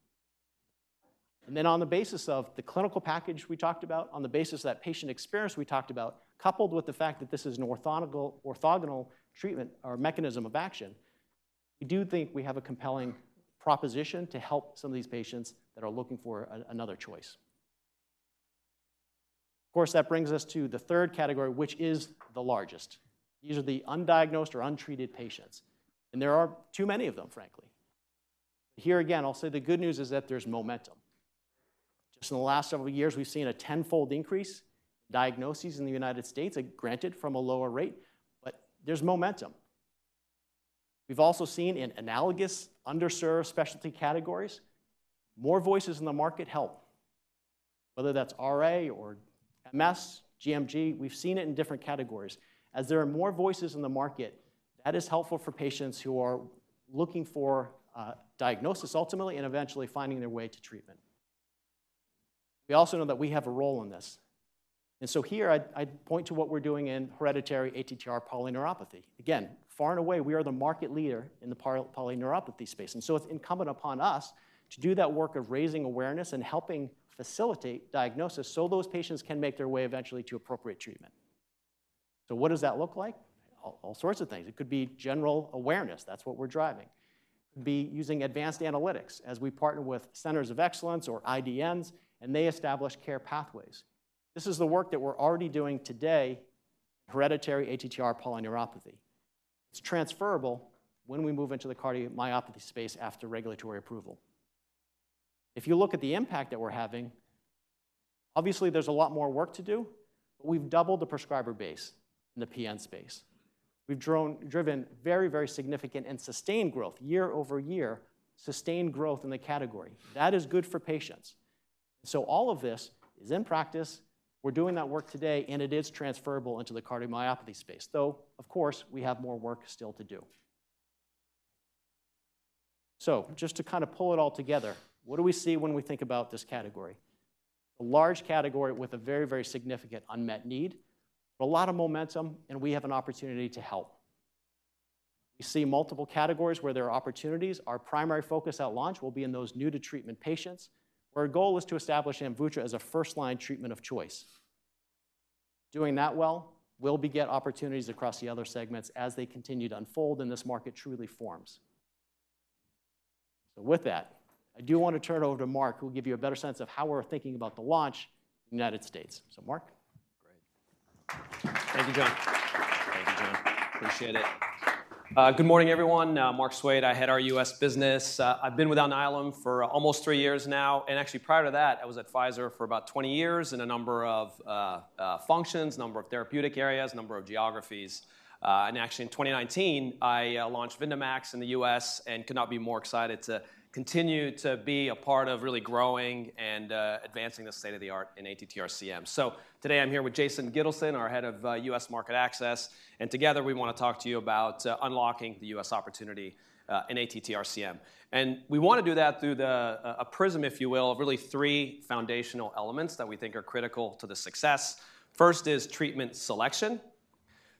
And then on the basis of the clinical package we talked about, on the basis of that patient experience we talked about, coupled with the fact that this is an orthogonal treatment or mechanism of action, we do think we have a compelling proposition to help some of these patients that are looking for another choice. Of course, that brings us to the third category, which is the largest. These are the undiagnosed or untreated patients, and there are too many of them, frankly. Here, again, I'll say the good news is that there's momentum. Just in the last several years, we've seen a tenfold increase in diagnoses in the United States, granted, from a lower rate, but there's momentum. We've also seen in analogous underserved specialty categories, more voices in the market help. Whether that's RA or MS, gMG, we've seen it in different categories. As there are more voices in the market, that is helpful for patients who are looking for diagnosis ultimately, and eventually finding their way to treatment. We also know that we have a role in this, and so here I, I'd point to what we're doing in hereditary ATTR polyneuropathy. Again, far and away, we are the market leader in the polyneuropathy space, and so it's incumbent upon us to do that work of raising awareness and helping facilitate diagnosis so those patients can make their way eventually to appropriate treatment. So what does that look like? All sorts of things. It could be general awareness. That's what we're driving. It could be using advanced analytics as we partner with centers of excellence or IDNs, and they establish care pathways. This is the work that we're already doing today, hereditary ATTR polyneuropathy. It's transferable when we move into the cardiomyopathy space after regulatory approval. If you look at the impact that we're having, obviously, there's a lot more work to do. We've doubled the prescriber base in the PN space. We've driven very, very significant and sustained growth, year-over-year sustained growth in the category. That is good for patients. So all of this is in practice, we're doing that work today, and it is transferable into the cardiomyopathy space, though, of course, we have more work still to do. So just to kind of pull it all together, what do we see when we think about this category? A large category with a very, very significant unmet need, but a lot of momentum, and we have an opportunity to help. We see multiple categories where there are opportunities. Our primary focus at launch will be in those new to treatment patients, where our goal is to establish Amvuttra as a first-line treatment of choice. Doing that well will beget opportunities across the other segments as they continue to unfold, and this market truly forms. So with that, I do want to turn it over to Mark, who will give you a better sense of how we're thinking about the launch in the United States. So, Mark? Great. Thank you, John. Appreciate it. Good morning, everyone. I'm Mark Sew. I head our U.S. business. I've been with Alnylam for almost three years now, and actually prior to that, I was at Pfizer for about 20 years in a number of functions, number of therapeutic areas, number of geographies. And actually, in 2019, I launched Vyndamax in the U.S. and could not be more excited to continue to be a part of really growing and advancing the state-of-the-art in ATTR-CM. So today I'm here with Jason Gittleson, our head of U.S. market access, and together we wanna talk to you about unlocking the U.S. opportunity in ATTR-CM. And we wanna do that through a prism, if you will, of really three foundational elements that we think are critical to the success. First is treatment selection,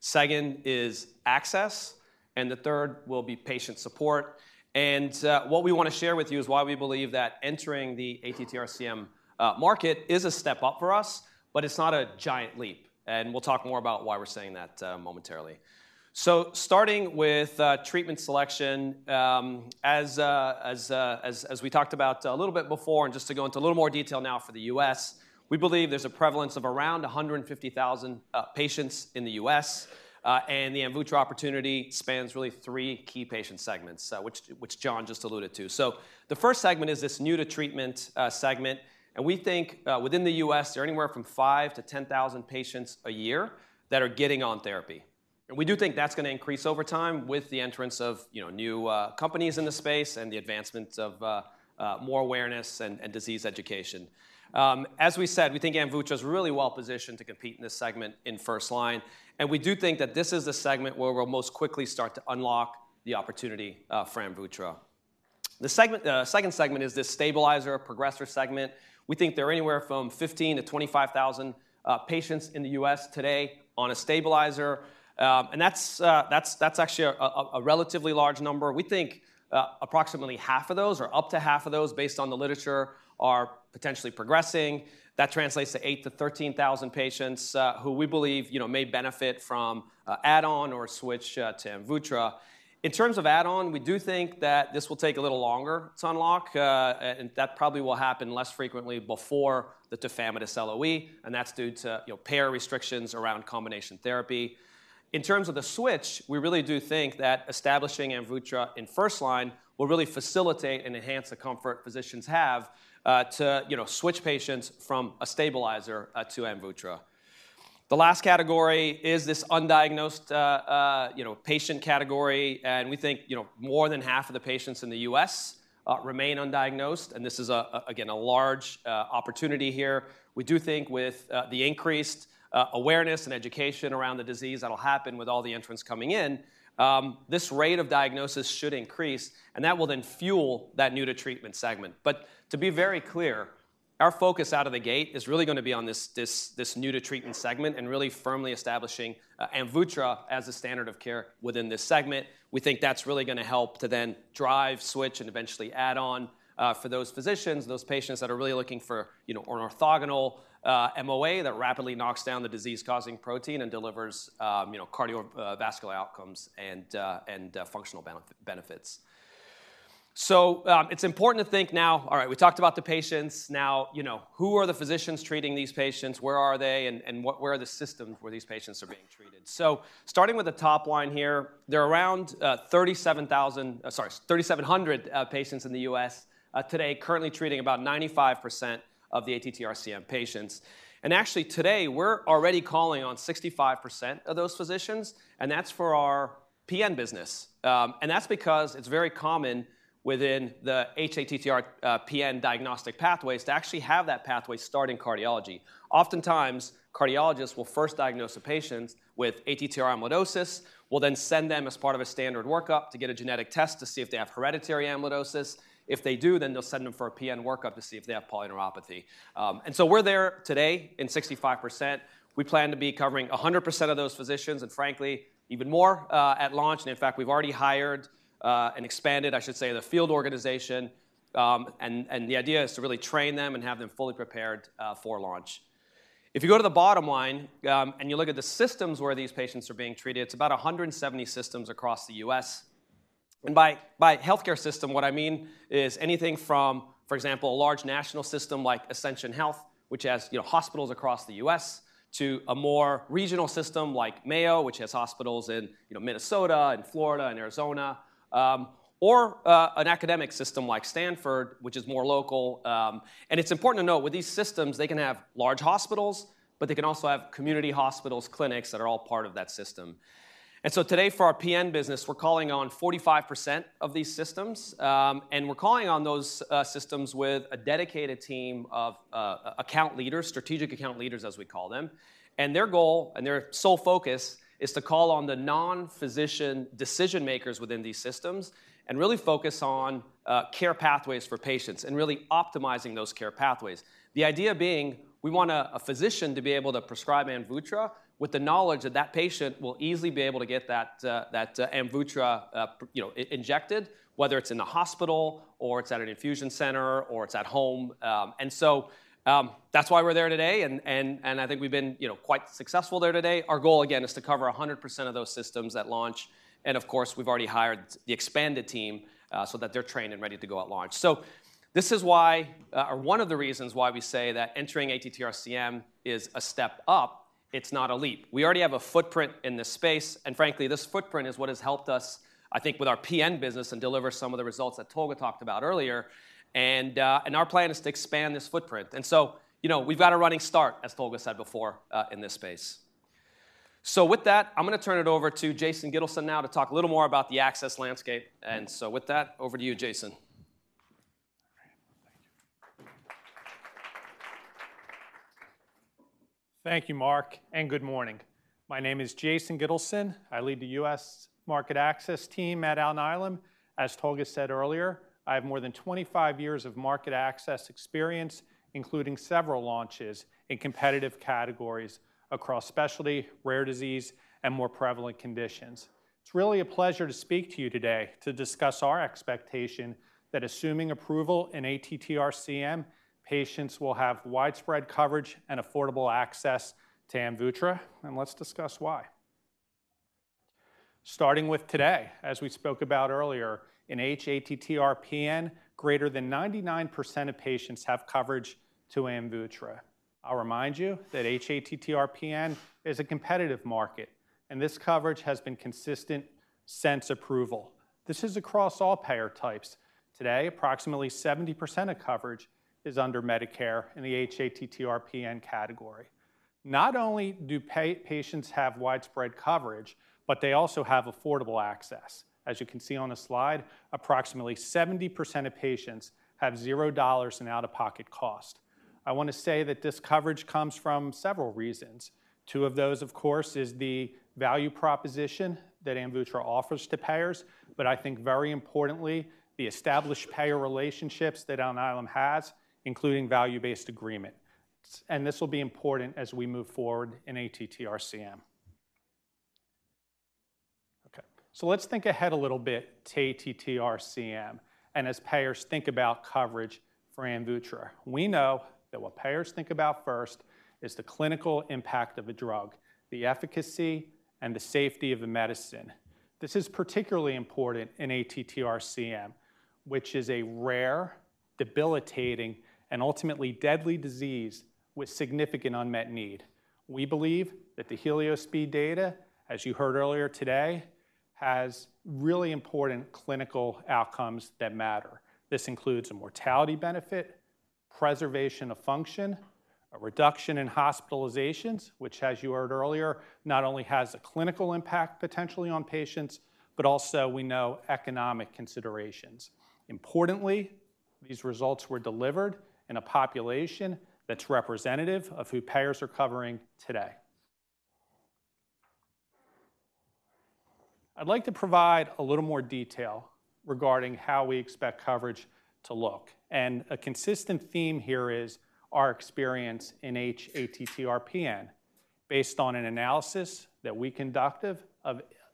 second is access, and the third will be patient support. And, what we wanna share with you is why we believe that entering the ATTR-CM market is a step up for us, but it's not a giant leap. And we'll talk more about why we're saying that, momentarily. So starting with treatment selection, as we talked about a little bit before, and just to go into a little more detail now for the U.S., we believe there's a prevalence of around 150,000 patients in the U.S., and the Amvuttra opportunity spans really three key patient segments, which John just alluded to. The first segment is this new to treatment segment, and we think within the U.S., there are anywhere from 5,000-10,000 patients a year that are getting on therapy. And we do think that's gonna increase over time with the entrance of, you know, new companies in the space and the advancement of more awareness and disease education. As we said, we think Amvuttra is really well-positioned to compete in this segment in first line, and we do think that this is the segment where we'll most quickly start to unlock the opportunity for Amvuttra. The second segment is this stabilizer progressor segment. We think there are anywhere from 15,000-20,000 patients in the U.S. today on a stabilizer, and that's actually a relatively large number. We think, approximately half of those or up to half of those, based on the literature, are potentially progressing. That translates to 8,000-13,000 patients, who we believe, you know, may benefit from an add-on or switch, to Amvuttra. In terms of add-on, we do think that this will take a little longer to unlock, and that probably will happen less frequently before the tafamidis LOE, and that's due to, you know, payer restrictions around combination therapy. In terms of the switch, we really do think that establishing Amvuttra in first line will really facilitate and enhance the comfort physicians have, to, you know, switch patients from a stabilizer, to Amvuttra. The last category is this undiagnosed, you know, patient category, and we think, you know, more than half of the patients in the U.S., remain undiagnosed, and this is again a large opportunity here. We do think with the increased awareness and education around the disease, that'll happen with all the entrants coming in, this rate of diagnosis should increase, and that will then fuel that new to treatment segment. But to be very clear. Our focus out of the gate is really gonna be on this new-to-treatment segment and really firmly establishing Amvuttra as the standard of care within this segment. We think that's really gonna help to then drive, switch, and eventually add on, for those physicians, those patients that are really looking for, you know, an orthogonal, MOA that rapidly knocks down the disease-causing protein and delivers, you know, cardiovascular outcomes and functional benefits. It's important to think now. All right, we talked about the patients. Now, you know, who are the physicians treating these patients? Where are they, and what, where are the systems where these patients are being treated? Starting with the top line here, there are around 3,700 patients in the U.S. today, currently treating about 95% of the ATTR-CM patients. And actually today, we're already calling on 65% of those physicians, and that's for our PN business. And that's because it's very common within the hATTR PN diagnostic pathways to actually have that pathway start in cardiology. Oftentimes, cardiologists will first diagnose the patients with ATTR amyloidosis, will then send them as part of a standard workup to get a genetic test to see if they have hereditary amyloidosis. If they do, then they'll send them for a PN workup to see if they have polyneuropathy. And so we're there today in 65%. We plan to be covering 100% of those physicians, and frankly, even more, at launch. And in fact, we've already hired and expanded, I should say, the field organization. And the idea is to really train them and have them fully prepared for launch. If you go to the bottom line, and you look at the systems where these patients are being treated, it's about 170 systems across the U.S. And by healthcare system, what I mean is anything from, for example, a large national system like Ascension Health, which has, you know, hospitals across the U.S., to a more regional system like Mayo, which has hospitals in, you know, Minnesota and Florida and Arizona, or an academic system like Stanford, which is more local. And it's important to note, with these systems, they can have large hospitals, but they can also have community hospitals, clinics that are all part of that system. And so today, for our PN business, we're calling on 45% of these systems. And we're calling on those systems with a dedicated team of account leaders, strategic account leaders, as we call them. And their goal and their sole focus is to call on the non-physician decision-makers within these systems and really focus on care pathways for patients and really optimizing those care pathways. The idea being, we want a physician to be able to prescribe Amvuttra with the knowledge that that patient will easily be able to get that Amvuttra, you know, injected, whether it's in the hospital or it's at an infusion center or it's at home. And so, that's why we're there today, and I think we've been, you know, quite successful there today. Our goal, again, is to cover 100% of those systems at launch, and of course, we've already hired the expanded team, so that they're trained and ready to go at launch. This is why, or one of the reasons why we say that entering ATTR-CM is a step up; it's not a leap. We already have a footprint in this space, and frankly, this footprint is what has helped us, I think, with our PN business and deliver some of the results that Tolga talked about earlier. And our plan is to expand this footprint. You know, we've got a running start, as Tolga said before, in this space. With that, I'm gonna turn it over to Jason Gittleson now to talk a little more about the access landscape. With that, over to you, Jason. All right. Thank you. Thank you, Mark, and good morning. My name is Jason Gittleson. I lead the U.S. Market Access team at Alnylam. As Tolga said earlier, I have more than 25 years of market access experience, including several launches in competitive categories across specialty, rare disease, and more prevalent conditions. It's really a pleasure to speak to you today to discuss our expectation that assuming approval in ATTR-CM, patients will have widespread coverage and affordable access to Amvuttra, and let's discuss why. Starting with today, as we spoke about earlier, in hATTR-PN, greater than 99% of patients have coverage to Amvuttra. I'll remind you that hATTR-PN is a competitive market, and this coverage has been consistent since approval. This is across all payer types. Today, approximately 70% of coverage is under Medicare in the hATTR-PN category. Not only do patients have widespread coverage, but they also have affordable access. As you can see on the slide, approximately 70% of patients have zero dollars in out-of-pocket cost. I wanna say that this coverage comes from several reasons. Two of those, of course, is the value proposition that Amvuttra offers to payers, but I think very importantly, the established payer relationships that Alnylam has, including value-based agreement. This will be important as we move forward in ATTR-CM. Okay, so let's think ahead a little bit to ATTR-CM and as payers think about coverage for Amvuttra. We know that what payers think about first is the clinical impact of a drug, the efficacy and the safety of the medicine. This is particularly important in ATTR-CM, which is a rare, debilitating, and ultimately deadly disease with significant unmet need. We believe that the HELIOS-B data, as you heard earlier today, has really important clinical outcomes that matter. This includes a mortality benefit, preservation of function, a reduction in hospitalizations, which, as you heard earlier, not only has a clinical impact potentially on patients, but also we know economic considerations. Importantly, these results were delivered in a population that's representative of who payers are covering today. I'd like to provide a little more detail regarding how we expect coverage to look. And a consistent theme here is our experience in hATTR PN. Based on an analysis that we conducted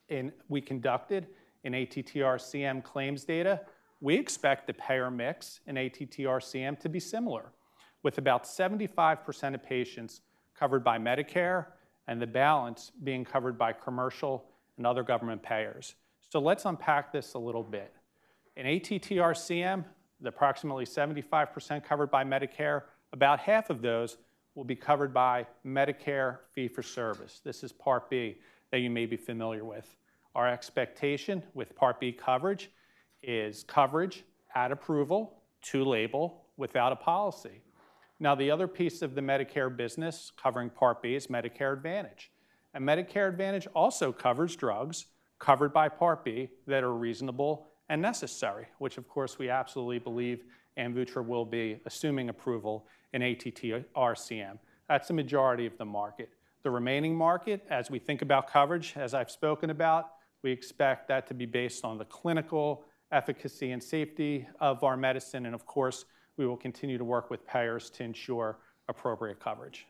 in ATTR CM claims data, we expect the payer mix in ATTR CM to be similar, with about 75% of patients covered by Medicare and the balance being covered by commercial and other government payers. So let's unpack this a little bit. In ATTR-CM, the approximately 75% covered by Medicare, about half of those will be covered by Medicare fee-for-service. This is Part B that you may be familiar with. Our expectation with Part B coverage is coverage at approval to label without a policy. Now, the other piece of the Medicare business covering Part B is Medicare Advantage, and Medicare Advantage also covers drugs covered by Part B that are reasonable and necessary, which of course, we absolutely believe Amvuttra will be, assuming approval in ATTR-CM. That's the majority of the market. The remaining market, as we think about coverage, as I've spoken about, we expect that to be based on the clinical efficacy and safety of our medicine, and of course, we will continue to work with payers to ensure appropriate coverage.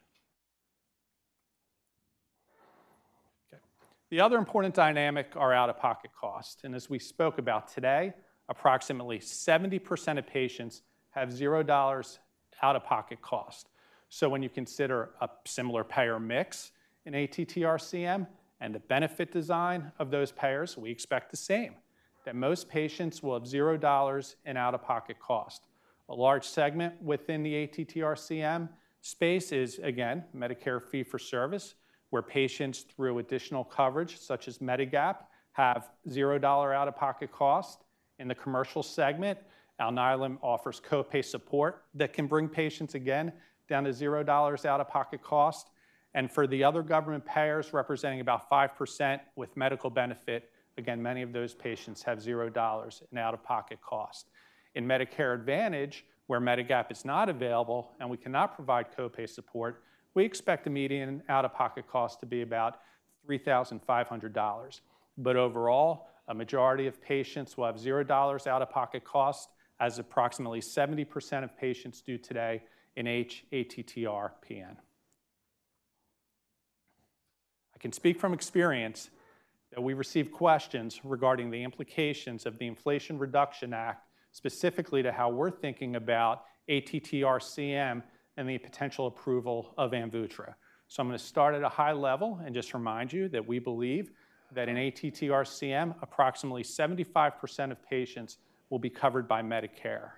Okay. The other important dynamic are out-of-pocket costs, and as we spoke about today, approximately 70% of patients have zero dollars out-of-pocket cost. So when you consider a similar payer mix in ATTR CM and the benefit design of those payers, we expect the same, that most patients will have zero dollars out-of-pocket cost. A large segment within the ATTR CM space is, again, Medicare fee-for-service, where patients, through additional coverage, such as Medigap, have zero dollars out-of-pocket cost. In the commercial segment, Alnylam offers co-pay support that can bring patients, again, down to zero dollars out-of-pocket cost. And for the other government payers, representing about 5% with medical benefit, again, many of those patients have zero dollars out-of-pocket cost. In Medicare Advantage, where Medigap is not available and we cannot provide co-pay support, we expect the median out-of-pocket cost to be about $3,500. But overall, a majority of patients will have zero dollars out-of-pocket cost, as approximately 70% of patients do today in hATTR PN. I can speak from experience that we receive questions regarding the implications of the Inflation Reduction Act, specifically to how we're thinking about ATTR CM and the potential approval of Amvuttra, so I'm gonna start at a high level and just remind you that we believe that in ATTR CM, approximately 75% of patients will be covered by Medicare.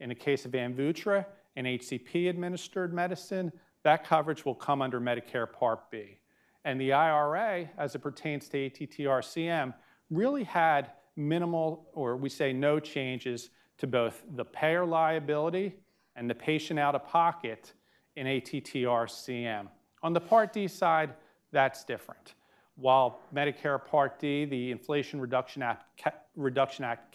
In the case of Amvuttra, an HCP-administered medicine, that coverage will come under Medicare Part B. The IRA, as it pertains to ATTR CM, really had minimal, or we say, no changes to both the payer liability and the patient out-of-pocket in ATTR CM. On the Part D side, that's different. While Medicare Part D, the Inflation Reduction Act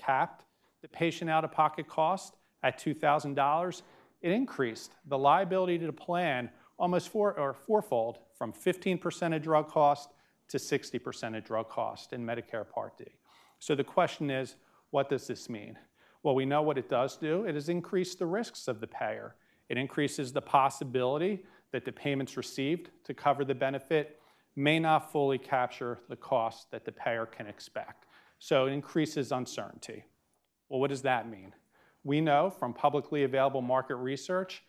capped the patient out-of-pocket cost at $2,000, it increased the liability to the plan almost fourfold, from 15% of drug cost to 60% of drug cost in Medicare Part D. So the question is: What does this mean? Well, what does that mean? We know from publicly available market research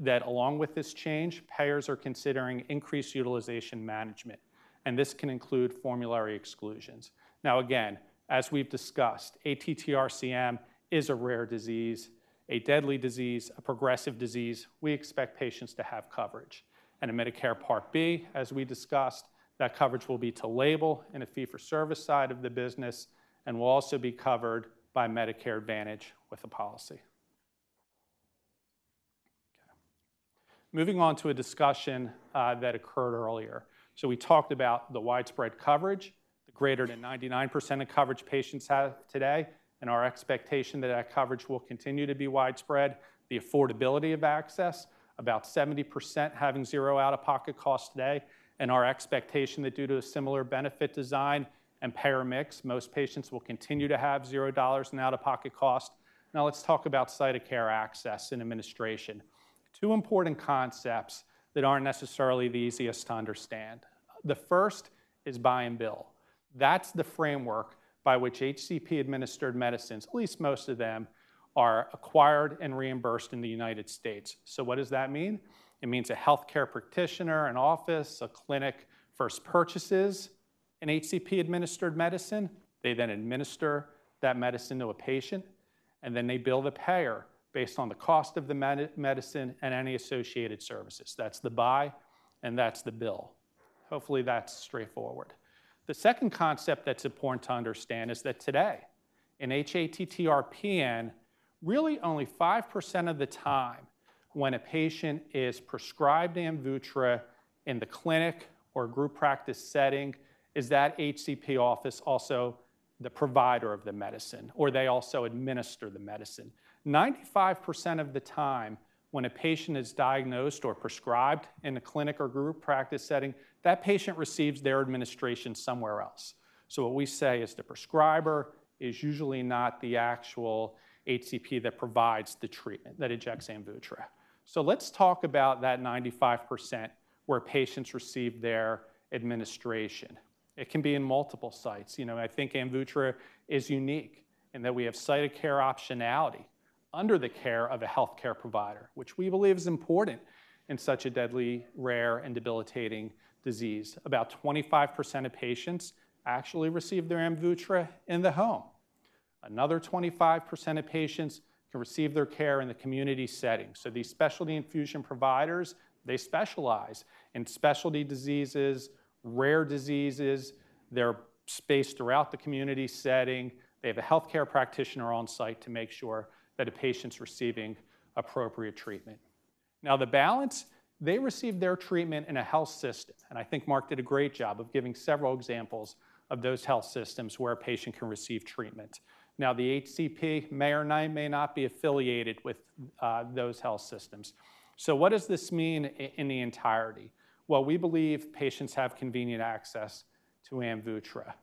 that along with this change, payers are considering increased utilization management, and this can include formulary exclusions. Now, again, as we've discussed, ATTR CM is a rare disease, a deadly disease, a progressive disease. We expect patients to have coverage, and in Medicare Part B, as we discussed, that coverage will be to label in a fee-for-service side of the business and will also be covered by Medicare Advantage with a policy. Okay. Moving on to a discussion that occurred earlier. So we talked about the widespread coverage, the greater than 99% of coverage patients have today, and our expectation that that coverage will continue to be widespread, the affordability of access, about 70% having zero out-of-pocket costs today, and our expectation that due to a similar benefit design and payer mix, most patients will continue to have zero dollars in out-of-pocket cost. Now let's talk about site of care access and administration. Two important concepts that aren't necessarily the easiest to understand. The first is buy and bill. That's the framework by which HCP-administered medicines, at least most of them, are acquired and reimbursed in the United States. So what does that mean? It means a healthcare practitioner, an office, a clinic first purchases an HCP-administered medicine. They then administer that medicine to a patient, and then they bill the payer based on the cost of the medicine and any associated services. That's the buy, and that's the bill. Hopefully, that's straightforward. The second concept that's important to understand is that today, in hATTR-PN, really only 5% of the time when a patient is prescribed Amvuttra in the clinic or group practice setting, is that HCP office also the provider of the medicine, or they also administer the medicine. 95% of the time, when a patient is diagnosed or prescribed in a clinic or group practice setting, that patient receives their administration somewhere else. So what we say is the prescriber is usually not the actual HCP that provides the treatment, that injects Amvuttra. So let's talk about that 95% where patients receive their administration. It can be in multiple sites. You know, I think Amvuttra is unique in that we have site of care optionality under the care of a healthcare provider, which we believe is important in such a deadly, rare, and debilitating disease. About 25% of patients actually receive their Amvuttra in the home. Another 25% of patients can receive their care in the community setting. So these specialty infusion providers, they specialize in specialty diseases, rare diseases. They're spaced throughout the community setting. They have a healthcare practitioner on site to make sure that a patient's receiving appropriate treatment. Now, the balance, they receive their treatment in a health system, and I think Mark did a great job of giving several examples of those health systems where a patient can receive treatment. Now, the HCP may or may not be affiliated with those health systems. So what does this mean in the entirety? We believe patients have convenient access to Amvuttra.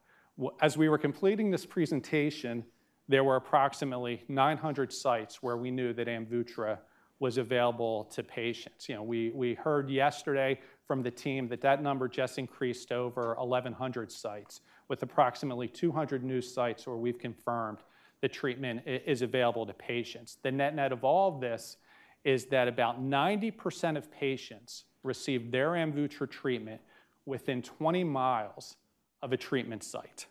As we were completing this presentation, there were approximately 900 sites where we knew that Amvuttra was available to patients. You know, we heard yesterday from the team that that number just increased over 1,100 sites, with approximately 200 new sites where we've confirmed that treatment is available to patients. The net-net of all this is that about 90% of patients receive their Amvuttra treatment within 20 mi of a treatment site,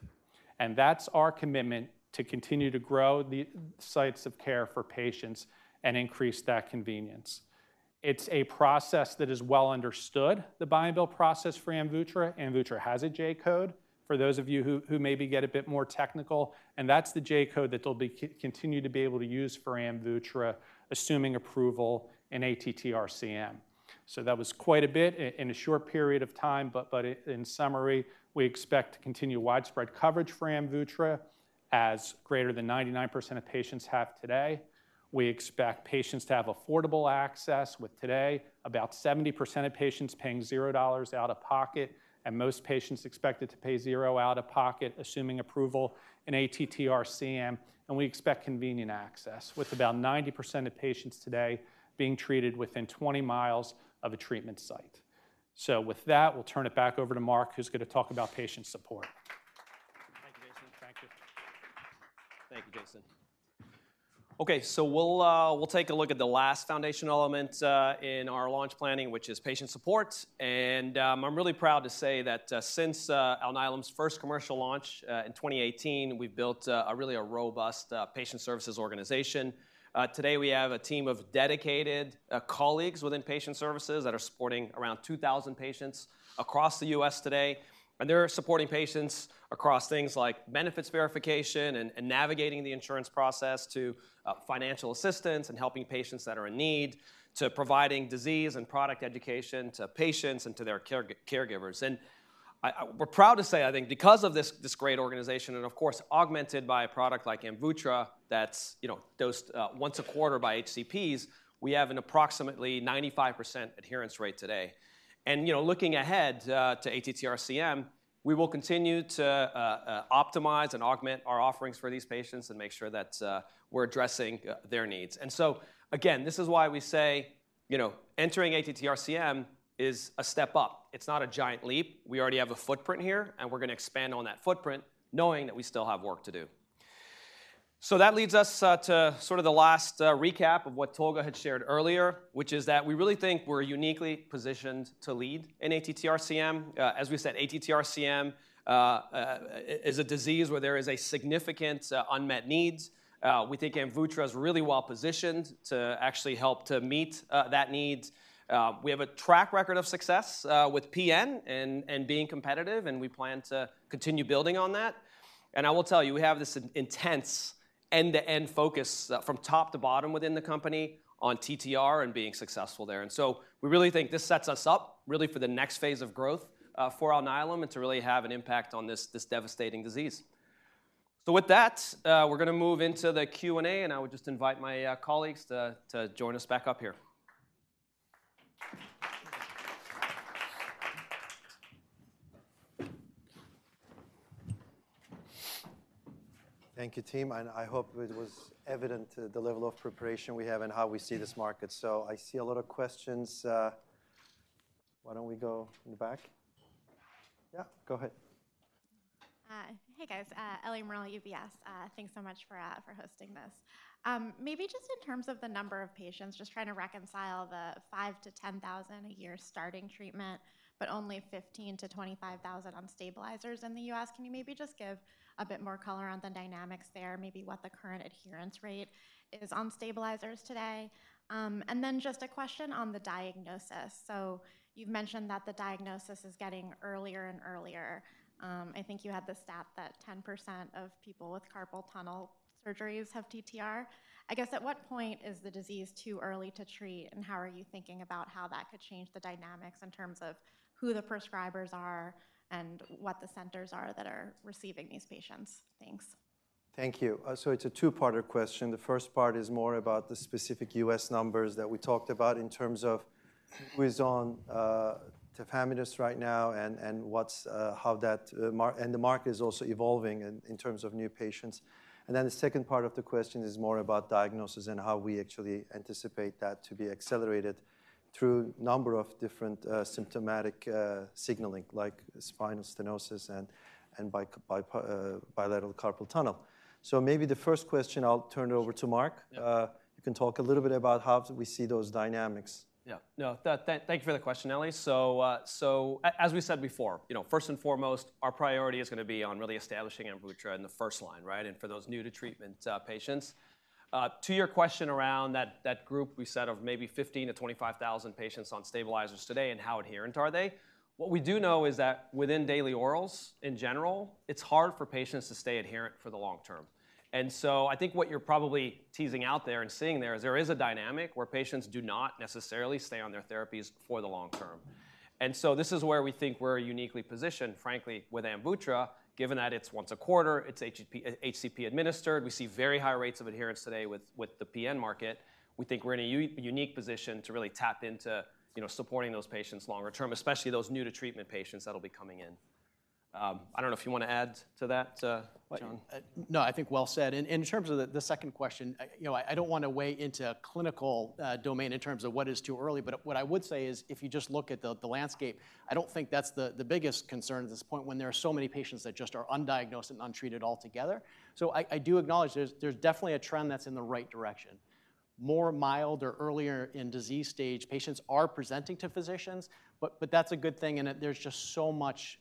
and that's our commitment to continue to grow the sites of care for patients and increase that convenience. It's a process that is well understood, the buy and bill process for Amvuttra. Amvuttra has a J-code, for those of you who maybe get a bit more technical, and that's the J-code that they'll continue to be able to use for Amvuttra, assuming approval in ATTRCM. So that was quite a bit in a short period of time, but in summary, we expect to continue widespread coverage for Amvuttra as greater than 99% of patients have today. We expect patients to have affordable access, with today about 70% of patients paying zero dollars out of pocket, and most patients expected to pay zero dollars out of pocket, assuming approval in ATTRCM. And we expect convenient access, with about 90% of patients today being treated within 20 mi of a treatment site. So with that, we'll turn it back over to Mark, who's gonna talk about patient support. Thank you, Jason. Okay, so we'll take a look at the last foundation element in our launch planning, which is patient support. And I'm really proud to say that since Alnylam's first commercial launch in 2018, we've built a really robust patient services organization. Today we have a team of dedicated colleagues within patient services that are supporting around 2,000 patients across the U.S. today, and they're supporting patients across things like benefits verification and navigating the insurance process to financial assistance and helping patients that are in need, to providing disease and product education to patients and to their caregivers. And I we're proud to say, I think, because of this, this great organization, and of course, augmented by a product like Amvuttra, that's, you know, dosed once a quarter by HCPs, we have an approximately 95% adherence rate today. You know, looking ahead to ATTRCM, we will continue to optimize and augment our offerings for these patients and make sure that we're addressing their needs. So again, this is why we say, you know, entering ATTRCM is a step up. It's not a giant leap. We already have a footprint here, and we're gonna expand on that footprint, knowing that we still have work to do. That leads us to sort of the last recap of what Tolga had shared earlier, which is that we really think we're uniquely positioned to lead in ATTRCM. As we said, ATTRCM is a disease where there is a significant unmet needs. We think Amvuttra is really well positioned to actually help to meet that need. We have a track record of success with PN and being competitive, and we plan to continue building on that, and I will tell you, we have this intense end-to-end focus from top to bottom within the company on TTR and being successful there, so we really think this sets us up really for the next phase of growth for Alnylam and to really have an impact on this devastating disease. With that, we're gonna move into the Q&A, and I would just invite my colleagues to join us back up here. Thank you, team, and I hope it was evident, the level of preparation we have and how we see this market. So I see a lot of questions. Why don't we go in the back? Yeah, go ahead. Hey, guys, Eliana Merle, UBS. Thanks so much for hosting this. Maybe just in terms of the number of patients, just trying to reconcile the 5,000-10,000 a year starting treatment, but only 15,000-25,000 on stabilizers in the U.S. Can you maybe just give a bit more color on the dynamics there, maybe what the current adherence rate is on stabilizers today? And then just a question on the diagnosis. So you've mentioned that the diagnosis is getting earlier and earlier. I think you had the stat that 10% of people with carpal tunnel surgeries have TTR. I guess, at what point is the disease too early to treat, and how are you thinking about how that could change the dynamics in terms of who the prescribers are and what the centers are that are receiving these patients? Thanks.... Thank you. So it's a two-parter question. The first part is more about the specific U.S. numbers that we talked about in terms of who is on tafamidis right now, and the market is also evolving in terms of new patients. And then the second part of the question is more about diagnosis and how we actually anticipate that to be accelerated through a number of different symptomatic signaling, like spinal stenosis and bilateral carpal tunnel. So maybe the first question, I'll turn it over to Mark. Yeah. You can talk a little bit about how we see those dynamics. Yeah. No, thank you for the question, Ellie. So, as we said before, you know, first and foremost, our priority is gonna be on really establishing Amvuttra in the first line, right? And for those new to treatment, patients. To your question around that, that group we said of maybe 15,000-25,000 patients on stabilizers today, and how adherent are they? What we do know is that within daily orals, in general, it's hard for patients to stay adherent for the long term. And so I think what you're probably teasing out there and seeing there is a dynamic where patients do not necessarily stay on their therapies for the long term. And so this is where we think we're uniquely positioned, frankly, with Amvuttra, given that it's once a quarter, it's HCP administered. We see very high rates of adherence today with the PN market. We think we're in a unique position to really tap into, you know, supporting those patients longer term, especially those new to treatment patients that'll be coming in. I don't know if you want to add to that, John. No, I think well said. In terms of the second question, you know, I don't want to weigh into a clinical domain in terms of what is too early, but what I would say is if you just look at the landscape, I don't think that's the biggest concern at this point when there are so many patients that just are undiagnosed and untreated altogether. So I do acknowledge there's definitely a trend that's in the right direction. More mild or earlier in disease stage, patients are presenting to physicians, but that's a good thing, and there's just so much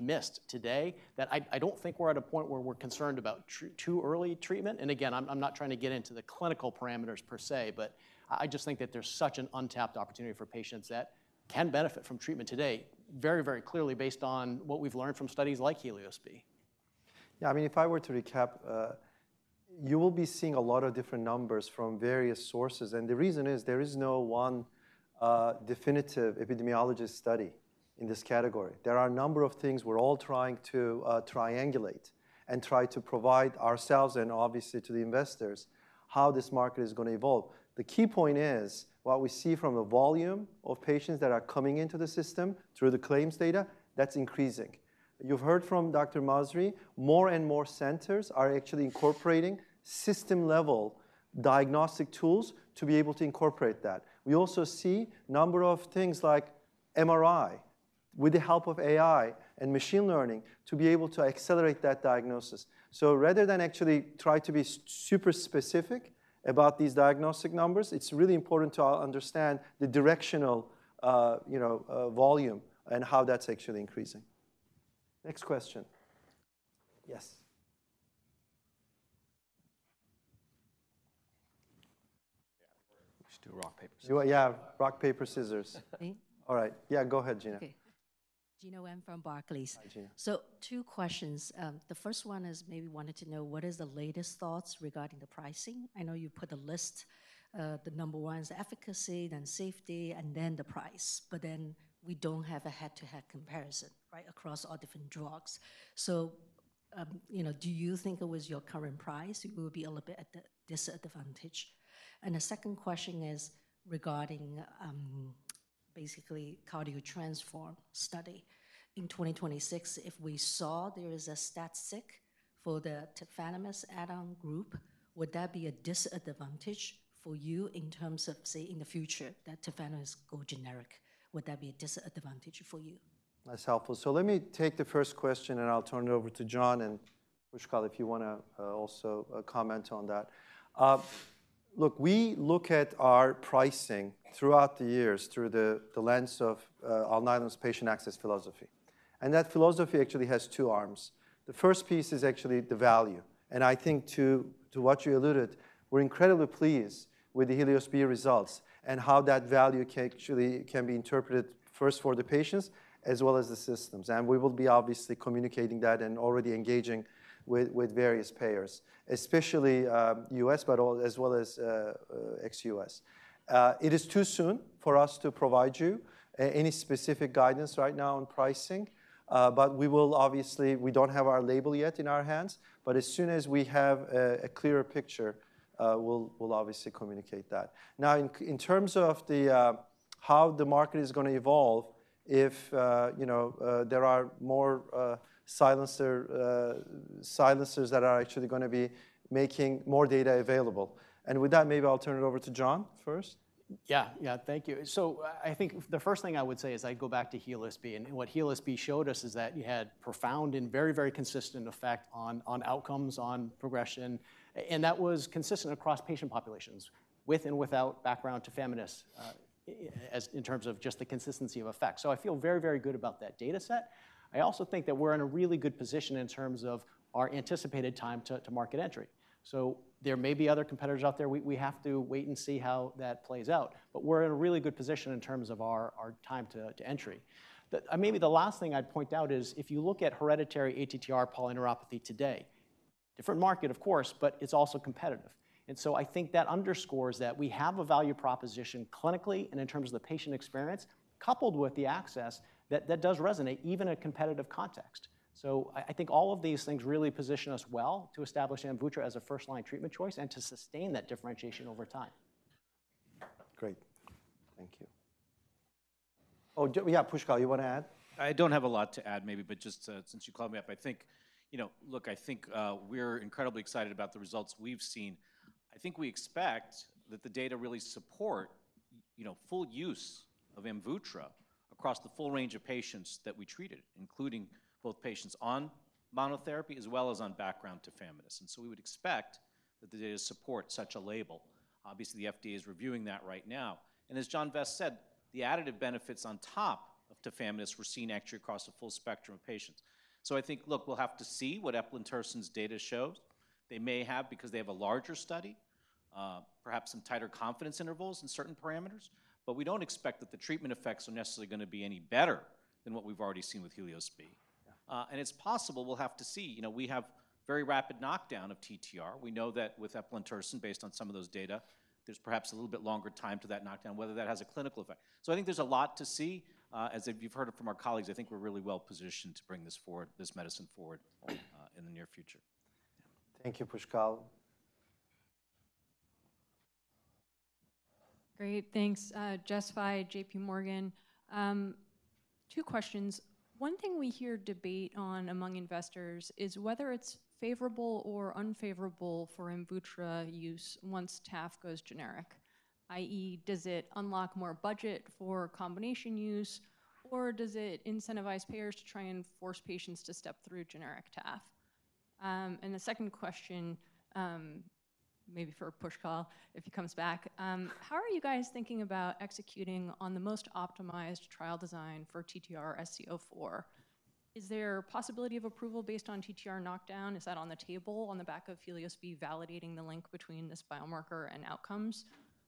missed today that I don't think we're at a point where we're concerned about too early treatment. Again, I'm not trying to get into the clinical parameters per se, but I just think that there's such an untapped opportunity for patients that can benefit from treatment today, very, very clearly, based on what we've learned from studies like HELIOS-B. Yeah, I mean, if I were to recap, you will be seeing a lot of different numbers from various sources, and the reason is there is no one definitive epidemiological study in this category. There are a number of things we're all trying to triangulate and try to provide ourselves and obviously to the investors, how this market is gonna evolve. The key point is, what we see from a volume of patients that are coming into the system through the claims data, that's increasing. You've heard from Dr. Masri, more and more centers are actually incorporating system-level diagnostic tools to be able to incorporate that. We also see a number of things like MRI, with the help of AI and machine learning, to be able to accelerate that diagnosis. Rather than actually try to be super specific about these diagnostic numbers, it's really important to understand the directional, you know, volume and how that's actually increasing. Next question. Yes. Let's do rock, paper, scissors. Yeah, rock, paper, scissors. Me? All right. Yeah, go ahead, Gena. Okay. Gena Wang from Barclays. Hi, Gena. So two questions. The first one is maybe wanted to know, what is the latest thoughts regarding the pricing? I know you put a list, the number one is efficacy, then safety, and then the price, but then we don't have a head-to-head comparison, right, across all different drugs. So, you know, do you think it was your current price, it will be a little bit at a disadvantage? And the second question is regarding, basically, how do you transform study in 2026? If we saw there is a substudy for the Tafamidis add-on group, would that be a disadvantage for you in terms of, say, in the future, that Tafamidis go generic? Would that be a disadvantage for you? That's helpful. So let me take the first question, and I'll turn it over to John and Pushkal, if you wanna also comment on that. Look, we look at our pricing throughout the years through the lens of Alnylam's patient access philosophy. And that philosophy actually has two arms. The first piece is actually the value, and I think to what you alluded, we're incredibly pleased with the HELIOS-B results and how that value can actually be interpreted first for the patients as well as the systems. And we will be obviously communicating that and already engaging with various payers, especially U.S., but as well as ex-U.S. It is too soon for us to provide you any specific guidance right now on pricing, but we will obviously... We don't have our label yet in our hands, but as soon as we have a clearer picture, we'll obviously communicate that. Now, in terms of how the market is gonna evolve, if you know there are more silencers that are actually gonna be making more data available, and with that, maybe I'll turn it over to John first. Yeah, yeah, thank you. So I think the first thing I would say is I'd go back to HELIOS-B, and what HELIOS-B showed us is that you had profound and very, very consistent effect on outcomes, on progression, and that was consistent across patient populations, with and without background tafamidis, as in terms of just the consistency of effect. So I feel very, very good about that data set. I also think that we're in a really good position in terms of our anticipated time to market entry. So there may be other competitors out there. We have to wait and see how that plays out, but we're in a really good position in terms of our time to entry. Maybe the last thing I'd point out is if you look at hereditary ATTR polyneuropathy today, different market, of course, but it's also competitive. And so I think that underscores that we have a value proposition clinically and in terms of the patient experience, coupled with the access that does resonate even in a competitive context. So I think all of these things really position us well to establish Amvuttra as a first-line treatment choice and to sustain that differentiation over time.... Great. Thank you. Oh, yeah, Pushkal, you want to add? I don't have a lot to add maybe, but just, since you called me up, I think, you know. Look, I think, we're incredibly excited about the results we've seen. I think we expect that the data really support, you know, full use of Amvuttra across the full range of patients that we treated, including both patients on monotherapy as well as on background tafamidis. And so we would expect that the data support such a label. Obviously, the FDA is reviewing that right now. And as John Vest said, the additive benefits on top of tafamidis were seen actually across a full spectrum of patients. So I think, look, we'll have to see what eplontersen's data shows. They may have, because they have a larger study, perhaps some tighter confidence intervals in certain parameters. But we don't expect that the treatment effects are necessarily gonna be any better than what we've already seen with HELIOS-B. Yeah. And it's possible we'll have to see. You know, we have very rapid knockdown of TTR. We know that with Eplontersen, based on some of those data, there's perhaps a little bit longer time to that knockdown, whether that has a clinical effect. So I think there's a lot to see. As you've heard it from our colleagues, I think we're really well positioned to bring this forward, this medicine forward, in the near future. Thank you, Pushkal. Great, thanks. Jessica Fye, JP Morgan. Two questions. One thing we hear debate on among investors is whether it's favorable or unfavorable for Amvuttra use once taf goes generic, i.e., does it unlock more budget for combination use, or does it incentivize payers to try and force patients to step through generic taf? And the second question, maybe for Pushkal, if he comes back. How are you guys thinking about executing on the most optimized trial design for TTRsc04? Is there possibility of approval based on TTR knockdown? Is that on the table on the back of HELIOS-B validating the link between this biomarker and outcomes,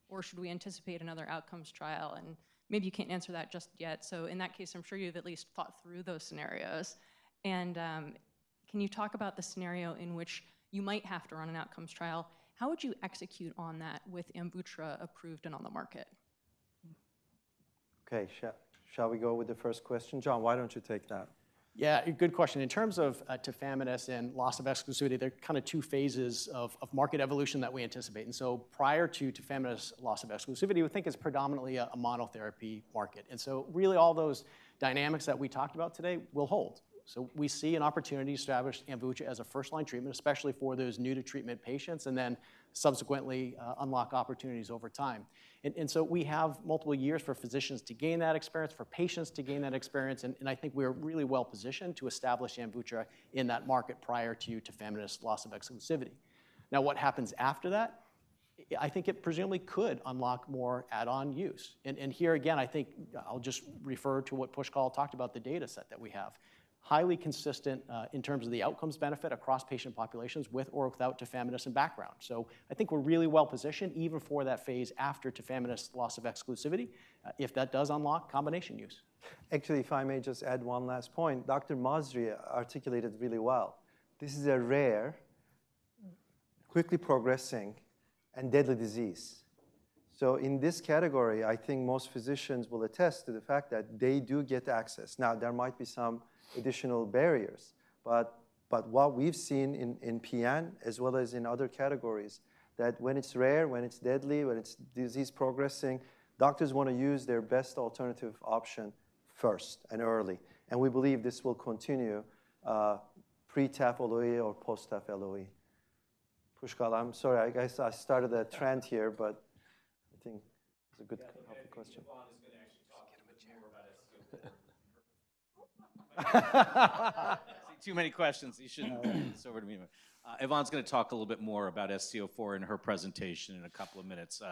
or should we anticipate another outcomes trial? And maybe you can't answer that just yet. So in that case, I'm sure you've at least thought through those scenarios. Can you talk about the scenario in which you might have to run an outcomes trial? How would you execute on that with Amvuttra approved and on the market? Okay, shall we go with the first question? John, why don't you take that? Yeah, a good question. In terms of tafamidis and loss of exclusivity, there are kinda two phases of market evolution that we anticipate. And so prior to tafamidis' loss of exclusivity, we think it's predominantly a monotherapy market. And so really all those dynamics that we talked about today will hold. So we see an opportunity to establish Amvuttra as a first-line treatment, especially for those new to treatment patients, and then subsequently unlock opportunities over time. And so we have multiple years for physicians to gain that experience, for patients to gain that experience, and I think we're really well positioned to establish Amvuttra in that market prior to tafamidis' loss of exclusivity. Now, what happens after that? I think it presumably could unlock more add-on use. Here again, I think I'll just refer to what Pushkal talked about the data set that we have. Highly consistent in terms of the outcomes benefit across patient populations, with or without Tafamidis and background. So I think we're really well positioned even for that phase after Tafamidis' loss of exclusivity, if that does unlock combination use. Actually, if I may just add one last point, Dr. Masri articulated really well. This is a rare, quickly progressing, and deadly disease. So in this category, I think most physicians will attest to the fact that they do get access. Now, there might be some additional barriers, but what we've seen in PN, as well as in other categories, that when it's rare, when it's deadly, when it's disease progressing, doctors wanna use their best alternative option first and early, and we believe this will continue pre-TAF LOE or post-TAF LOE. Pushkal, I'm sorry, I guess I started a trend here, but I think it's a good, relevant question. Yvonne is gonna actually talk- Get him a chair.... more about it. See, too many questions. You should save your questions for me. Yvonne's gonna talk a little bit more about SC04 in her presentation in a couple of minutes.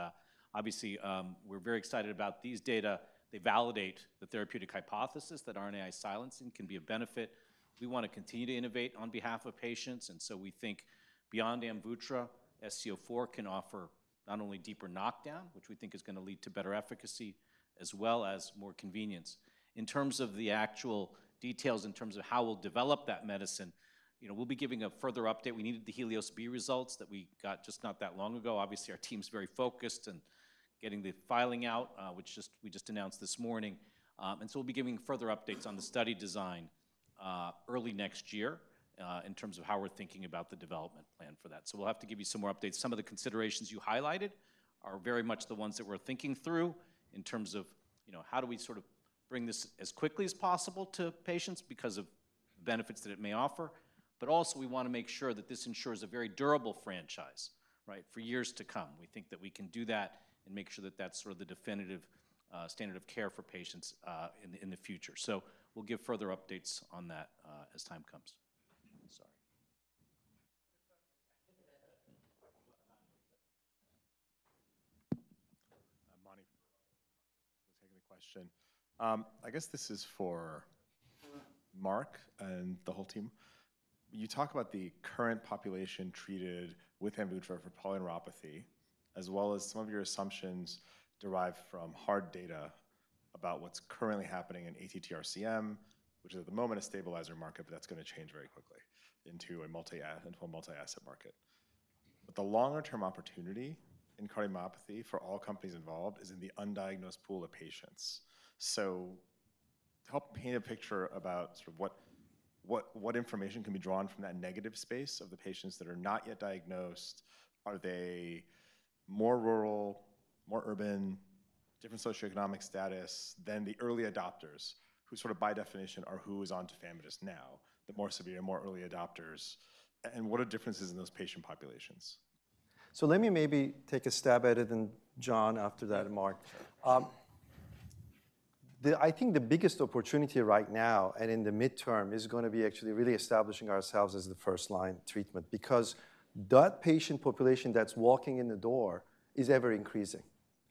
Obviously, we're very excited about these data. They validate the therapeutic hypothesis that RNAi silencing can be of benefit. We wanna continue to innovate on behalf of patients, and so we think beyond Amvuttra, SC04 can offer not only deeper knockdown, which we think is gonna lead to better efficacy, as well as more convenience. In terms of the actual details, in terms of how we'll develop that medicine, you know, we'll be giving a further update. We needed the HELIOS-B results that we got just not that long ago. Obviously, our team's very focused in getting the filing out, which we just announced this morning. And so we'll be giving further updates on the study design, early next year, in terms of how we're thinking about the development plan for that. So we'll have to give you some more updates. Some of the considerations you highlighted are very much the ones that we're thinking through in terms of, you know, how do we sort of bring this as quickly as possible to patients because of benefits that it may offer. But also, we wanna make sure that this ensures a very durable franchise, right, for years to come. We think that we can do that and make sure that that's sort of the definitive, standard of care for patients, in the, in the future. So we'll give further updates on that, as time comes. Sorry. Mani, for taking the question. I guess this is for Mark and the whole team. You talk about the current population treated with Amvuttra for polyneuropathy, as well as some of your assumptions derived from hard data about what's currently happening in ATTR-CM, which is at the moment, a stabilizer market, but that's gonna change very quickly into a multi-asset market. But the longer-term opportunity in cardiomyopathy for all companies involved is in the undiagnosed pool of patients. So help paint a picture about sort of what information can be drawn from that negative space of the patients that are not yet diagnosed? Are they more rural, more urban, different socioeconomic status than the early adopters, who sort of by definition are who is on Tafamidis now, the more severe, more early adopters, and what are differences in those patient populations? So let me maybe take a stab at it, and John, after that, and Mark. I think the biggest opportunity right now and in the midterm is going to be actually really establishing ourselves as the first-line treatment, because that patient population that's walking in the door is ever-increasing,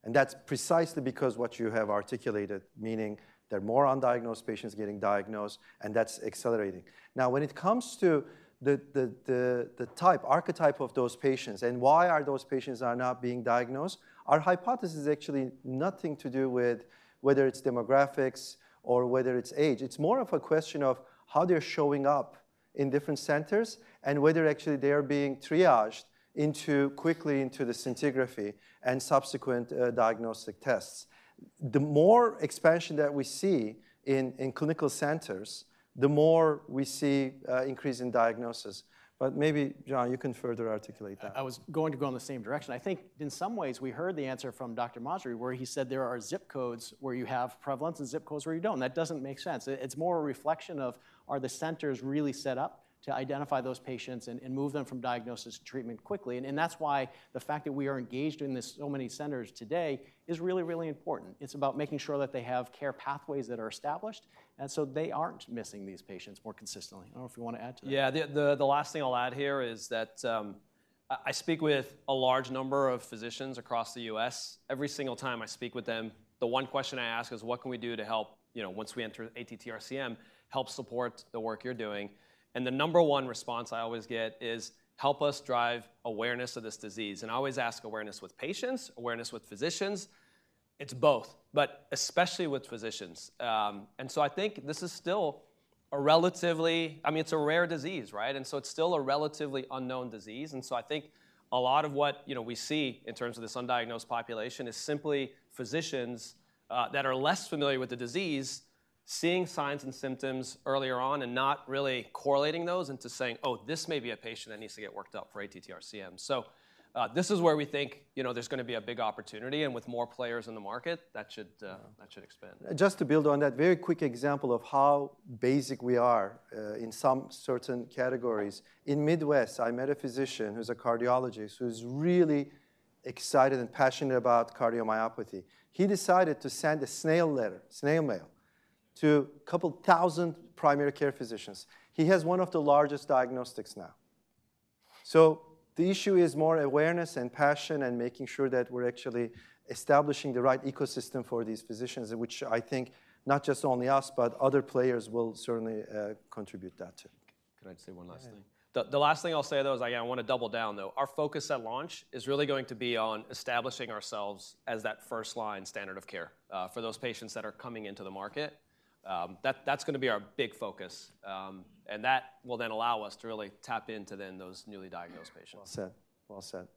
and that's precisely because what you have articulated, meaning there are more undiagnosed patients getting diagnosed, and that's accelerating. Now, when it comes to the type, archetype of those patients, and why those patients are not being diagnosed, our hypothesis is actually nothing to do with whether it's demographics or whether it's age. It's more of a question of how they're showing up in different centers and whether actually they are being triaged into quickly into the scintigraphy and subsequent diagnostic tests. The more expansion that we see in clinical centers, the more we see increase in diagnosis. But maybe, John, you can further articulate that. I was going to go in the same direction. I think in some ways, we heard the answer from Dr. Masri, where he said there are zip codes where you have prevalence and zip codes where you don't. That doesn't make sense. It's more a reflection of are the centers really set up to identify those patients and move them from diagnosis to treatment quickly? And that's why the fact that we are engaged with so many centers today is really, really important. It's about making sure that they have care pathways that are established, and so they aren't missing these patients more consistently. I don't know if you want to add to that. Yeah. The last thing I'll add here is that I speak with a large number of physicians across the U.S. Every single time I speak with them, the one question I ask is: What can we do to help, you know, once we enter ATTR-CM, help support the work you're doing? And the number one response I always get is, "Help us drive awareness of this disease." And I always ask, "Awareness with patients? Awareness with physicians?" It's both, but especially with physicians. And so I think this is still a relatively... I mean, it's a rare disease, right? And so it's still a relatively unknown disease, and so I think a lot of what, you know, we see in terms of this undiagnosed population is simply physicians that are less familiar with the disease, seeing signs and symptoms earlier on and not really correlating those into saying, "Oh, this may be a patient that needs to get worked up for ATTR-CM." So, this is where we think, you know, there's gonna be a big opportunity, and with more players in the market, that should expand. Just to build on that, a very quick example of how basic we are in some certain categories. In the Midwest, I met a physician who's a cardiologist, who's really excited and passionate about cardiomyopathy. He decided to send a snail letter, snail mail, to a couple thousand primary care physicians. He has one of the largest diagnostics now. So the issue is more awareness and passion and making sure that we're actually establishing the right ecosystem for these physicians, which I think not just only us, but other players will certainly contribute that, too. Could I say one last thing? Go ahead. The last thing I'll say, though, is I wanna double down, though. Our focus at launch is really going to be on establishing ourselves as that first-line standard of care for those patients that are coming into the market. That's gonna be our big focus, and that will then allow us to really tap into then those newly diagnosed patients. Well said. Well said.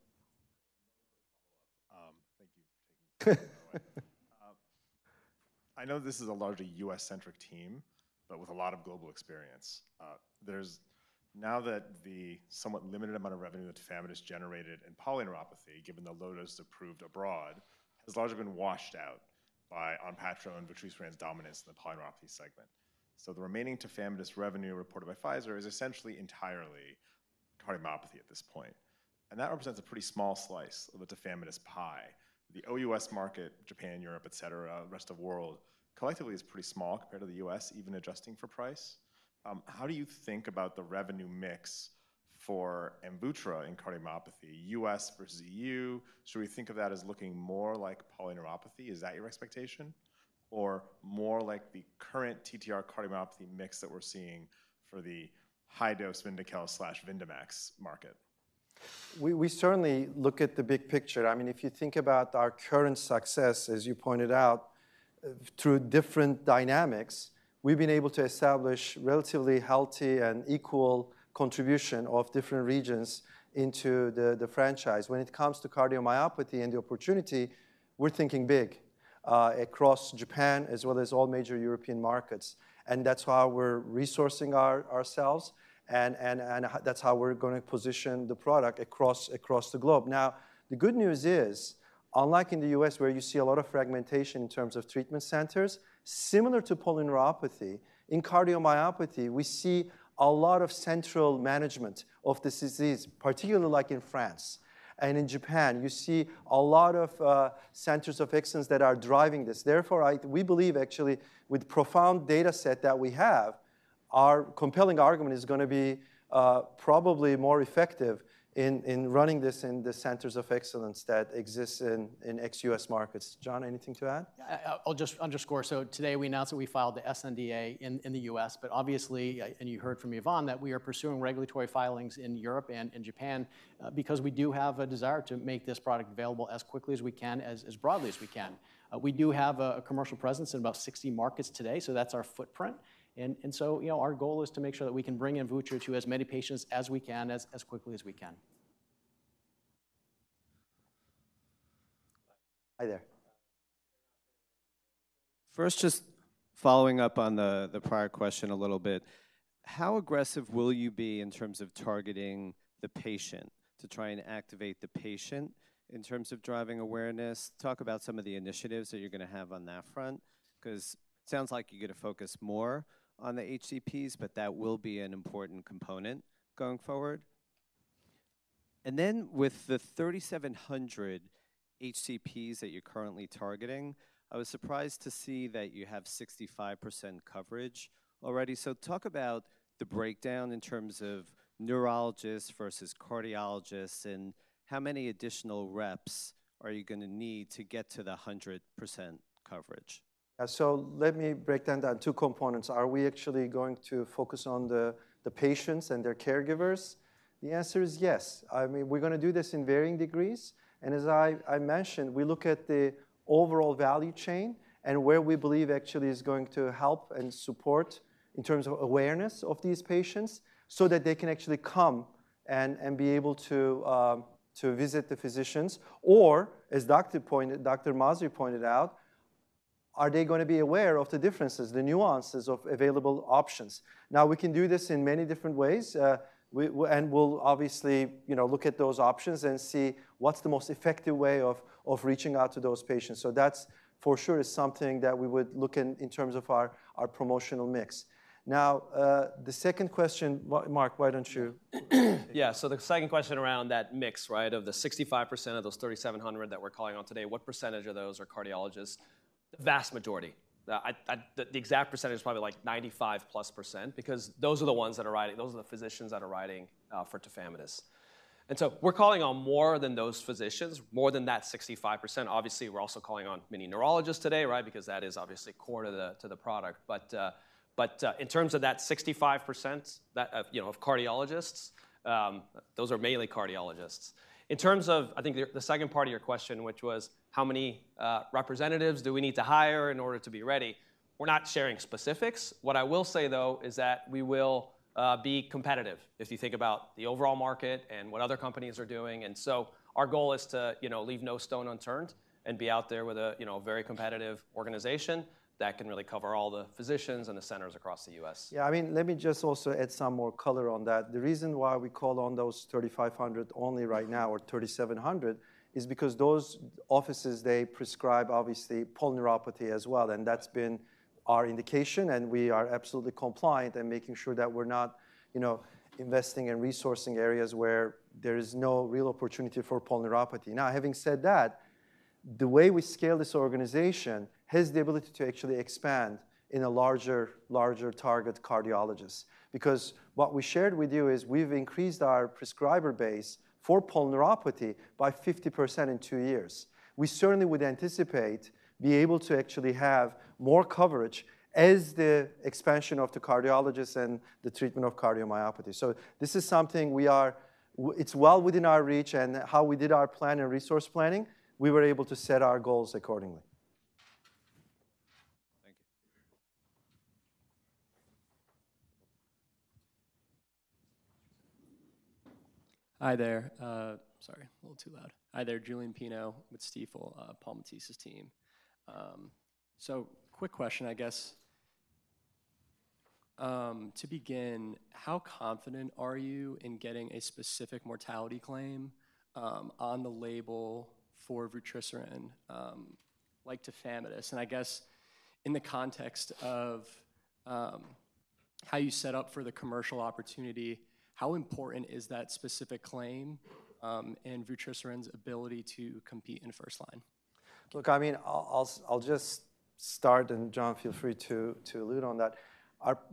I know this is a largely U.S.-centric team, but with a lot of global experience. Now that the somewhat limited amount of revenue that tafamidis generated in polyneuropathy, given the label approved abroad, has largely been washed out by Onpattro and vutrisiran's dominance in the polyneuropathy segment. So the remaining tafamidis revenue reported by Pfizer is essentially entirely cardiomyopathy at this point, and that represents a pretty small slice of the tafamidis pie. The OUS market, Japan, Europe, et cetera, rest of world, collectively is pretty small compared to the U.S., even adjusting for price. How do you think about the revenue mix for Amvuttra in cardiomyopathy, U.S. versus EU? Should we think of that as looking more like polyneuropathy? Is that your expectation, or more like the current TTR cardiomyopathy mix that we're seeing for the high-dose Vyndaqel/Vyndamax market? We certainly look at the big picture. I mean, if you think about our current success, as you pointed out, through different dynamics, we've been able to establish relatively healthy and equal contribution of different regions into the franchise. When it comes to cardiomyopathy and the opportunity, we're thinking big, across Japan, as well as all major European markets, and that's why we're resourcing ourselves, and that's how we're gonna position the product across the globe. Now, the good news is, unlike in the U.S., where you see a lot of fragmentation in terms of treatment centers, similar to polyneuropathy, in cardiomyopathy, we see a lot of central management of this disease, particularly like in France and in Japan. You see a lot of centers of excellence that are driving this. Therefore, we believe, actually, with profound data set that we have, our compelling argument is gonna be probably more effective in running this in the centers of excellence that exist in ex-U.S. markets. John, anything to add? Yeah, I'll just underscore. So today we announced that we filed the sNDA in the U.S., but obviously, and you heard from Yvonne, that we are pursuing regulatory filings in Europe and in Japan, because we do have a commercial presence in about 60 markets today, so that's our footprint. And so, you know, our goal is to make sure that we can bring Amvuttra to as many patients as we can, as quickly as we can. Hi there. First, just following up on the prior question a little bit, how aggressive will you be in terms of targeting the patient to try and activate the patient in terms of driving awareness? Talk about some of the initiatives that you're gonna have on that front, 'cause sounds like you're gonna focus more on the HCPs, but that will be an important component going forward. And then with the 3,700 HCPs that you're currently targeting, I was surprised to see that you have 65% coverage already. So talk about the breakdown in terms of neurologists versus cardiologists, and how many additional reps are you gonna need to get to the 100% coverage? So let me break down that in two components. Are we actually going to focus on the patients and their caregivers? The answer is yes. I mean, we're gonna do this in varying degrees, and as I mentioned, we look at the overall value chain and where we believe actually is going to help and support in terms of awareness of these patients, so that they can actually come and be able to to visit the physicians. Or as Dr. Masri pointed out, are they gonna be aware of the differences, the nuances of available options? Now, we can do this in many different ways. And we'll obviously, you know, look at those options and see what's the most effective way of reaching out to those patients. So that's for sure is something that we would look in terms of our promotional mix. Now, the second question, Mark, why don't you? Yeah. So the second question around that mix, right? Of the 65% of those 3,700 that we're calling on today, what percentage of those are cardiologists? Vast majority. The exact percentage is probably, like, 95%+, because those are the physicians that are writing for Tafamidis. And so we're calling on more than those physicians, more than that 65%. Obviously, we're also calling on many neurologists today, right? Because that is obviously core to the product. But in terms of that 65%, that you know of cardiologists, those are mainly cardiologists. In terms of, I think, the second part of your question, which was: How many representatives do we need to hire in order to be ready? We're not sharing specifics. What I will say, though, is that we will be competitive, if you think about the overall market and what other companies are doing, and so our goal is to, you know, leave no stone unturned and be out there with a, you know, very competitive organization that can really cover all the physicians and the centers across the U.S. Yeah, I mean, let me just also add some more color on that. The reason why we call on those 3,500 only right now, or 3,700, is because those offices, they prescribe obviously polyneuropathy as well, and that's been our indication, and we are absolutely compliant in making sure that we're not, you know, investing in resourcing areas where there is no real opportunity for polyneuropathy. Now, having said that, the way we scale this organization has the ability to actually expand in a larger, larger target cardiologists. Because what we shared with you is we've increased our prescriber base for polyneuropathy by 50% in two years. We certainly would anticipate be able to actually have more coverage as the expansion of the cardiologists and the treatment of cardiomyopathy. So this is something we are... It's well within our reach, and how we did our plan and resource planning, we were able to set our goals accordingly. Thank you. Hi there. Sorry, a little too loud. Hi there, Julian Harrison with Stifel, Paul Matteis's team. So quick question, I guess. To begin, how confident are you in getting a specific mortality claim on the label for vutrisiran, like tafamidis? And I guess in the context of how you set up for the commercial opportunity, how important is that specific claim in vutrisiran's ability to compete in first line? Look, I mean, I'll just start, and John, feel free to allude on that.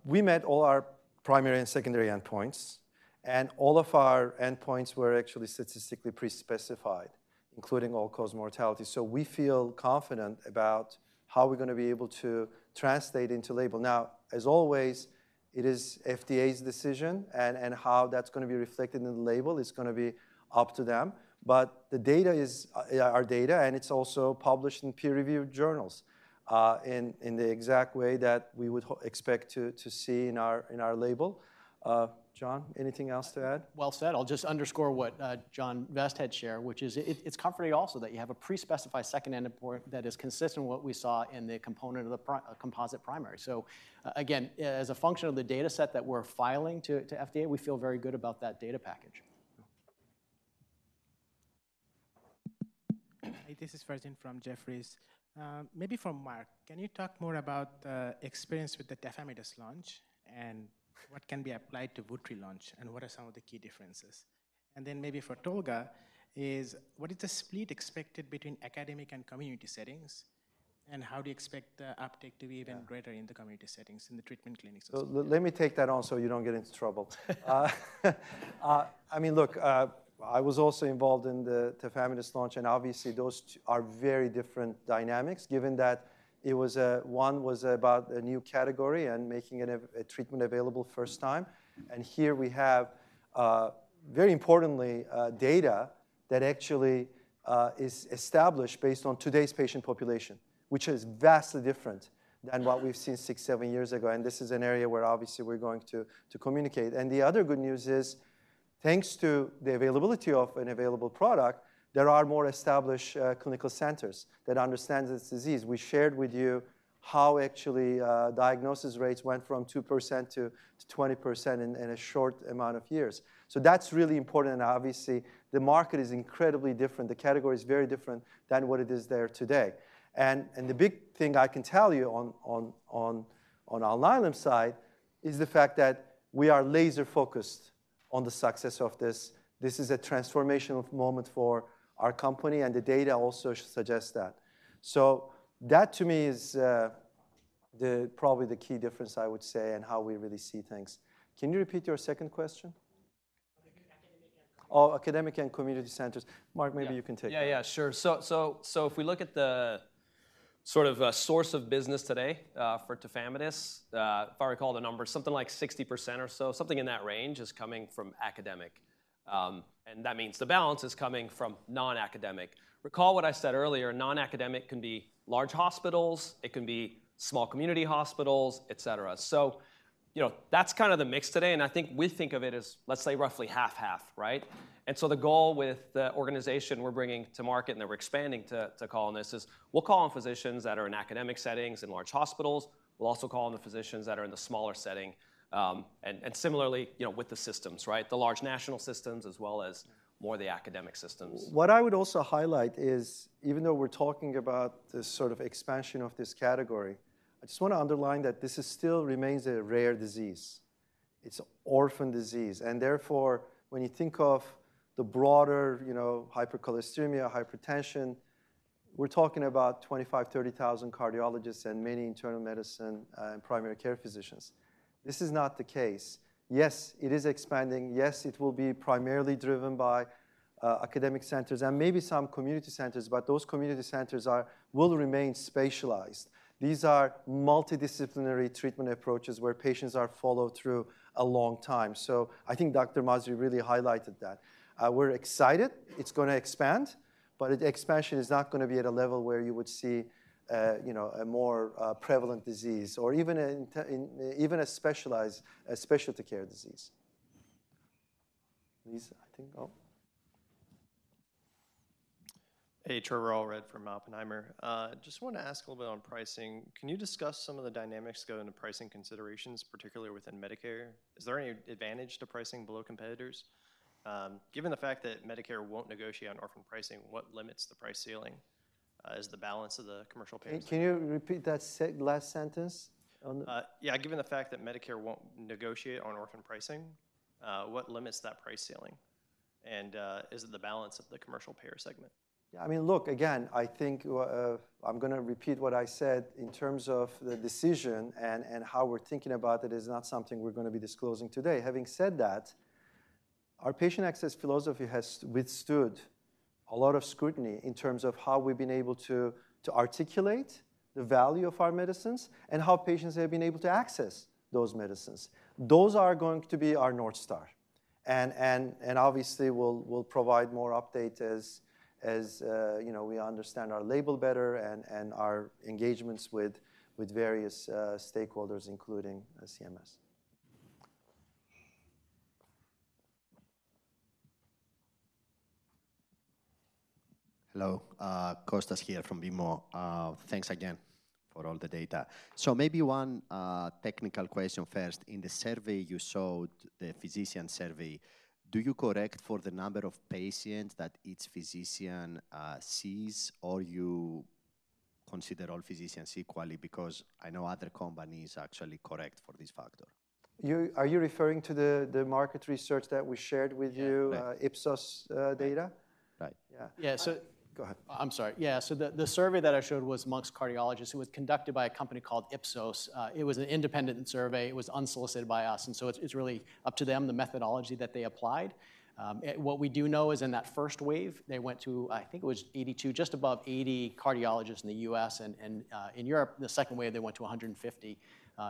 We met all our primary and secondary endpoints, and all of our endpoints were actually statistically pre-specified, including all-cause mortality. So we feel confident about how we're gonna be able to translate into label. Now, as always, it is FDA's decision, and how that's gonna be reflected in the label is gonna be up to them. But the data is our data, and it's also published in peer-reviewed journals in the exact way that we would expect to see in our label. John, anything else to add? Well said. I'll just underscore what John Vest had shared, which is it's comforting also that you have a pre-specified second endpoint that is consistent with what we saw in the component of the composite primary. So again, as a function of the data set that we're filing to FDA, we feel very good about that data package. Yeah. Hi, this is Farzin from Jefferies. Maybe for Mark, can you talk more about the experience with the tafamidis launch, and what can be applied to vutri launch, and what are some of the key differences? Then maybe for Tolga is, what is the split expected between academic and community settings, and how do you expect the uptake to be even- Yeah... greater in the community settings, in the treatment clinics also? Let me take that on, so you don't get into trouble. I mean, look, I was also involved in the tafamidis launch, and obviously, those two are very different dynamics, given that it was one was about a new category and making it a treatment available first time. And here we have very importantly data that actually is established based on today's patient population, which is vastly different than what we've seen six, seven years ago, and this is an area where obviously we're going to communicate. And the other good news is thanks to the availability of an available product, there are more established clinical centers that understand this disease. We shared with you how actually diagnosis rates went from 2% to 20% in a short amount of years. So that's really important, and obviously, the market is incredibly different. The category is very different than what it is there today. And the big thing I can tell you on Alnylam's side is the fact that we are laser focused on the success of this. This is a transformational moment for our company, and the data also suggest that. So that to me is probably the key difference, I would say, in how we really see things. Can you repeat your second question? Academic and community. Oh, academic and community centers. Mark- Yeah. Maybe you can take that. Yeah, yeah, sure. So if we look at the sort of source of business today for Tafamidis, if I recall the number, something like 60% or so, something in that range is coming from academic. And that means the balance is coming from non-academic. Recall what I said earlier, non-academic can be large hospitals, it can be small community hospitals, et cetera. So, you know, that's kind of the mix today, and I think we think of it as, let's say, roughly half-half, right? And so the goal with the organization we're bringing to market, and that we're expanding to, to call on this is, we'll call on physicians that are in academic settings and large hospitals. We'll also call on the physicians that are in the smaller setting, and similarly, you know, with the systems, right? The large national systems as well as more of the academic systems. What I would also highlight is, even though we're talking about this sort of expansion of this category, I just want to underline that this is still remains a rare disease. It's orphan disease, and therefore, when you think of the broader, you know, hypercholesterolemia, hypertension, we're talking about 25,000-30,000 cardiologists and many internal medicine, and primary care physicians. This is not the case. Yes, it is expanding. Yes, it will be primarily driven by academic centers and maybe some community centers, but those community centers will remain specialized. These are multidisciplinary treatment approaches where patients are followed through a long time. So I think Dr. Masri really highlighted that. We're excited, it's gonna expand, but the expansion is not gonna be at a level where you would see, you know, a more prevalent disease or even in, even a specialized, a specialty care disease. These, I think... Oh. Hey, Trevor Allred from Oppenheimer. Just want to ask a little bit on pricing. Can you discuss some of the dynamics that go into pricing considerations, particularly within Medicare? Is there any advantage to pricing below competitors? Given the fact that Medicare won't negotiate on orphan pricing, what limits the price ceiling, as the balance of the commercial payer- Can you repeat that last sentence? Yeah, given the fact that Medicare won't negotiate on orphan pricing, what limits that price ceiling, and is it the balance of the commercial payer segment? Yeah, I mean, look, again, I think, I'm gonna repeat what I said in terms of the decision and how we're thinking about it is not something we're gonna be disclosing today. Having said that, our patient access philosophy has withstood a lot of scrutiny in terms of how we've been able to articulate the value of our medicines and how patients have been able to access those medicines. Those are going to be our North Star. Obviously, we'll provide more updates as you know we understand our label better and our engagements with various stakeholders, including CMS. Hello, Kostas here from BMO. Thanks again for all the data. So maybe one technical question first. In the survey you showed, the physician survey, do you correct for the number of patients that each physician sees, or you consider all physicians equally? Because I know other companies actually correct for this factor. You are you referring to the market research that we shared with you? Yeah, right. - Ipsos data? Right. Yeah. Yeah, so- Go ahead. I'm sorry. Yeah, so the survey that I showed was among cardiologists. It was conducted by a company called Ipsos. It was an independent survey. It was unsolicited by us, and so it's really up to them, the methodology that they applied. What we do know is in that first wave, they went to, I think it was 82, just above 80 cardiologists in the U.S. and in Europe. The second wave, they went to 150.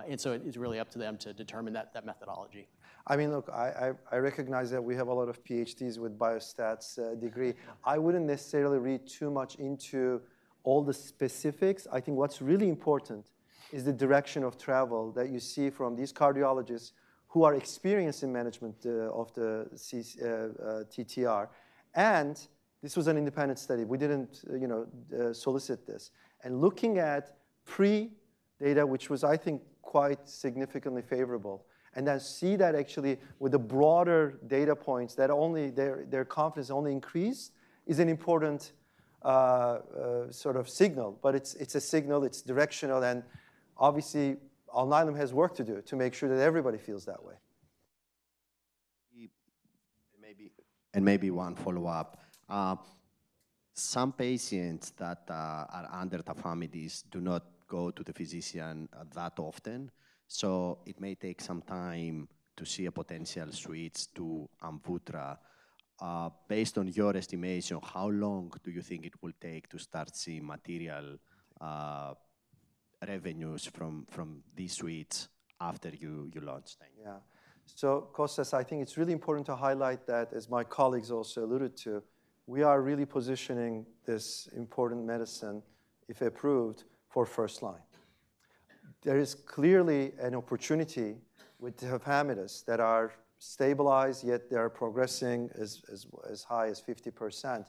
And so it's really up to them to determine that methodology. I mean, look, I recognize that we have a lot of PhDs with biostats degree. I wouldn't necessarily read too much into all the specifics. I think what's really important is the direction of travel that you see from these cardiologists who are experienced in management of ATTR-CM. And this was an independent study. We didn't, you know, solicit this. And looking at pre-data, which was, I think, quite significantly favorable, and then see that actually with the broader data points, that only their confidence increased, is an important sort of signal. But it's a signal that's directional, and obviously, Alnylam has work to do to make sure that everybody feels that way. Maybe, and maybe one follow-up. Some patients that are under tafamidis do not go to the physician that often, so it may take some time to see a potential switch to Amvuttra. Based on your estimation, how long do you think it will take to start seeing material revenues from these switches after you launch? Thank you. Yeah. So, Kostas, I think it's really important to highlight that, as my colleagues also alluded to, we are really positioning this important medicine, if approved, for first line. There is clearly an opportunity with the hemophiliacs that are stabilized, yet they are progressing as high as 50%.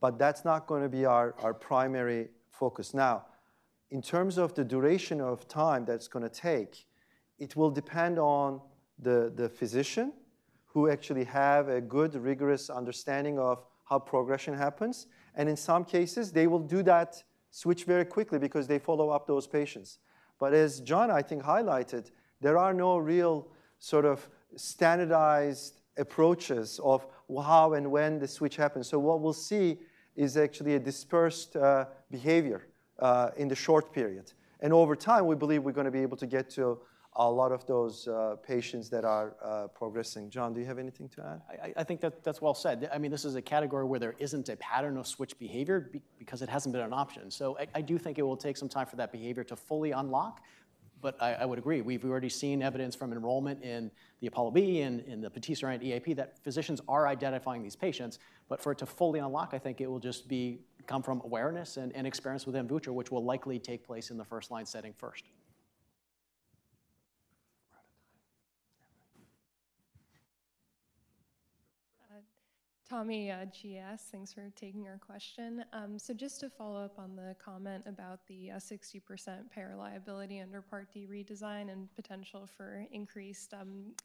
But that's not gonna be our primary focus. Now, in terms of the duration of time that it's gonna take, it will depend on the physician who actually have a good, rigorous understanding of how progression happens, and in some cases, they will do that switch very quickly because they follow up those patients. But as John, I think, highlighted, there are no real sort of standardized approaches of how and when the switch happens. So what we'll see is actually a dispersed behavior in the short period. Over time, we believe we're gonna be able to get to a lot of those patients that are progressing. John, do you have anything to add? I think that, that's well said. I mean, this is a category where there isn't a pattern of switch behavior because it hasn't been an option. So I do think it will take some time for that behavior to fully unlock, but I would agree. We've already seen evidence from enrollment in the APOLLO B and in the patisiran EAP, that physicians are identifying these patients, but for it to fully unlock, I think it will just become from awareness and experience with Amvuttra, which will likely take place in the first line setting first. We're out of time. Tommy, GS, thanks for taking our question. So just to follow up on the comment about the 60% payer liability under Part D redesign and potential for increased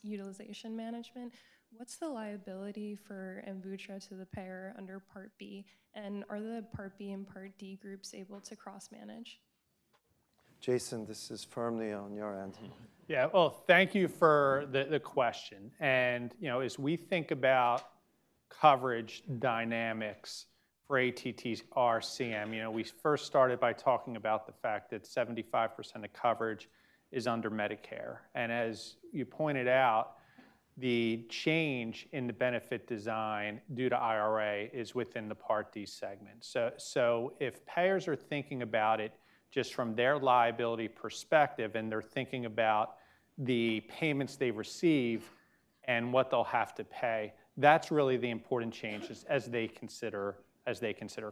utilization management, what's the liability for Amvuttra to the payer under Part B, and are the Part B and Part D groups able to cross-manage? Jason, this is firmly on your end. Yeah. Well, thank you for the question. And, you know, as we think about coverage dynamics for ATTR-CM, you know, we first started by talking about the fact that 75% of coverage is under Medicare. And as you pointed out, the change in the benefit design due to IRA is within the Part D segment. So if payers are thinking about it just from their liability perspective, and they're thinking about the payments they receive and what they'll have to pay, that's really the important change as they consider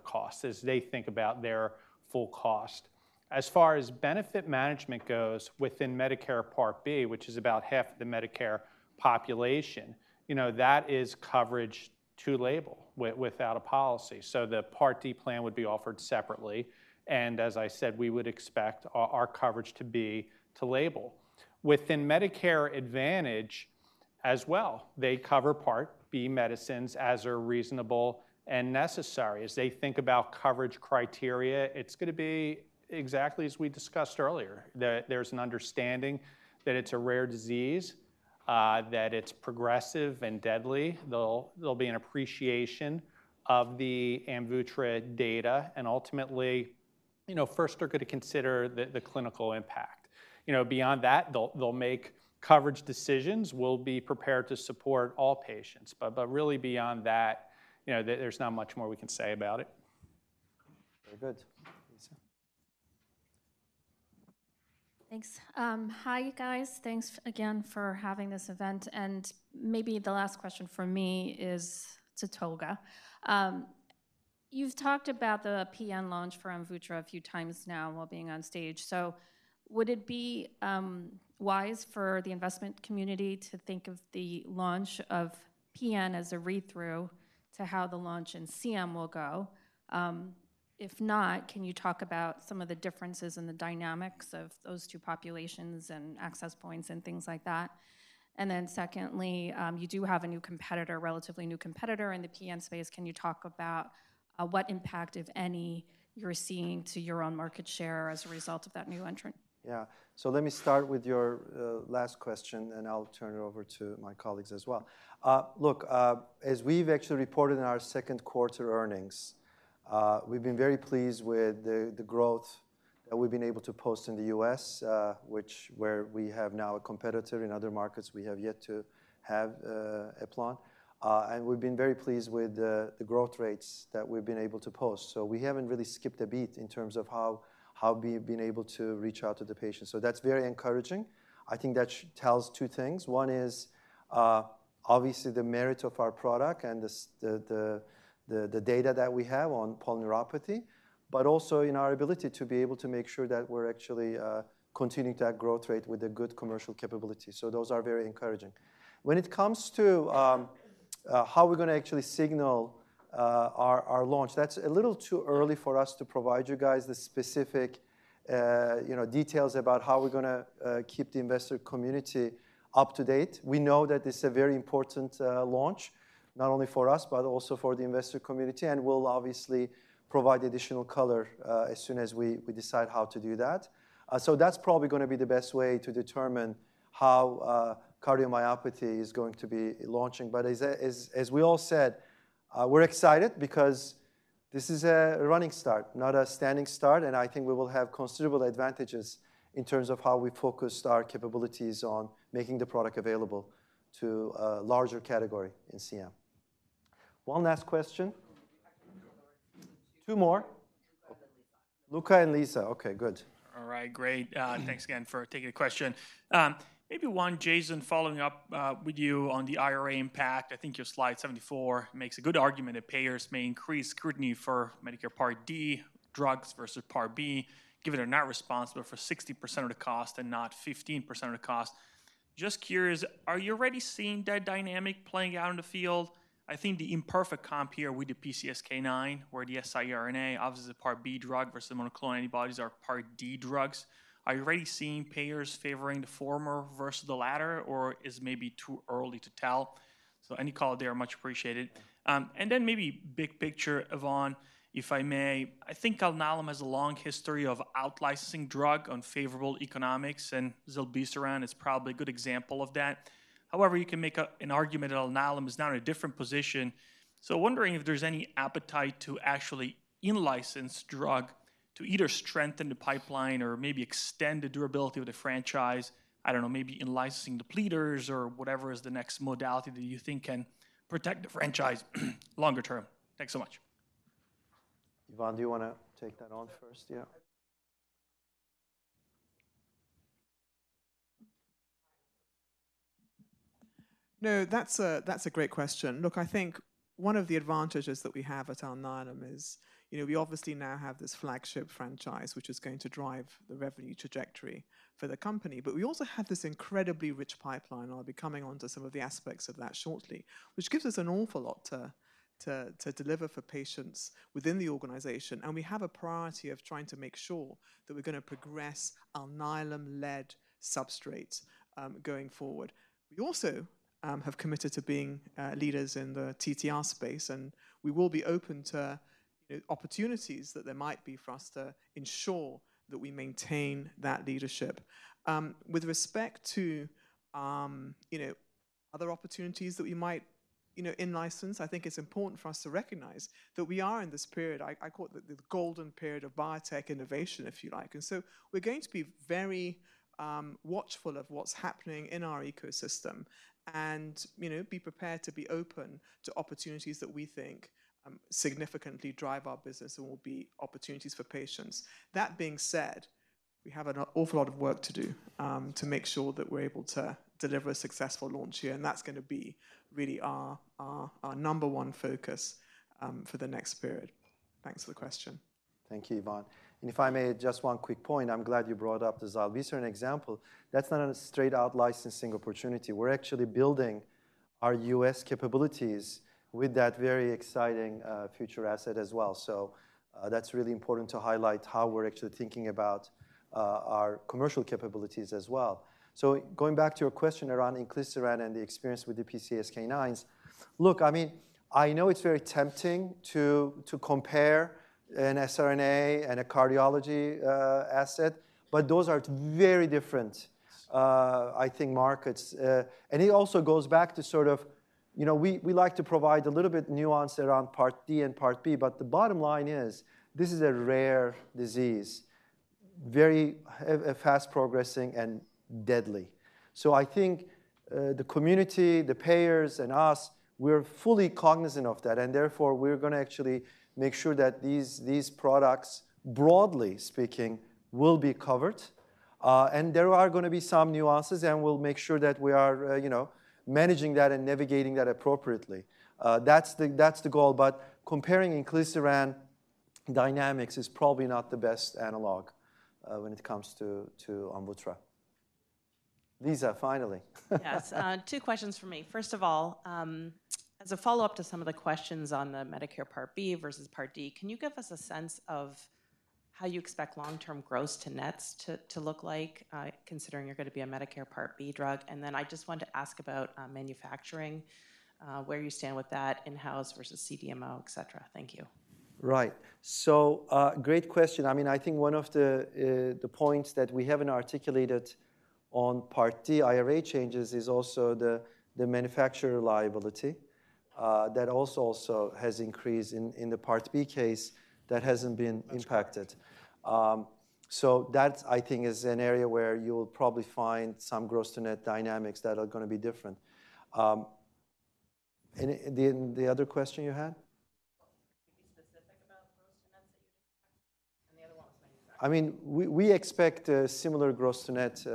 costs, as they think about their full cost. As far as benefit management goes within Medicare Part B, which is about half the Medicare population, you know, that is coverage to label without a policy. So the Part D plan would be offered separately, and as I said, we would expect our coverage to be to label. Within Medicare Advantage as well, they cover Part B medicines as are reasonable and necessary. As they think about coverage criteria, it's gonna be exactly as we discussed earlier, that there's an understanding that it's a rare disease, that it's progressive and deadly. There'll be an appreciation of the Amvuttra data, and ultimately, you know, first, they're gonna consider the clinical impact. You know, beyond that, they'll make coverage decisions. We'll be prepared to support all patients. But really beyond that, you know, there's not much more we can say about it. Very good. Liisa? Thanks. Hi, guys. Thanks again for having this event, and maybe the last question from me is to Tolga. You've talked about the PN launch for Amvuttra a few times now while being on stage. So would it be wise for the investment community to think of the launch of PN as a read-through to how the launch in CM will go? If not, can you talk about some of the differences in the dynamics of those two populations and access points and things like that? And then secondly, you do have a new competitor, relatively new competitor in the PN space. Can you talk about what impact, if any, you're seeing to your own market share as a result of that new entrant? Yeah. So let me start with your last question, and I'll turn it over to my colleagues as well. Look, as we've actually reported in our second quarter earnings, we've been very pleased with the growth that we've been able to post in the U.S., which, where we have now a competitor. In other markets, we have yet to have a plan. And we've been very pleased with the growth rates that we've been able to post. So we haven't really skipped a beat in terms of how we've been able to reach out to the patients. So that's very encouraging. I think that tells two things. One is obviously the merit of our product and the data that we have on polyneuropathy, but also in our ability to be able to make sure that we're actually continuing that growth rate with a good commercial capability. So those are very encouraging. When it comes to how we're gonna actually signal our launch, that's a little too early for us to provide you guys the specific, you know, details about how we're gonna keep the investor community up to date. We know that this is a very important launch, not only for us, but also for the investor community, and we'll obviously provide additional color as soon as we decide how to do that. So that's probably gonna be the best way to determine how cardiomyopathy is going to be launching. But as we all said, we're excited because this is a running start, not a standing start, and I think we will have considerable advantages in terms of how we focused our capabilities on making the product available to a larger category in CM. One last question. Two more. Luca and Liisa. Luca and Liisa. Okay, good. All right, great. Thanks again for taking the question. Maybe one, Jason, following up with you on the IRA impact. I think your slide 74 makes a good argument that payers may increase scrutiny for Medicare Part D drugs versus Part B, given they're not responsible for 60% of the cost and not 15% of the cost.... Just curious, are you already seeing that dynamic playing out in the field? I think the imperfect comp here with the PCSK9 or the siRNA, obviously, the Part B drug versus monoclonal antibodies are Part D drugs. Are you already seeing payers favoring the former versus the latter, or is it maybe too early to tell? So any color there would be much appreciated. And then maybe big picture, Yvonne, if I may. I think Alnylam has a long history of out licensing drug on favorable economics, and zilebesiran is probably a good example of that. However, you can make an argument that Alnylam is now in a different position. So wondering if there's any appetite to actually in-license drug to either strengthen the pipeline or maybe extend the durability of the franchise. I don't know, maybe in-licensing the platforms or whatever is the next modality that you think can protect the franchise longer term. Thanks so much. Yvonne, do you want to take that on first? Yeah. No, that's a great question. Look, I think one of the advantages that we have at Alnylam is, you know, we obviously now have this flagship franchise, which is going to drive the revenue trajectory for the company. But we also have this incredibly rich pipeline. I'll be coming onto some of the aspects of that shortly, which gives us an awful lot to deliver for patients within the organization. And we have a priority of trying to make sure that we're going to progress Alnylam-led substrates going forward. We also have committed to being leaders in the TTR space, and we will be open to opportunities that there might be for us to ensure that we maintain that leadership. With respect to, you know, other opportunities that we might, you know, in-license, I think it's important for us to recognize that we are in this period, I call it the golden period of biotech innovation, if you like. And so we're going to be very watchful of what's happening in our ecosystem and, you know, be prepared to be open to opportunities that we think significantly drive our business and will be opportunities for patients. That being said, we have an awful lot of work to do to make sure that we're able to deliver a successful launch here, and that's going to be really our number one focus for the next period. Thanks for the question. Thank you, Yvonne. And if I may, just one quick point. I'm glad you brought up the Zilebesiran example. That's not a straight out licensing opportunity. We're actually building our U.S. capabilities with that very exciting future asset as well. So, that's really important to highlight how we're actually thinking about our commercial capabilities as well. So going back to your question around inclisiran and the experience with the PCSK9s. Look, I mean, I know it's very tempting to compare an siRNA and a cardiology asset, but those are very different, I think, markets. And it also goes back to sort of. You know, we like to provide a little bit nuance around Part D and Part B, but the bottom line is, this is a rare disease, very fast progressing and deadly. So I think, the community, the payers, and us, we're fully cognizant of that, and therefore, we're going to actually make sure that these, these products, broadly speaking, will be covered. And there are going to be some nuances, and we'll make sure that we are, you know, managing that and navigating that appropriately. That's the, that's the goal, but comparing inclisiran dynamics is probably not the best analog, when it comes to, to Onpattro. Liisa, finally. Yes, two questions for me. First of all, as a follow-up to some of the questions on the Medicare Part B versus Part D, can you give us a sense of how you expect long-term gross-to-nets to look like, considering you're going to be a Medicare Part B drug? And then I just wanted to ask about manufacturing, where you stand with that in-house versus CDMO, et cetera. Thank you. Right. So, great question. I mean, I think one of the points that we haven't articulated on Part D IRA changes is also the manufacturer liability that also has increased in the Part B case that hasn't been impacted. So that, I think, is an area where you will probably find some gross-to-net dynamics that are going to be different. And the other question you had? Can you be specific about gross-to-nets that you'd expect? And the other one was manufacturing. I mean, we expect similar gross-to-net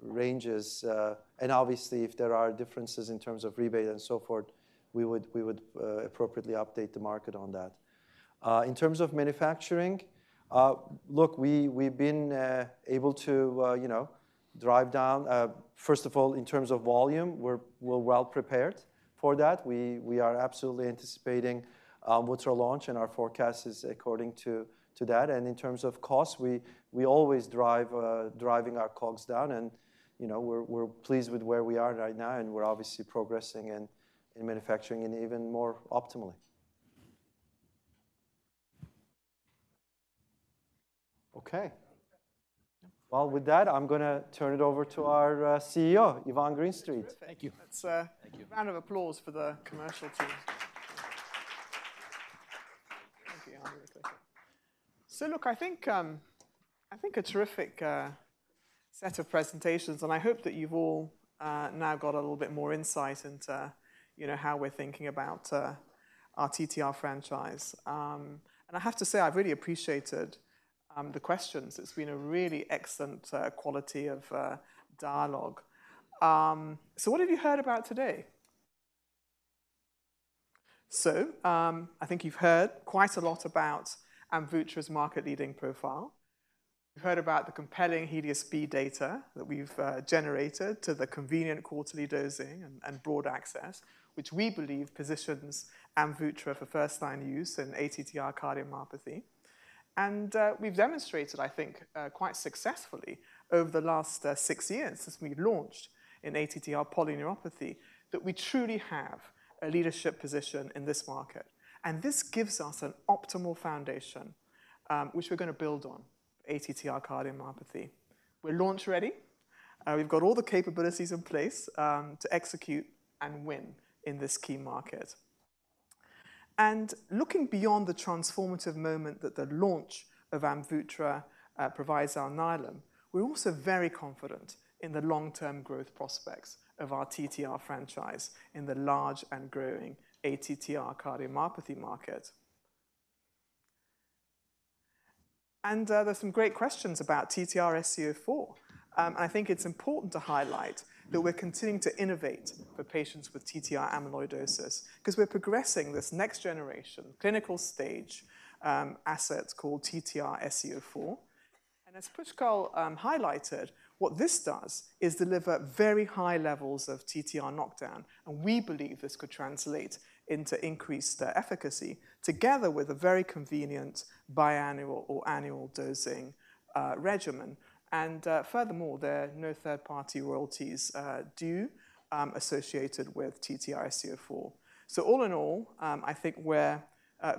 ranges. And obviously, if there are differences in terms of rebate and so forth, we would appropriately update the market on that. In terms of manufacturing, look, we've been able to, you know, drive down. First of all, in terms of volume, we're well prepared for that. We are absolutely anticipating with our launch, and our forecast is according to that. And in terms of cost, we always drive our costs down, and, you know, we're pleased with where we are right now, and we're obviously progressing in manufacturing and even more optimally. Okay. Well, with that, I'm going to turn it over to our CEO, Yvonne Greenstreet. Thank you. Let's, uh- Thank you. Round of applause for the commercial team. Thank you, Yvonne. You're welcome. So look, I think a terrific set of presentations, and I hope that you've all now got a little bit more insight into, you know, how we're thinking about our TTR franchise. So what have you heard about today? So, I think you've heard quite a lot about Amvuttra's market-leading profile. You've heard about the compelling HELIOS-B data that we've generated to the convenient quarterly dosing and broad access, which we believe positions Amvuttra for first-line use in ATTR cardiomyopathy. And, we've demonstrated, I think, quite successfully over the last six years since we launched in ATTR polyneuropathy, that we truly have a leadership position in this market. And this gives us an optimal foundation, which we're gonna build on ATTR cardiomyopathy. We're launch-ready. We've got all the capabilities in place, to execute and win in this key market. And, looking beyond the transformative moment that the launch of Amvuttra, provides Alnylam, we're also very confident in the long-term growth prospects of our TTR franchise in the large and growing ATTR cardiomyopathy market. And, there's some great questions about TTRsc04. And I think it's important to highlight that we're continuing to innovate for patients with TTR amyloidosis, 'cause we're progressing this next generation, clinical stage, asset called TTRsc04. And as Pushkal highlighted, what this does is deliver very high levels of TTR knockdown, and we believe this could translate into increased efficacy, together with a very convenient biannual or annual dosing regimen. And furthermore, there are no third-party royalties due associated with TTRsc04. So all in all, I think we're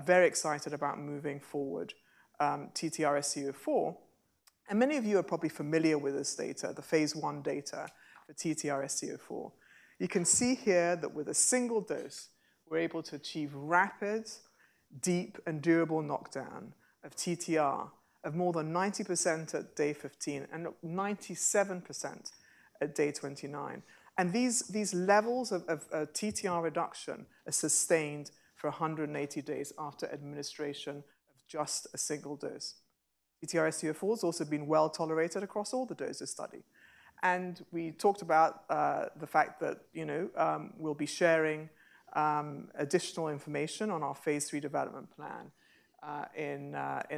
very excited about moving forward TTRsc04. And many of you are probably familiar with this data, the phase I data for TTRsc04. You can see here that with a single dose, we're able to achieve rapid, deep, and durable knockdown of TTR of more than 90% at day 15 and 97% at day 29. And these levels of TTR reduction are sustained for 180 days after administration of just a single dose. TTRsc04 has also been well tolerated across all the doses study. We talked about the fact that, you know, we'll be sharing additional information on our phase III development plan in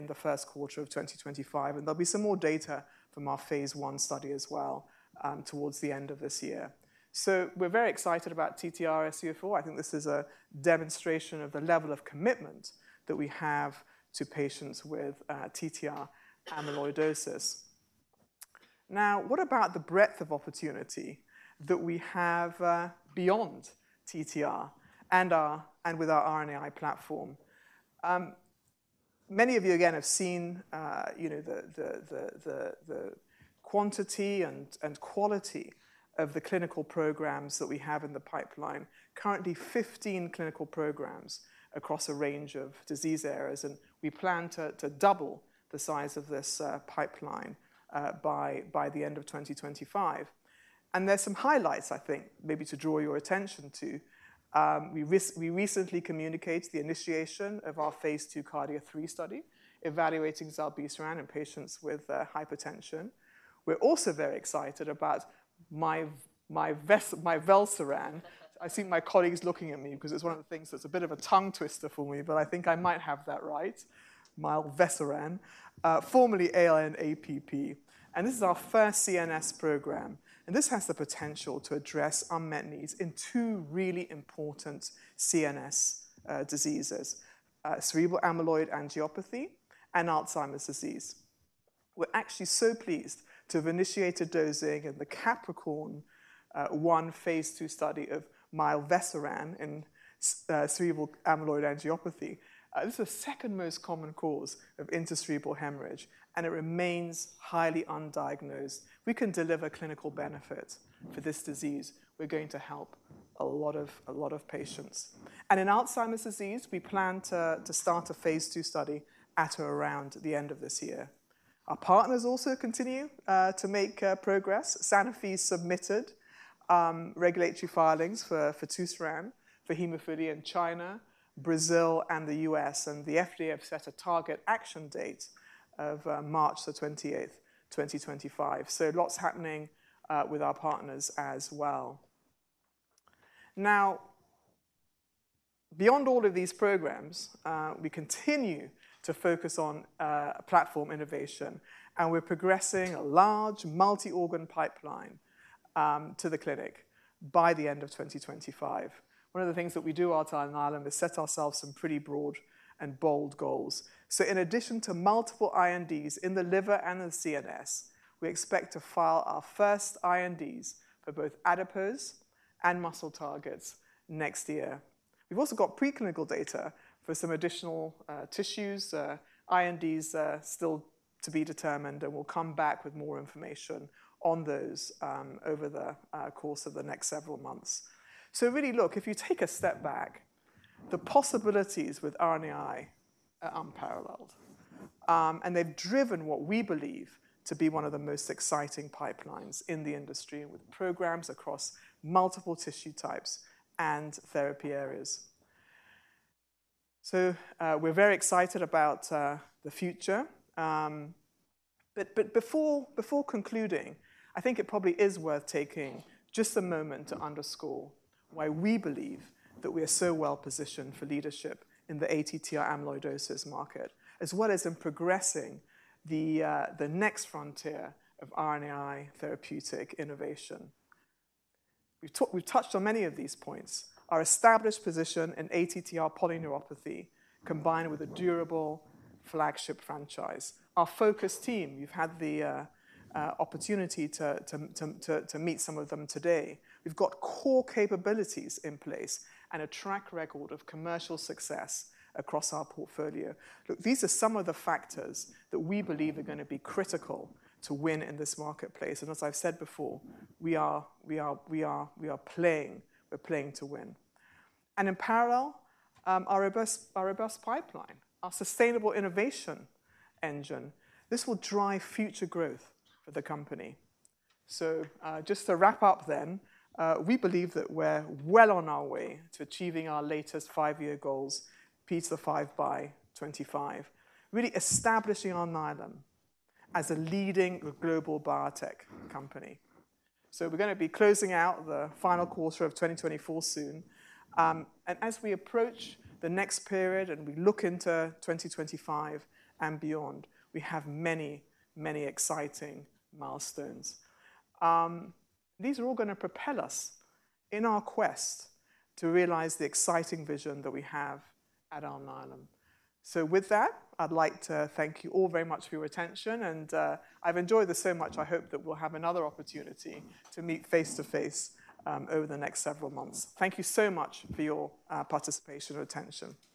the first quarter of 2025, and there'll be some more data from our phase I study as well towards the end of this year. We're very excited about TTRsc04. I think this is a demonstration of the level of commitment that we have to patients with TTR amyloidosis. Now, what about the breadth of opportunity that we have beyond TTR and with our RNAi platform? Many of you, again, have seen, you know, the quantity and quality of the clinical programs that we have in the pipeline. Currently, fifteen clinical programs across a range of disease areas, and we plan to double the size of this pipeline by the end of 2025. There are some highlights, I think, maybe to draw your attention to. We recently communicated the initiation of our phase II KARDIA-3 study, evaluating zilebesiran in patients with hypertension. We're also very excited about mivelsiran. I see my colleagues looking at me because it's one of the things that's a bit of a tongue twister for me, but I think I might have that right. Mivelsiran, formerly ALN-APP, and this is our first CNS program, and this has the potential to address unmet needs in two really important CNS diseases, cerebral amyloid angiopathy and Alzheimer's disease. We're actually so pleased to have initiated dosing in the CAPRICORN-1 phase II study of mivelsiran in cerebral amyloid angiopathy. This is the second most common cause of intracerebral hemorrhage, and it remains highly undiagnosed. We can deliver clinical benefit for this disease. We're going to help a lot of, a lot of patients. And in Alzheimer's disease, we plan to start a phase II study at or around the end of this year. Our partners also continue to make progress. Sanofi submitted regulatory filings for fitusiran for hemophilia in China, Brazil, and the U.S., and the FDA have set a target action date of March the 28th, 2025. So lots happening with our partners as well. Now, beyond all of these programs, we continue to focus on platform innovation, and we're progressing a large multi-organ pipeline to the clinic by the end of 2025. One of the things that we do at Alnylam is set ourselves some pretty broad and bold goals. So in addition to multiple INDs in the liver and the CNS, we expect to file our first INDs for both adipose and muscle targets next year. We've also got preclinical data for some additional tissues. INDs are still to be determined, and we'll come back with more information on those over the course of the next several months. So really, look, if you take a step back, the possibilities with RNAi are unparalleled, and they've driven what we believe to be one of the most exciting pipelines in the industry, with programs across multiple tissue types and therapy areas, so we're very excited about the future, but before concluding, I think it probably is worth taking just a moment to underscore why we believe that we are so well positioned for leadership in the ATTR amyloidosis market, as well as in progressing the next frontier of RNAi therapeutic innovation. We've touched on many of these points. Our established position in ATTR polyneuropathy, combined with a durable flagship franchise. Our focused team, you've had the opportunity to meet some of them today. We've got core capabilities in place and a track record of commercial success across our portfolio. Look, these are some of the factors that we believe are gonna be critical to win in this marketplace, and as I've said before, we are playing to win, and in parallel, our robust pipeline, our sustainable innovation engine, this will drive future growth for the company. Just to wrap up then, we believe that we're well on our way to achieving our latest five-year goals, P5x25, really establishing Alnylam as a leading global biotech company. We're gonna be closing out the final quarter of 2024 soon, and as we approach the next period and we look into 2025 and beyond, we have many exciting milestones. These are all gonna propel us in our quest to realize the exciting vision that we have at Alnylam. So with that, I'd like to thank you all very much for your attention, and I've enjoyed this so much. I hope that we'll have another opportunity to meet face-to-face over the next several months. Thank you so much for your participation and attention. Thank you.